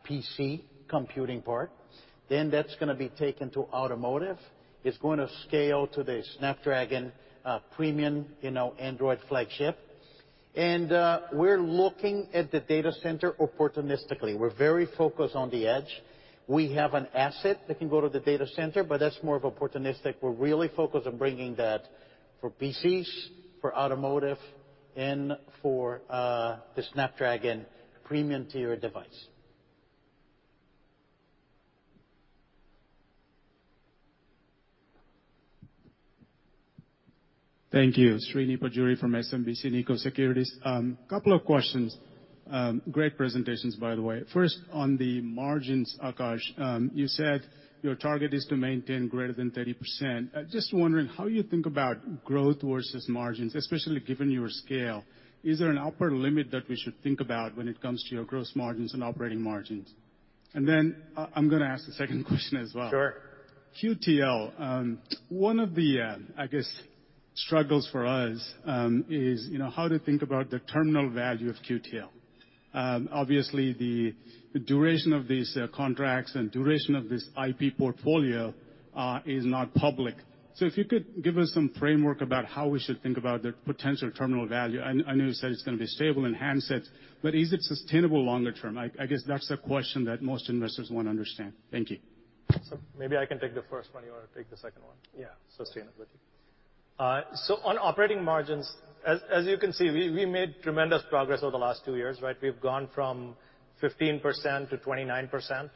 [SPEAKER 3] PC computing part. Then that's gonna be taken to automotive. It's gonna scale to the Snapdragon premium, you know, Android flagship. We're looking at the data center opportunistically. We're very focused on the edge. We have an asset that can go to the data center, but that's more of opportunistic. We're really focused on bringing that for PCs, for automotive, and for the Snapdragon premium tier device.
[SPEAKER 9] Thank you. Srini Pajjuri from SMBC Nikko Securities. Couple of questions. Great presentations, by the way. First, on the margins, Akash, you said your target is to maintain greater than 30%. Just wondering how you think about growth versus margins, especially given your scale. Is there an upper limit that we should think about when it comes to your growth margins and operating margins? I'm gonna ask a second question as well.
[SPEAKER 6] Sure.
[SPEAKER 9] QTL, one of the, I guess, struggles for us is, you know, how to think about the terminal value of QTL. Obviously the duration of these contracts and duration of this IP portfolio is not public. So if you could give us some framework about how we should think about the potential terminal value. I know you said it's gonna be stable in handsets, but is it sustainable longer term? I guess that's the question that most investors wanna understand. Thank you.
[SPEAKER 6] Maybe I can take the first one, you wanna take the second one.
[SPEAKER 10] Yeah. Sustainability.
[SPEAKER 6] On operating margins, as you can see, we made tremendous progress over the last two years, right? We've gone from 15% to 29%.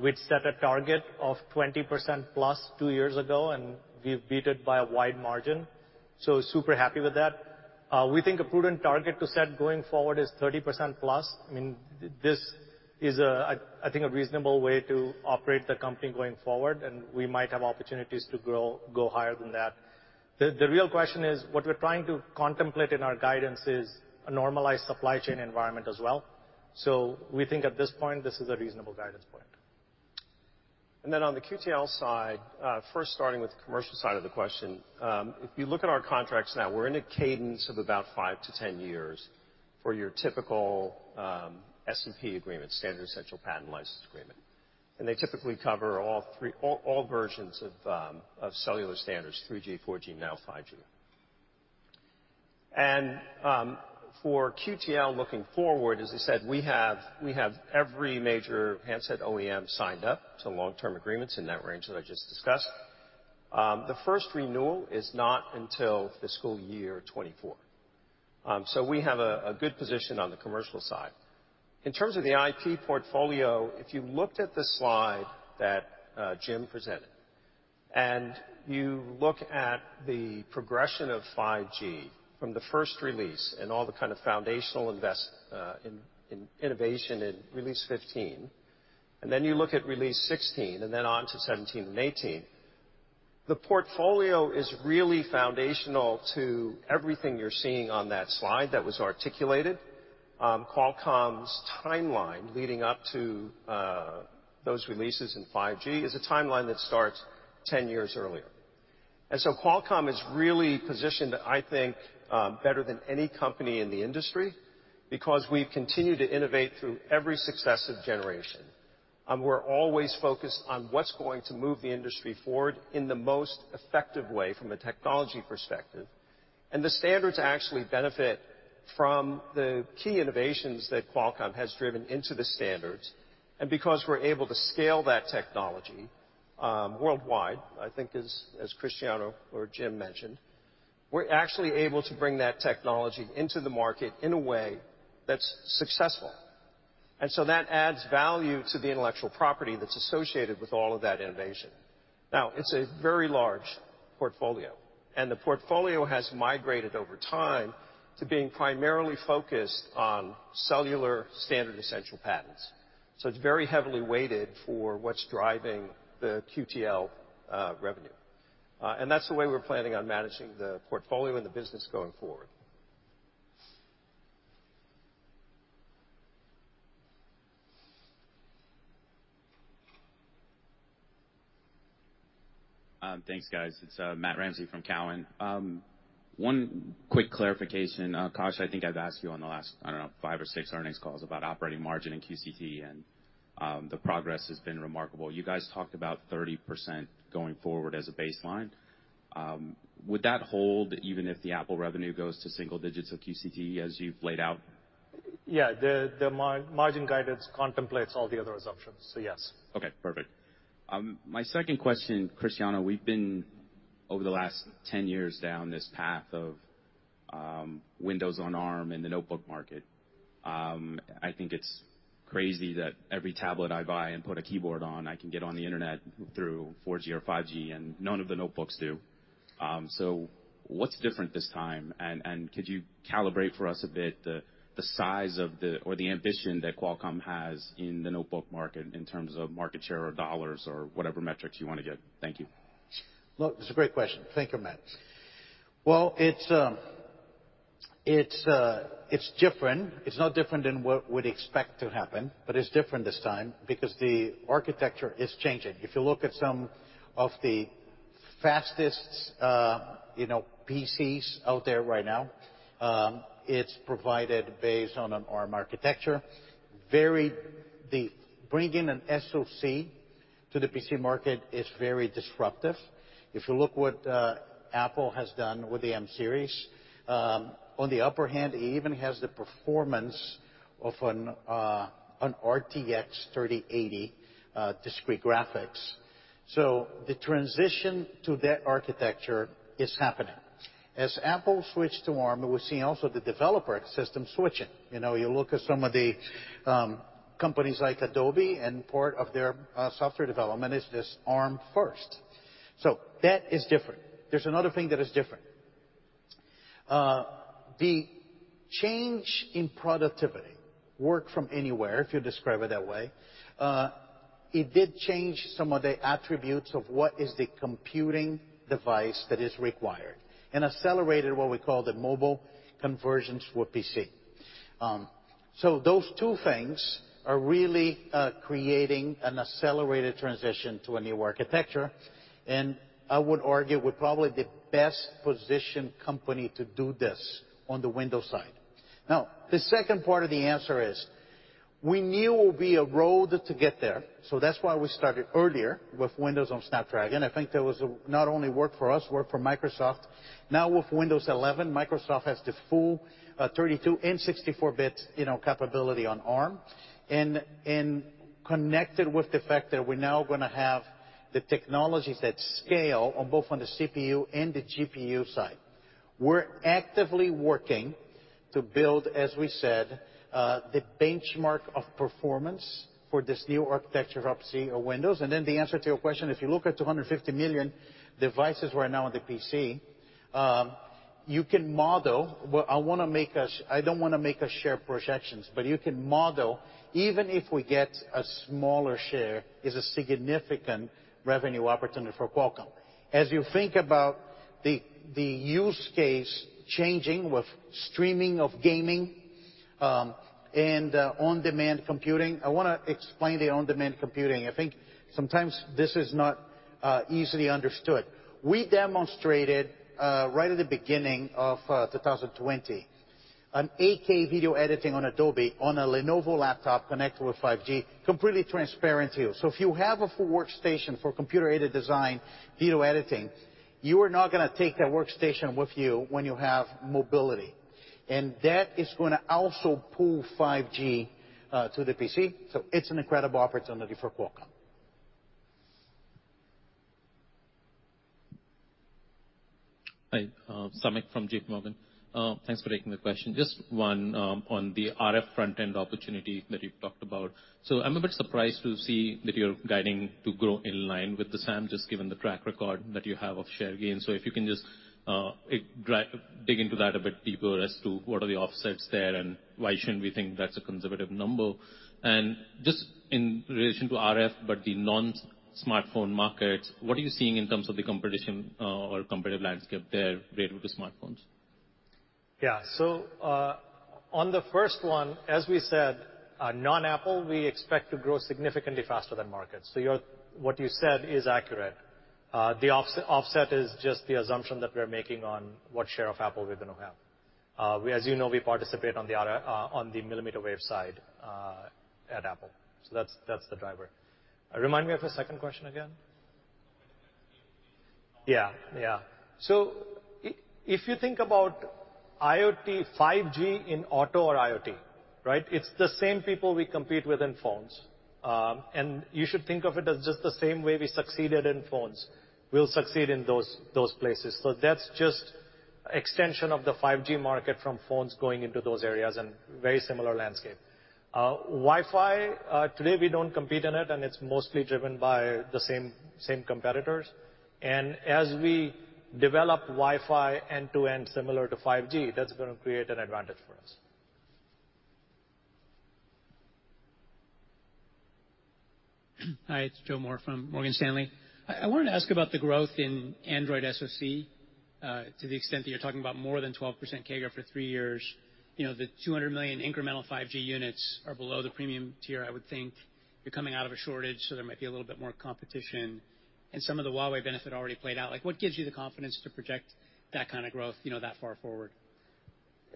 [SPEAKER 6] We'd set a target of 20%+ two years ago, and we've beat it by a wide margin. Super happy with that. We think a prudent target to set going forward is 30%+. I mean, this is a, I think, a reasonable way to operate the company going forward, and we might have opportunities to go higher than that. The real question is, what we're trying to contemplate in our guidance is a normalized supply chain environment as well. We think at this point, this is a reasonable guidance point.
[SPEAKER 10] On the QTL side, first starting with the commercial side of the question, if you look at our contracts now, we're in a cadence of about five to 10 years for your typical SEP agreement, Standard Essential Patent License agreement. They typically cover all versions of cellular standards, 3G, 4G, now 5G. For QTL looking forward, as I said, we have every major handset OEM signed up to long-term agreements in that range that I just discussed. The first renewal is not until fiscal year 2024. We have a good position on the commercial side. In terms of the IP portfolio, if you looked at the slide that Jim presented, and you look at the progression of 5G from the first release and all the kind of foundational innovation in Release 15, and then you look at Release 16 and then on to 17 and 18, the portfolio is really foundational to everything you're seeing on that slide that was articulated. Qualcomm's timeline leading up to those releases in 5G is a timeline that starts 10 years earlier. Qualcomm is really positioned, I think, better than any company in the industry because we continue to innovate through every successive generation. We're always focused on what's going to move the industry forward in the most effective way from a technology perspective. The standards actually benefit from the key innovations that Qualcomm has driven into the standards. Because we're able to scale that technology worldwide, I think as Cristiano or Jim mentioned, we're actually able to bring that technology into the market in a way that's successful. That adds value to the intellectual property that's associated with all of that innovation. Now, it's a very large portfolio, and the portfolio has migrated over time to being primarily focused on cellular standard essential patents. It's very heavily weighted for what's driving the QTL revenue. That's the way we're planning on managing the portfolio and the business going forward.
[SPEAKER 11] Thanks, guys. It's Matt Ramsay from Cowen. One quick clarification. Akash, I think I've asked you on the last, I don't know, five or six earnings calls about operating margin in QCT, and the progress has been remarkable. You guys talked about 30% going forward as a baseline. Would that hold even if the Apple revenue goes to single digits of QCT as you've laid out?
[SPEAKER 6] Yeah. The margin guidance contemplates all the other assumptions, so yes.
[SPEAKER 11] Okay, perfect. My second question, Cristiano, we've been over the last 10 years down this path of Windows on ARM and the notebook market. I think it's crazy that every tablet I buy and put a keyboard on, I can get on the internet through 4G or 5G, and none of the notebooks do. So what's different this time? Could you calibrate for us a bit the size of the or the ambition that Qualcomm has in the notebook market in terms of market share or dollars or whatever metrics you wanna give? Thank you.
[SPEAKER 3] Look, it's a great question. Thank you, Matt. Well, it's different. It's not different than what we'd expect to happen, but it's different this time because the architecture is changing. If you look at some of the fastest, you know, PCs out there right now, it's provided based on an ARM architecture. The bringing an SoC to the PC market is very disruptive. If you look what Apple has done with the M series, on the other hand, it even has the performance of an RTX 3080 discrete graphics. So the transition to that architecture is happening. As Apple switched to ARM, we're seeing also the developer ecosystem switching. You know, you look at some of the companies like Adobe and part of their software development is this ARM first. So that is different. There's another thing that is different. The change in productivity, work from anywhere, if you describe it that way, it did change some of the attributes of what is the computing device that is required and accelerated what we call the mobile conversions for PC. Those two things are really creating an accelerated transition to a new architecture, and I would argue we're probably the best positioned company to do this on the Windows side. Now, the second part of the answer is, we knew it would be a road to get there. That's why we started earlier with Windows on Snapdragon. I think that was, not only work for us, work for Microsoft. Now with Windows 11, Microsoft has the full, 32- and 64-bit capability on ARM. Connected with the fact that we're now gonna have the technologies that scale on both the CPU and the GPU side. We're actively working to build, as we said, the benchmark of performance for this new architecture of PC or Windows. The answer to your question, if you look at 250 million devices right now on the PC, you can model. I don't wanna make share projections, but you can model even if we get a smaller share is a significant revenue opportunity for Qualcomm. As you think about the use case changing with streaming of gaming, and on-demand computing. I wanna explain the on-demand computing. I think sometimes this is not easily understood. We demonstrated right at the beginning of 2020, 8K video editing on Adobe on a Lenovo laptop connected with 5G completely transparent to you. If you have a full workstation for computer-aided design video editing, you are not gonna take that workstation with you when you have mobility. That is gonna also pull 5G to the PC. It's an incredible opportunity for Qualcomm.
[SPEAKER 12] Hi, Samik from JPMorgan. Thanks for taking the question. Just one on the RF front-end opportunity that you've talked about. I'm a bit surprised to see that you're guiding to grow in line with the SAM, just given the track record that you have of share gains. If you can just dig into that a bit deeper as to what are the offsets there, and why shouldn't we think that's a conservative number? Just in relation to RF, but the non-smartphone markets, what are you seeing in terms of the competition or competitive landscape there related to smartphones?
[SPEAKER 6] Yeah. On the first one, as we said, non-Apple, we expect to grow significantly faster than market. You're what you said is accurate. The offset is just the assumption that we're making on what share of Apple we're gonna have. We as you know, participate on the millimeter wave side at Apple. That's the driver. Remind me of the second question again. Yeah. Yeah. If you think about IoT, 5G in auto or IoT, right? It's the same people we compete with in phones. You should think of it as just the same way we succeeded in phones. We'll succeed in those places. That's just extension of the 5G market from phones going into those areas and very similar landscape. Wi-Fi, today we don't compete in it, and it's mostly driven by the same competitors. As we develop Wi-Fi end-to-end similar to 5G, that's gonna create an advantage for us.
[SPEAKER 13] Hi, it's Joe Moore from Morgan Stanley. I wanted to ask about the growth in Android SoC, to the extent that you're talking about more than 12% CAGR for three years. You know, the 200 million incremental 5G units are below the premium tier, I would think. You're coming out of a shortage, so there might be a little bit more competition. And some of the Huawei benefit already played out. Like, what gives you the confidence to project that kind of growth, you know, that far forward?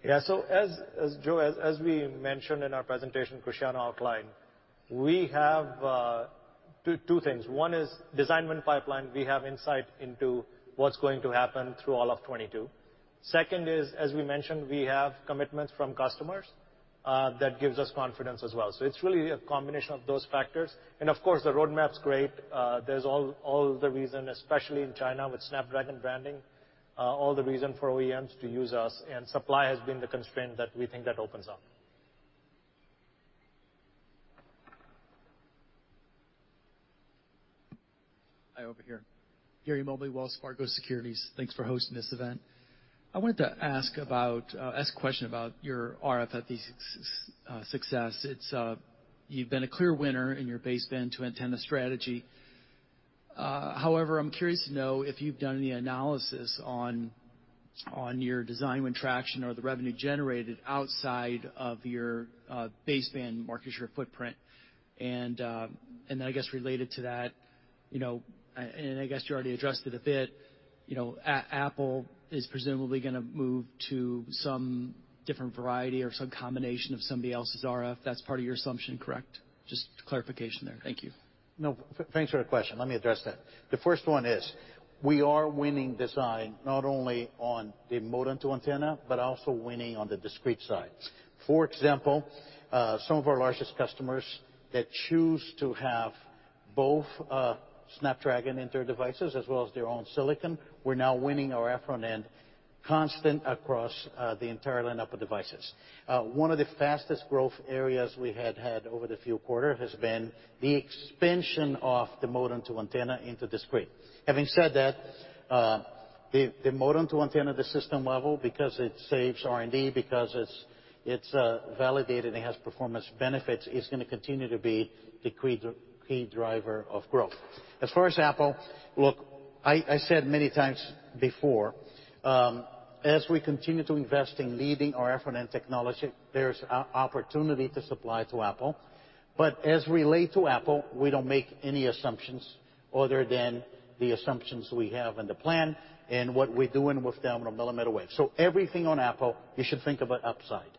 [SPEAKER 6] Yeah. As we mentioned in our presentation, Cristiano outlined, we have two things. One is design win pipeline. We have insight into what's going to happen through all of 2022. Second is, as we mentioned, we have commitments from customers that gives us confidence as well. It's really a combination of those factors. Of course, the roadmap's great. There's all the reason, especially in China with Snapdragon branding, for OEMs to use us, and supply has been the constraint that we think that opens up.
[SPEAKER 14] Hi, over here. Gary Mobley, Wells Fargo Securities. Thanks for hosting this event. I wanted to ask a question about your RFFE success. It's you've been a clear winner in your baseband to antenna strategy. However, I'm curious to know if you've done any analysis on your design win traction or the revenue generated outside of your baseband market share footprint. I guess related to that, you know, I guess you already addressed it a bit, you know, Apple is presumably gonna move to some different variety or some combination of somebody else's RF. That's part of your assumption, correct? Just clarification there. Thank you.
[SPEAKER 3] No. Thanks for the question. Let me address that. The first one is, we are winning design not only on the modem to antenna, but also winning on the discrete side. For example, some of our largest customers that choose to have both, Snapdragon in their devices as well as their own silicon, we're now winning our front-end components across the entire lineup of devices. One of the fastest growth areas we had over the few quarters has been the expansion of the modem to antenna into discrete. Having said that, the modem to antenna, the system level, because it saves R&D, because it's validated, it has performance benefits, is gonna continue to be the key driver of growth. As far as Apple, look, I said many times before, as we continue to invest in leading our front-end technology, there's opportunity to supply to Apple. As it relates to Apple, we don't make any assumptions other than the assumptions we have in the plan and what we're doing with them on a millimeter wave. Everything on Apple, you should think of it upside.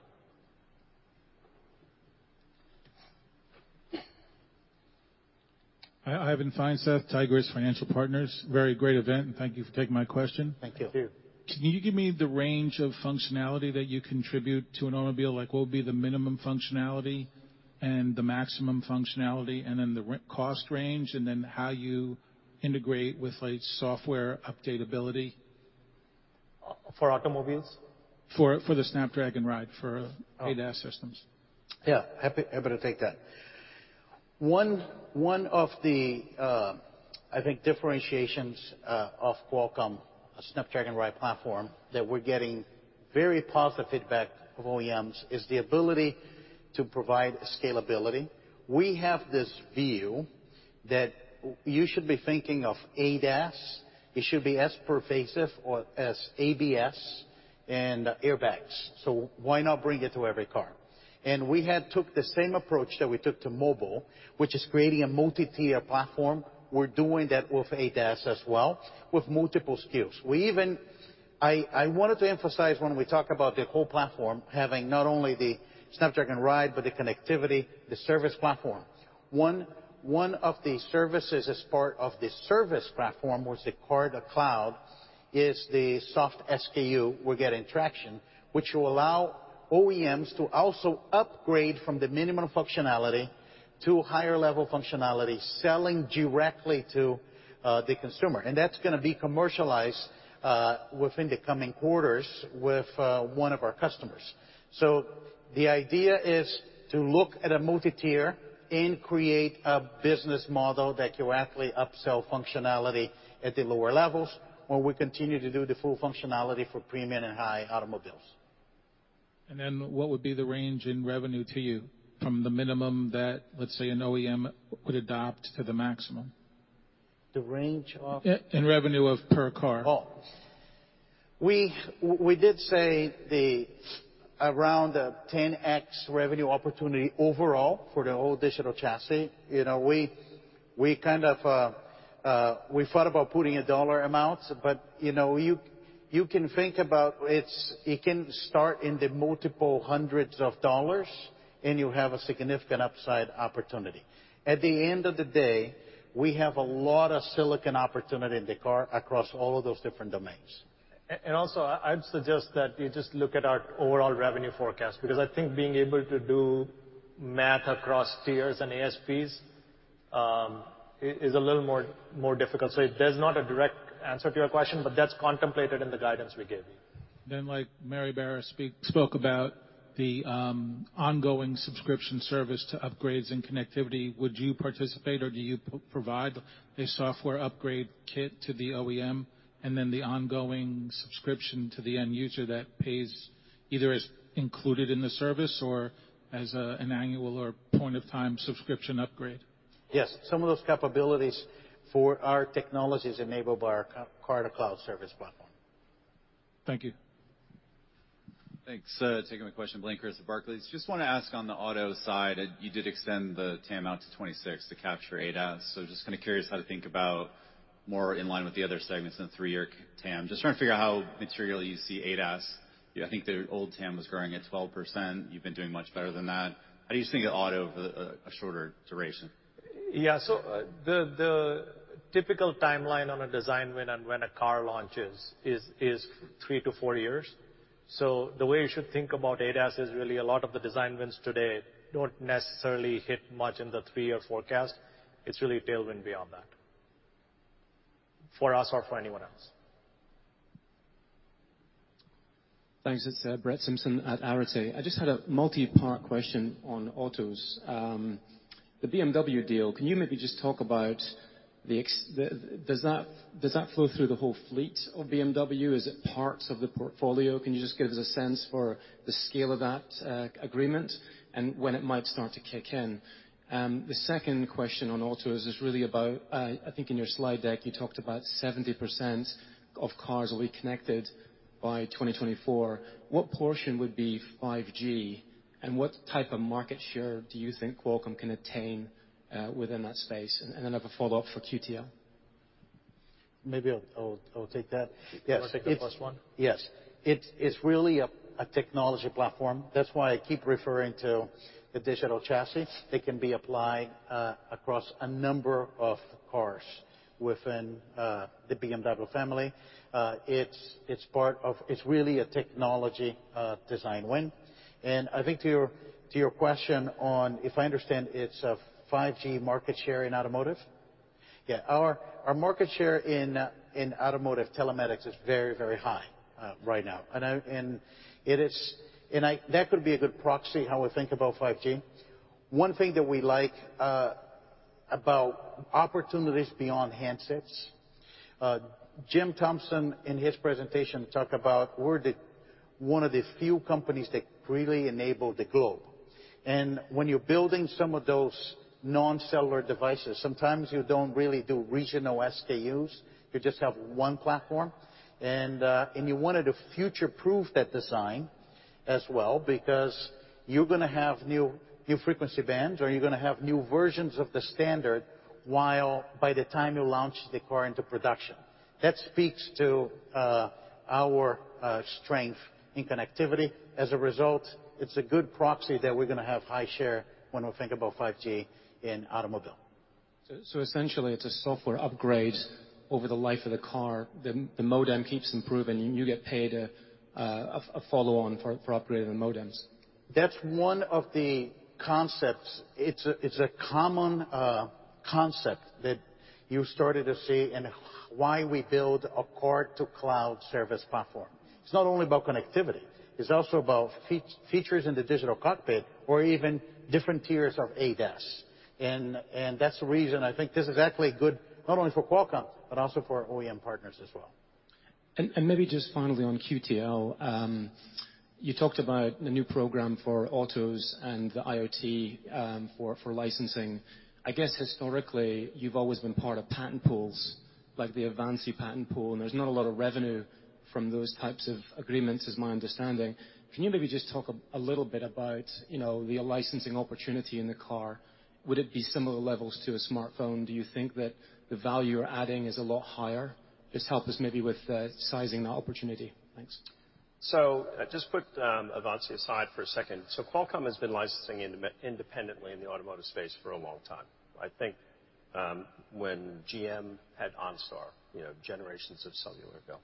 [SPEAKER 15] Hi, Ivan Feinseth, Tigress Financial Partners. Very great event, and thank you for taking my question.
[SPEAKER 3] Thank you.
[SPEAKER 6] Thank you.
[SPEAKER 15] Can you give me the range of functionality that you contribute to an automobile? Like, what would be the minimum functionality and the maximum functionality, and then the cost range, and then how you integrate with, like, software updatability?
[SPEAKER 3] For automobiles?
[SPEAKER 15] For the Snapdragon Ride, for ADAS systems.
[SPEAKER 3] Happy to take that. One of the differentiations of Qualcomm, the Snapdragon Ride platform that we're getting very positive feedback from OEMs is the ability to provide scalability. We have this view that we should be thinking of ADAS. It should be as pervasive as ABS and airbags. Why not bring it to every car? We had took the same approach that we took to mobile, which is creating a multi-tier platform. We're doing that with ADAS as well with multiple SKUs. I wanted to emphasize when we talk about the whole platform having not only the Snapdragon Ride, but the connectivity, the service platform. One of the services as part of the service platform was the Car-to-Cloud, the software SKU we're getting traction, which will allow OEMs to also upgrade from the minimum functionality to higher level functionality, selling directly to the consumer. That's gonna be commercialized within the coming quarters with one of our customers. The idea is to look at a multi-tier and create a business model that can actually upsell functionality at the lower levels, while we continue to do the full functionality for premium and high automobiles.
[SPEAKER 15] What would be the range in revenue to you from the minimum that, let's say, an OEM would adopt to the maximum?
[SPEAKER 3] The range of-
[SPEAKER 15] Revenue per car.
[SPEAKER 3] We did say around the 10x revenue opportunity overall for the whole Digital Chassis. You know, we kind of thought about putting a dollar amount, but you know, you can think about it. It can start in the multiple hundreds of dollars and you have a significant upside opportunity. At the end of the day, we have a lot of silicon opportunity in the car across all of those different domains.
[SPEAKER 6] I'd suggest that you just look at our overall revenue forecast, because I think being able to do math across tiers and ASPs is a little more difficult. There's not a direct answer to your question, but that's contemplated in the guidance we gave you.
[SPEAKER 15] Like Mary Barra spoke about the ongoing subscription service to upgrades and connectivity, would you participate, or do you provide a software upgrade kit to the OEM and then the ongoing subscription to the end user that pays either as included in the service or as an annual or point of time subscription upgrade?
[SPEAKER 3] Yes, some of those capabilities for our technologies enabled by our Car-to-Cloud service platform.
[SPEAKER 15] Thank you.
[SPEAKER 16] Thanks. Taking the question, Blayne Curtis at Barclays. Just wanna ask on the auto side, you did extend the TAM out to 26 to capture ADAS. So just kind of curious how to think about more in line with the other segments in the three-year TAM. Just trying to figure out how materially you see ADAS. I think the old TAM was growing at 12%. You've been doing much better than that. How do you think of auto for a shorter duration?
[SPEAKER 6] Yeah. The typical timeline on a design win and when a car launches is three to four years. The way you should think about ADAS is really a lot of the design wins today don't necessarily hit much in the 3-year forecast. It's really a tailwind beyond that for us or for anyone else.
[SPEAKER 17] Thanks. It's Brett Simpson at Arete. I just had a multi-part question on autos. The BMW deal, can you maybe just talk about. Does that flow through the whole fleet of BMW? Is it parts of the portfolio? Can you just give us a sense for the scale of that agreement and when it might start to kick in? The second question on autos is really about, I think in your slide deck, you talked about 70% of cars will be connected by 2024. What portion would be 5G, and what type of market share do you think Qualcomm can attain within that space? Then I have a follow-up for QTL.
[SPEAKER 3] Maybe I'll take that.
[SPEAKER 6] Yes. You wanna take the first one?
[SPEAKER 3] Yes. It is really a technology platform. That's why I keep referring to the Digital Chassis. It can be applied across a number of cars within the BMW family. It's part of. It's really a technology design win. I think to your question on, if I understand it's 5G market share in automotive? Yeah. Our market share in automotive telematics is very high right now. It is. That could be a good proxy how we think about 5G. One thing that we like about opportunities beyond handsets. Jim Thompson, in his presentation, talked about we're one of the few companies that really enable the globe. When you're building some of those non-cellular devices, sometimes you don't really do regional SKUs. You just have one platform. You want to future-proof that design as well because you're gonna have new frequency bands, or you're gonna have new versions of the standard while by the time you launch the car into production. That speaks to our strength in connectivity. As a result, it's a good proxy that we're gonna have high share when we think about 5G in automobile.
[SPEAKER 17] Essentially, it's a software upgrade over the life of the car. The modem keeps improving, and you get paid a follow on for operating the modems.
[SPEAKER 3] That's one of the concepts. It's a common concept that you started to see and why we build a Car-to-Cloud service platform. It's not only about connectivity, it's also about features in the digital cockpit or even different tiers of ADAS. That's the reason I think this is actually good, not only for Qualcomm, but also for our OEM partners as well.
[SPEAKER 17] Maybe just finally on QTL, you talked about the new program for autos and the IoT for licensing. I guess historically, you've always been part of patent pools, like the Avanci patent pool, and there's not a lot of revenue from those types of agreements is my understanding. Can you maybe just talk a little bit about, you know, the licensing opportunity in the car? Would it be similar levels to a smartphone? Do you think that the value you're adding is a lot higher? Just help us maybe with sizing that opportunity. Thanks.
[SPEAKER 10] Just put Avanci aside for a second. Qualcomm has been licensing independently in the automotive space for a long time. I think when GM had OnStar, you know, generations of cellular bill.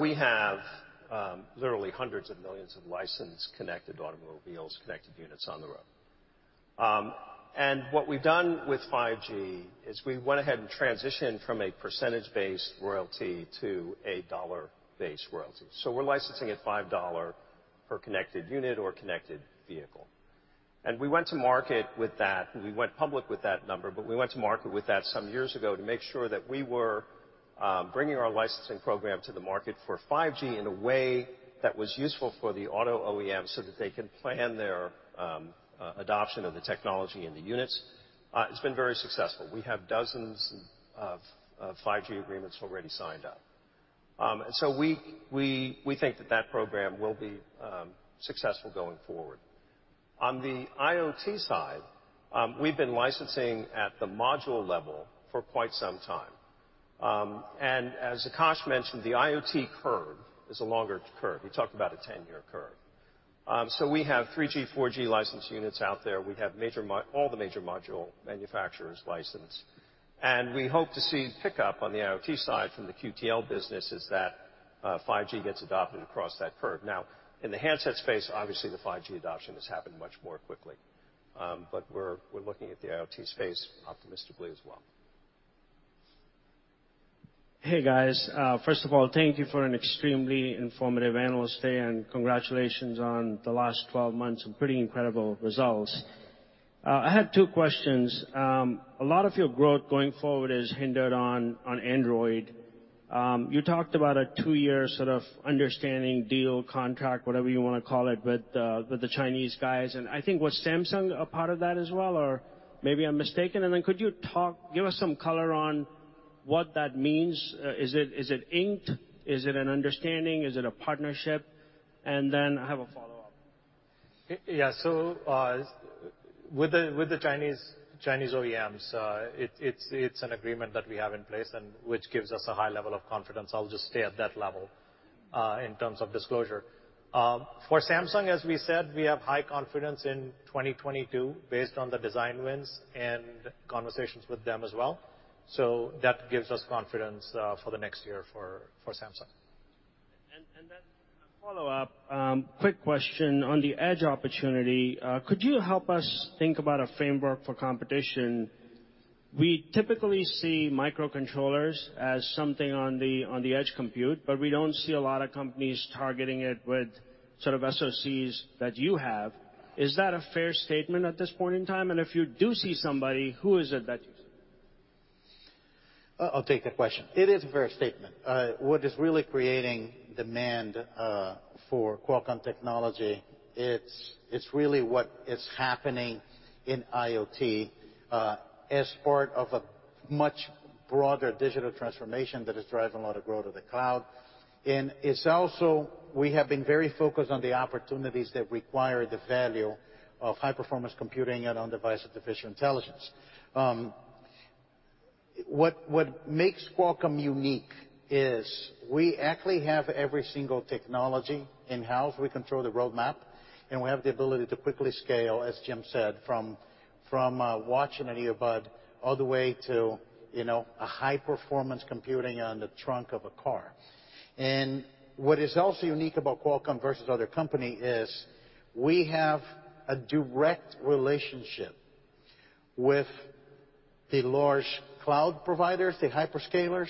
[SPEAKER 10] We have literally hundreds of millions of licensed connected automobiles, connected units on the road. What we've done with 5G is we went ahead and transitioned from a percentage-based royalty to a dollar-based royalty. We're licensing at $5 per connected unit or connected vehicle. We went to market with that. We went public with that number, but we went to market with that some years ago to make sure that we were Bringing our licensing program to the market for 5G in a way that was useful for the auto OEM so that they can plan their adoption of the technology in the units has been very successful. We have dozens of 5G agreements already signed up. We think that program will be successful going forward. On the IoT side, we've been licensing at the module level for quite some time. As Akash mentioned, the IoT curve is a longer curve. We talk about a 10-year curve. We have 3G, 4G license units out there. We have all the major module manufacturers licensed. We hope to see pickup on the IoT side from the QTL business as that 5G gets adopted across that curve. Now, in the handset space, obviously the 5G adoption has happened much more quickly. We're looking at the IoT space optimistically as well.
[SPEAKER 18] Hey, guys. First of all, thank you for an extremely informative analyst day, and congratulations on the last 12 months of pretty incredible results. I had two questions. A lot of your growth going forward is hindered on Android. You talked about a two-year sort of understanding, deal, contract, whatever you wanna call it, with the Chinese guys. I think was Samsung a part of that as well, or maybe I'm mistaken? Could you give us some color on what that means. Is it inked? Is it an understanding? Is it a partnership? I have a follow-up.
[SPEAKER 6] Yeah. With the Chinese OEMs, it's an agreement that we have in place and which gives us a high level of confidence. I'll just stay at that level in terms of disclosure. For Samsung, as we said, we have high confidence in 2022 based on the design wins and conversations with them as well. That gives us confidence for the next year for Samsung.
[SPEAKER 18] A follow-up quick question on the edge opportunity. Could you help us think about a framework for competition? We typically see microcontrollers as something on the edge compute, but we don't see a lot of companies targeting it with sort of SoCs that you have. Is that a fair statement at this point in time? If you do see somebody, who is it that you see?
[SPEAKER 3] I'll take that question. It is a fair statement. What is really creating demand for Qualcomm technology, it's really what is happening in IoT as part of a much broader digital transformation that is driving a lot of growth of the cloud. It's also, we have been very focused on the opportunities that require the value of high-performance computing and on-device artificial intelligence. What makes Qualcomm unique is we actually have every single technology in-house. We control the roadmap, and we have the ability to quickly scale, as Jim said, from watch and an earbud all the way to, you know, a high-performance computing on the trunk of a car. What is also unique about Qualcomm versus other company is we have a direct relationship with the large cloud providers, the hyperscalers,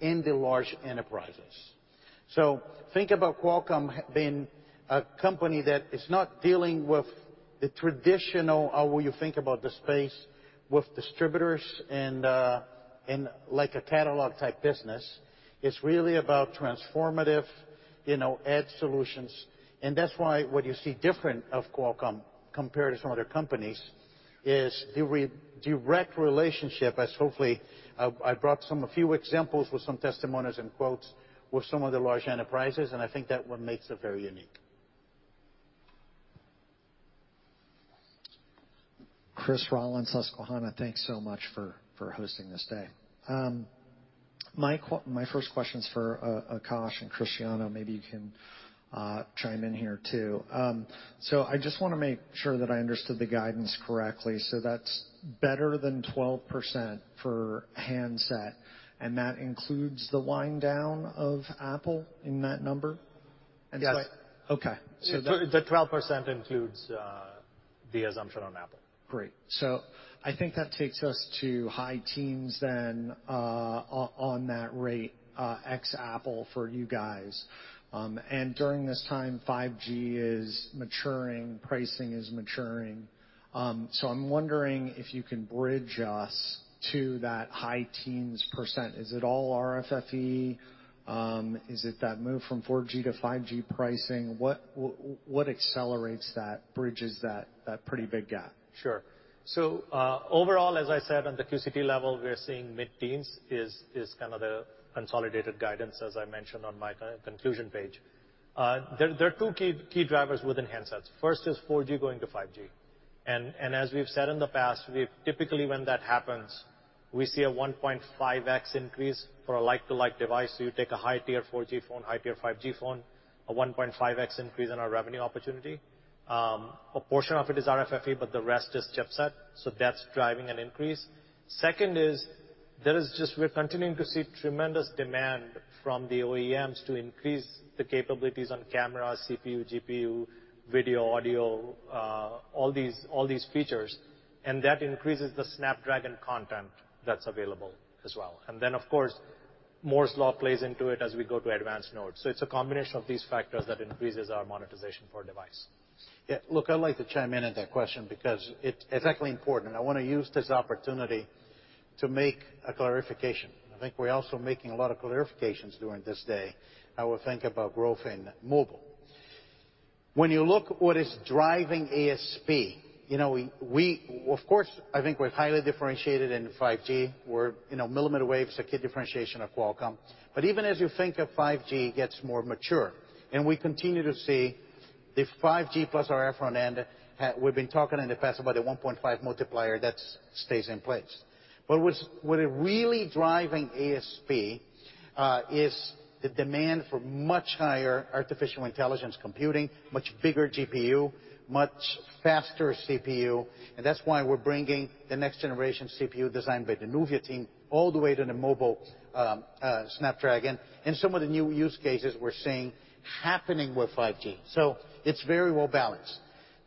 [SPEAKER 3] and the large enterprises. Think about Qualcomm being a company that is not dealing with the traditional, when you think about the space, with distributors and like a catalog-type business. It's really about transformative, you know, edge solutions. That's why what you see different of Qualcomm compared to some other companies is the direct relationship as, hopefully, I brought a few examples with some testimonials and quotes with some of the large enterprises, and I think that what makes it very unique.
[SPEAKER 19] Chris Rolland, Susquehanna. Thanks so much for hosting this day. My first question is for Akash and Cristiano. Maybe you can chime in here too. I just want to make sure that I understood the guidance correctly. That's better than 12% for handset, and that includes the wind down of Apple in that number?
[SPEAKER 6] Yes.
[SPEAKER 19] Okay.
[SPEAKER 6] The 12% includes the assumption on Apple.
[SPEAKER 19] Great. I think that takes us to high teens then, on that rate, ex Apple for you guys. During this time, 5G is maturing, pricing is maturing. I'm wondering if you can bridge us to that high teens percent. Is it all RFFE? Is it that move from 4G to 5G pricing? What accelerates that, bridges that, pretty big gap?
[SPEAKER 6] Sure. Overall, as I said, on the QCT level, we are seeing mid-teens is kind of the consolidated guidance, as I mentioned on my conclusion page. There are two key drivers within handsets. First is 4G going to 5G. As we've said in the past, we've typically, when that happens, we see a 1.5x increase for a like-to-like device. You take a high-tier 4G phone, high-tier 5G phone, a 1.5x increase in our revenue opportunity. A portion of it is RFFE, but the rest is chipset, so that's driving an increase. Second, there is just we're continuing to see tremendous demand from the OEMs to increase the capabilities on camera, CPU, GPU, video, audio, all these features, and that increases the Snapdragon content that's available as well. Of course, Moore's Law plays into it as we go to advanced nodes. It's a combination of these factors that increases our monetization for a device.
[SPEAKER 3] Yeah, look, I'd like to chime in on that question because it's exactly important, and I wanna use this opportunity to make a clarification. I think we're also making a lot of clarifications during this day how we think about growth in mobile. When you look what is driving ASP, you know, of course, I think we're highly differentiated in 5G. You know, millimeter wave is a key differentiation of Qualcomm. But even as you think of 5G gets more mature, and we continue to see the 5G plus our front end, we've been talking in the past about the 1.5 multiplier that stays in place. What is really driving ASP is the demand for much higher artificial intelligence computing, much bigger GPU, much faster CPU, and that's why we're bringing the next generation CPU design by the NUVIA team all the way to the mobile Snapdragon, and some of the new use cases we're seeing happening with 5G. It's very well-balanced.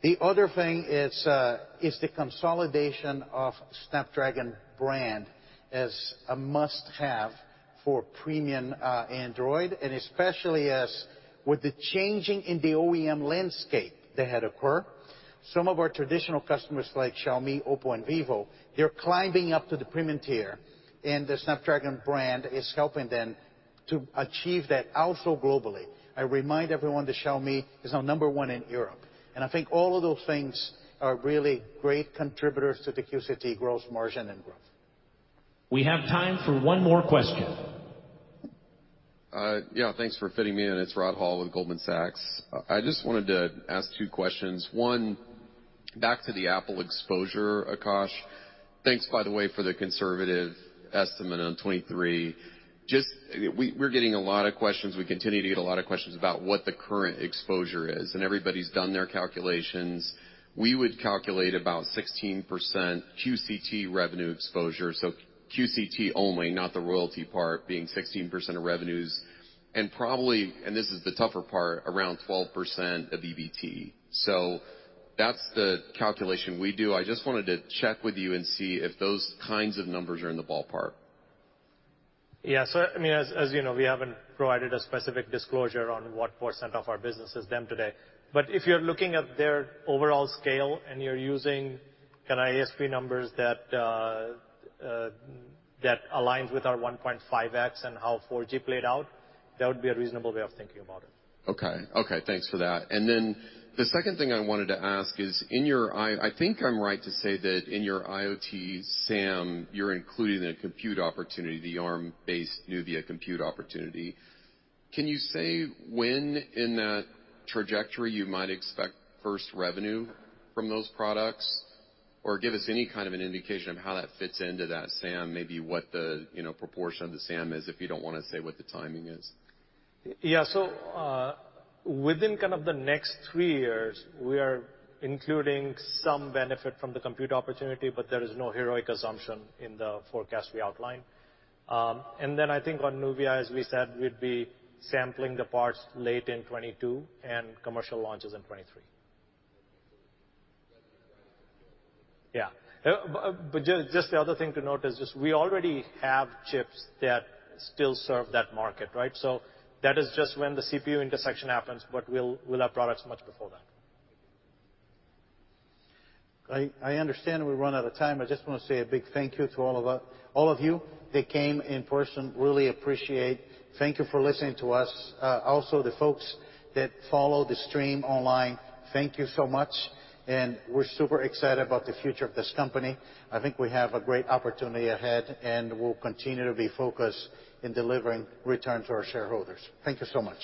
[SPEAKER 3] The other thing is the consolidation of Snapdragon brand as a must-have for premium Android, and especially as with the changing in the OEM landscape that had occur, some of our traditional customers like Xiaomi, OPPO, and Vivo, they're climbing up to the premium tier, and the Snapdragon brand is helping them to achieve that also globally. I remind everyone that Xiaomi is now number one in Europe. I think all of those things are really great contributors to the QCT growth margin and growth.
[SPEAKER 1] We have time for one more question.
[SPEAKER 20] Yeah, thanks for fitting me in. It's Rod Hall with Goldman Sachs. I just wanted to ask two questions. One, back to the Apple exposure, Akash. Thanks, by the way, for the conservative estimate on 2023. Just, we're getting a lot of questions, we continue to get a lot of questions about what the current exposure is, and everybody's done their calculations. We would calculate about 16% QCT revenue exposure, so QCT only, not the royalty part, being 16% of revenues. And probably, and this is the tougher part, around 12% of EBT. That's the calculation we do. I just wanted to check with you and see if those kinds of numbers are in the ballpark.
[SPEAKER 6] I mean, as you know, we haven't provided a specific disclosure on what % of our business is them today. If you're looking at their overall scale and you're using kind of ASP numbers that aligns with our 1.5x and how 4G played out, that would be a reasonable way of thinking about it.
[SPEAKER 20] Okay. Okay, thanks for that. The second thing I wanted to ask is, in your, I think I'm right to say that in your IoT SAM, you're including the compute opportunity, the ARM-based NUVIA compute opportunity. Can you say when in that trajectory you might expect first revenue from those products? Or give us any kind of an indication of how that fits into that SAM, maybe what the, you know, proportion of the SAM is, if you don't wanna say what the timing is?
[SPEAKER 6] Yeah. Within kind of the next three years, we are including some benefit from the compute opportunity, but there is no heroic assumption in the forecast we outlined. Then I think on NUVIA, as we said, we'd be sampling the parts late in 2022 and commercial launches in 2023. Yeah. Just the other thing to note is just we already have chips that still serve that market, right? That is just when the CPU intersection happens, but we'll have products much before that.
[SPEAKER 3] I understand we've run out of time. I just wanna say a big thank you to all of you that came in person, really appreciate. Thank you for listening to us. Also the folks that follow the stream online, thank you so much. We're super excited about the future of this company. I think we have a great opportunity ahead, and we'll continue to be focused in delivering return to our shareholders. Thank you so much.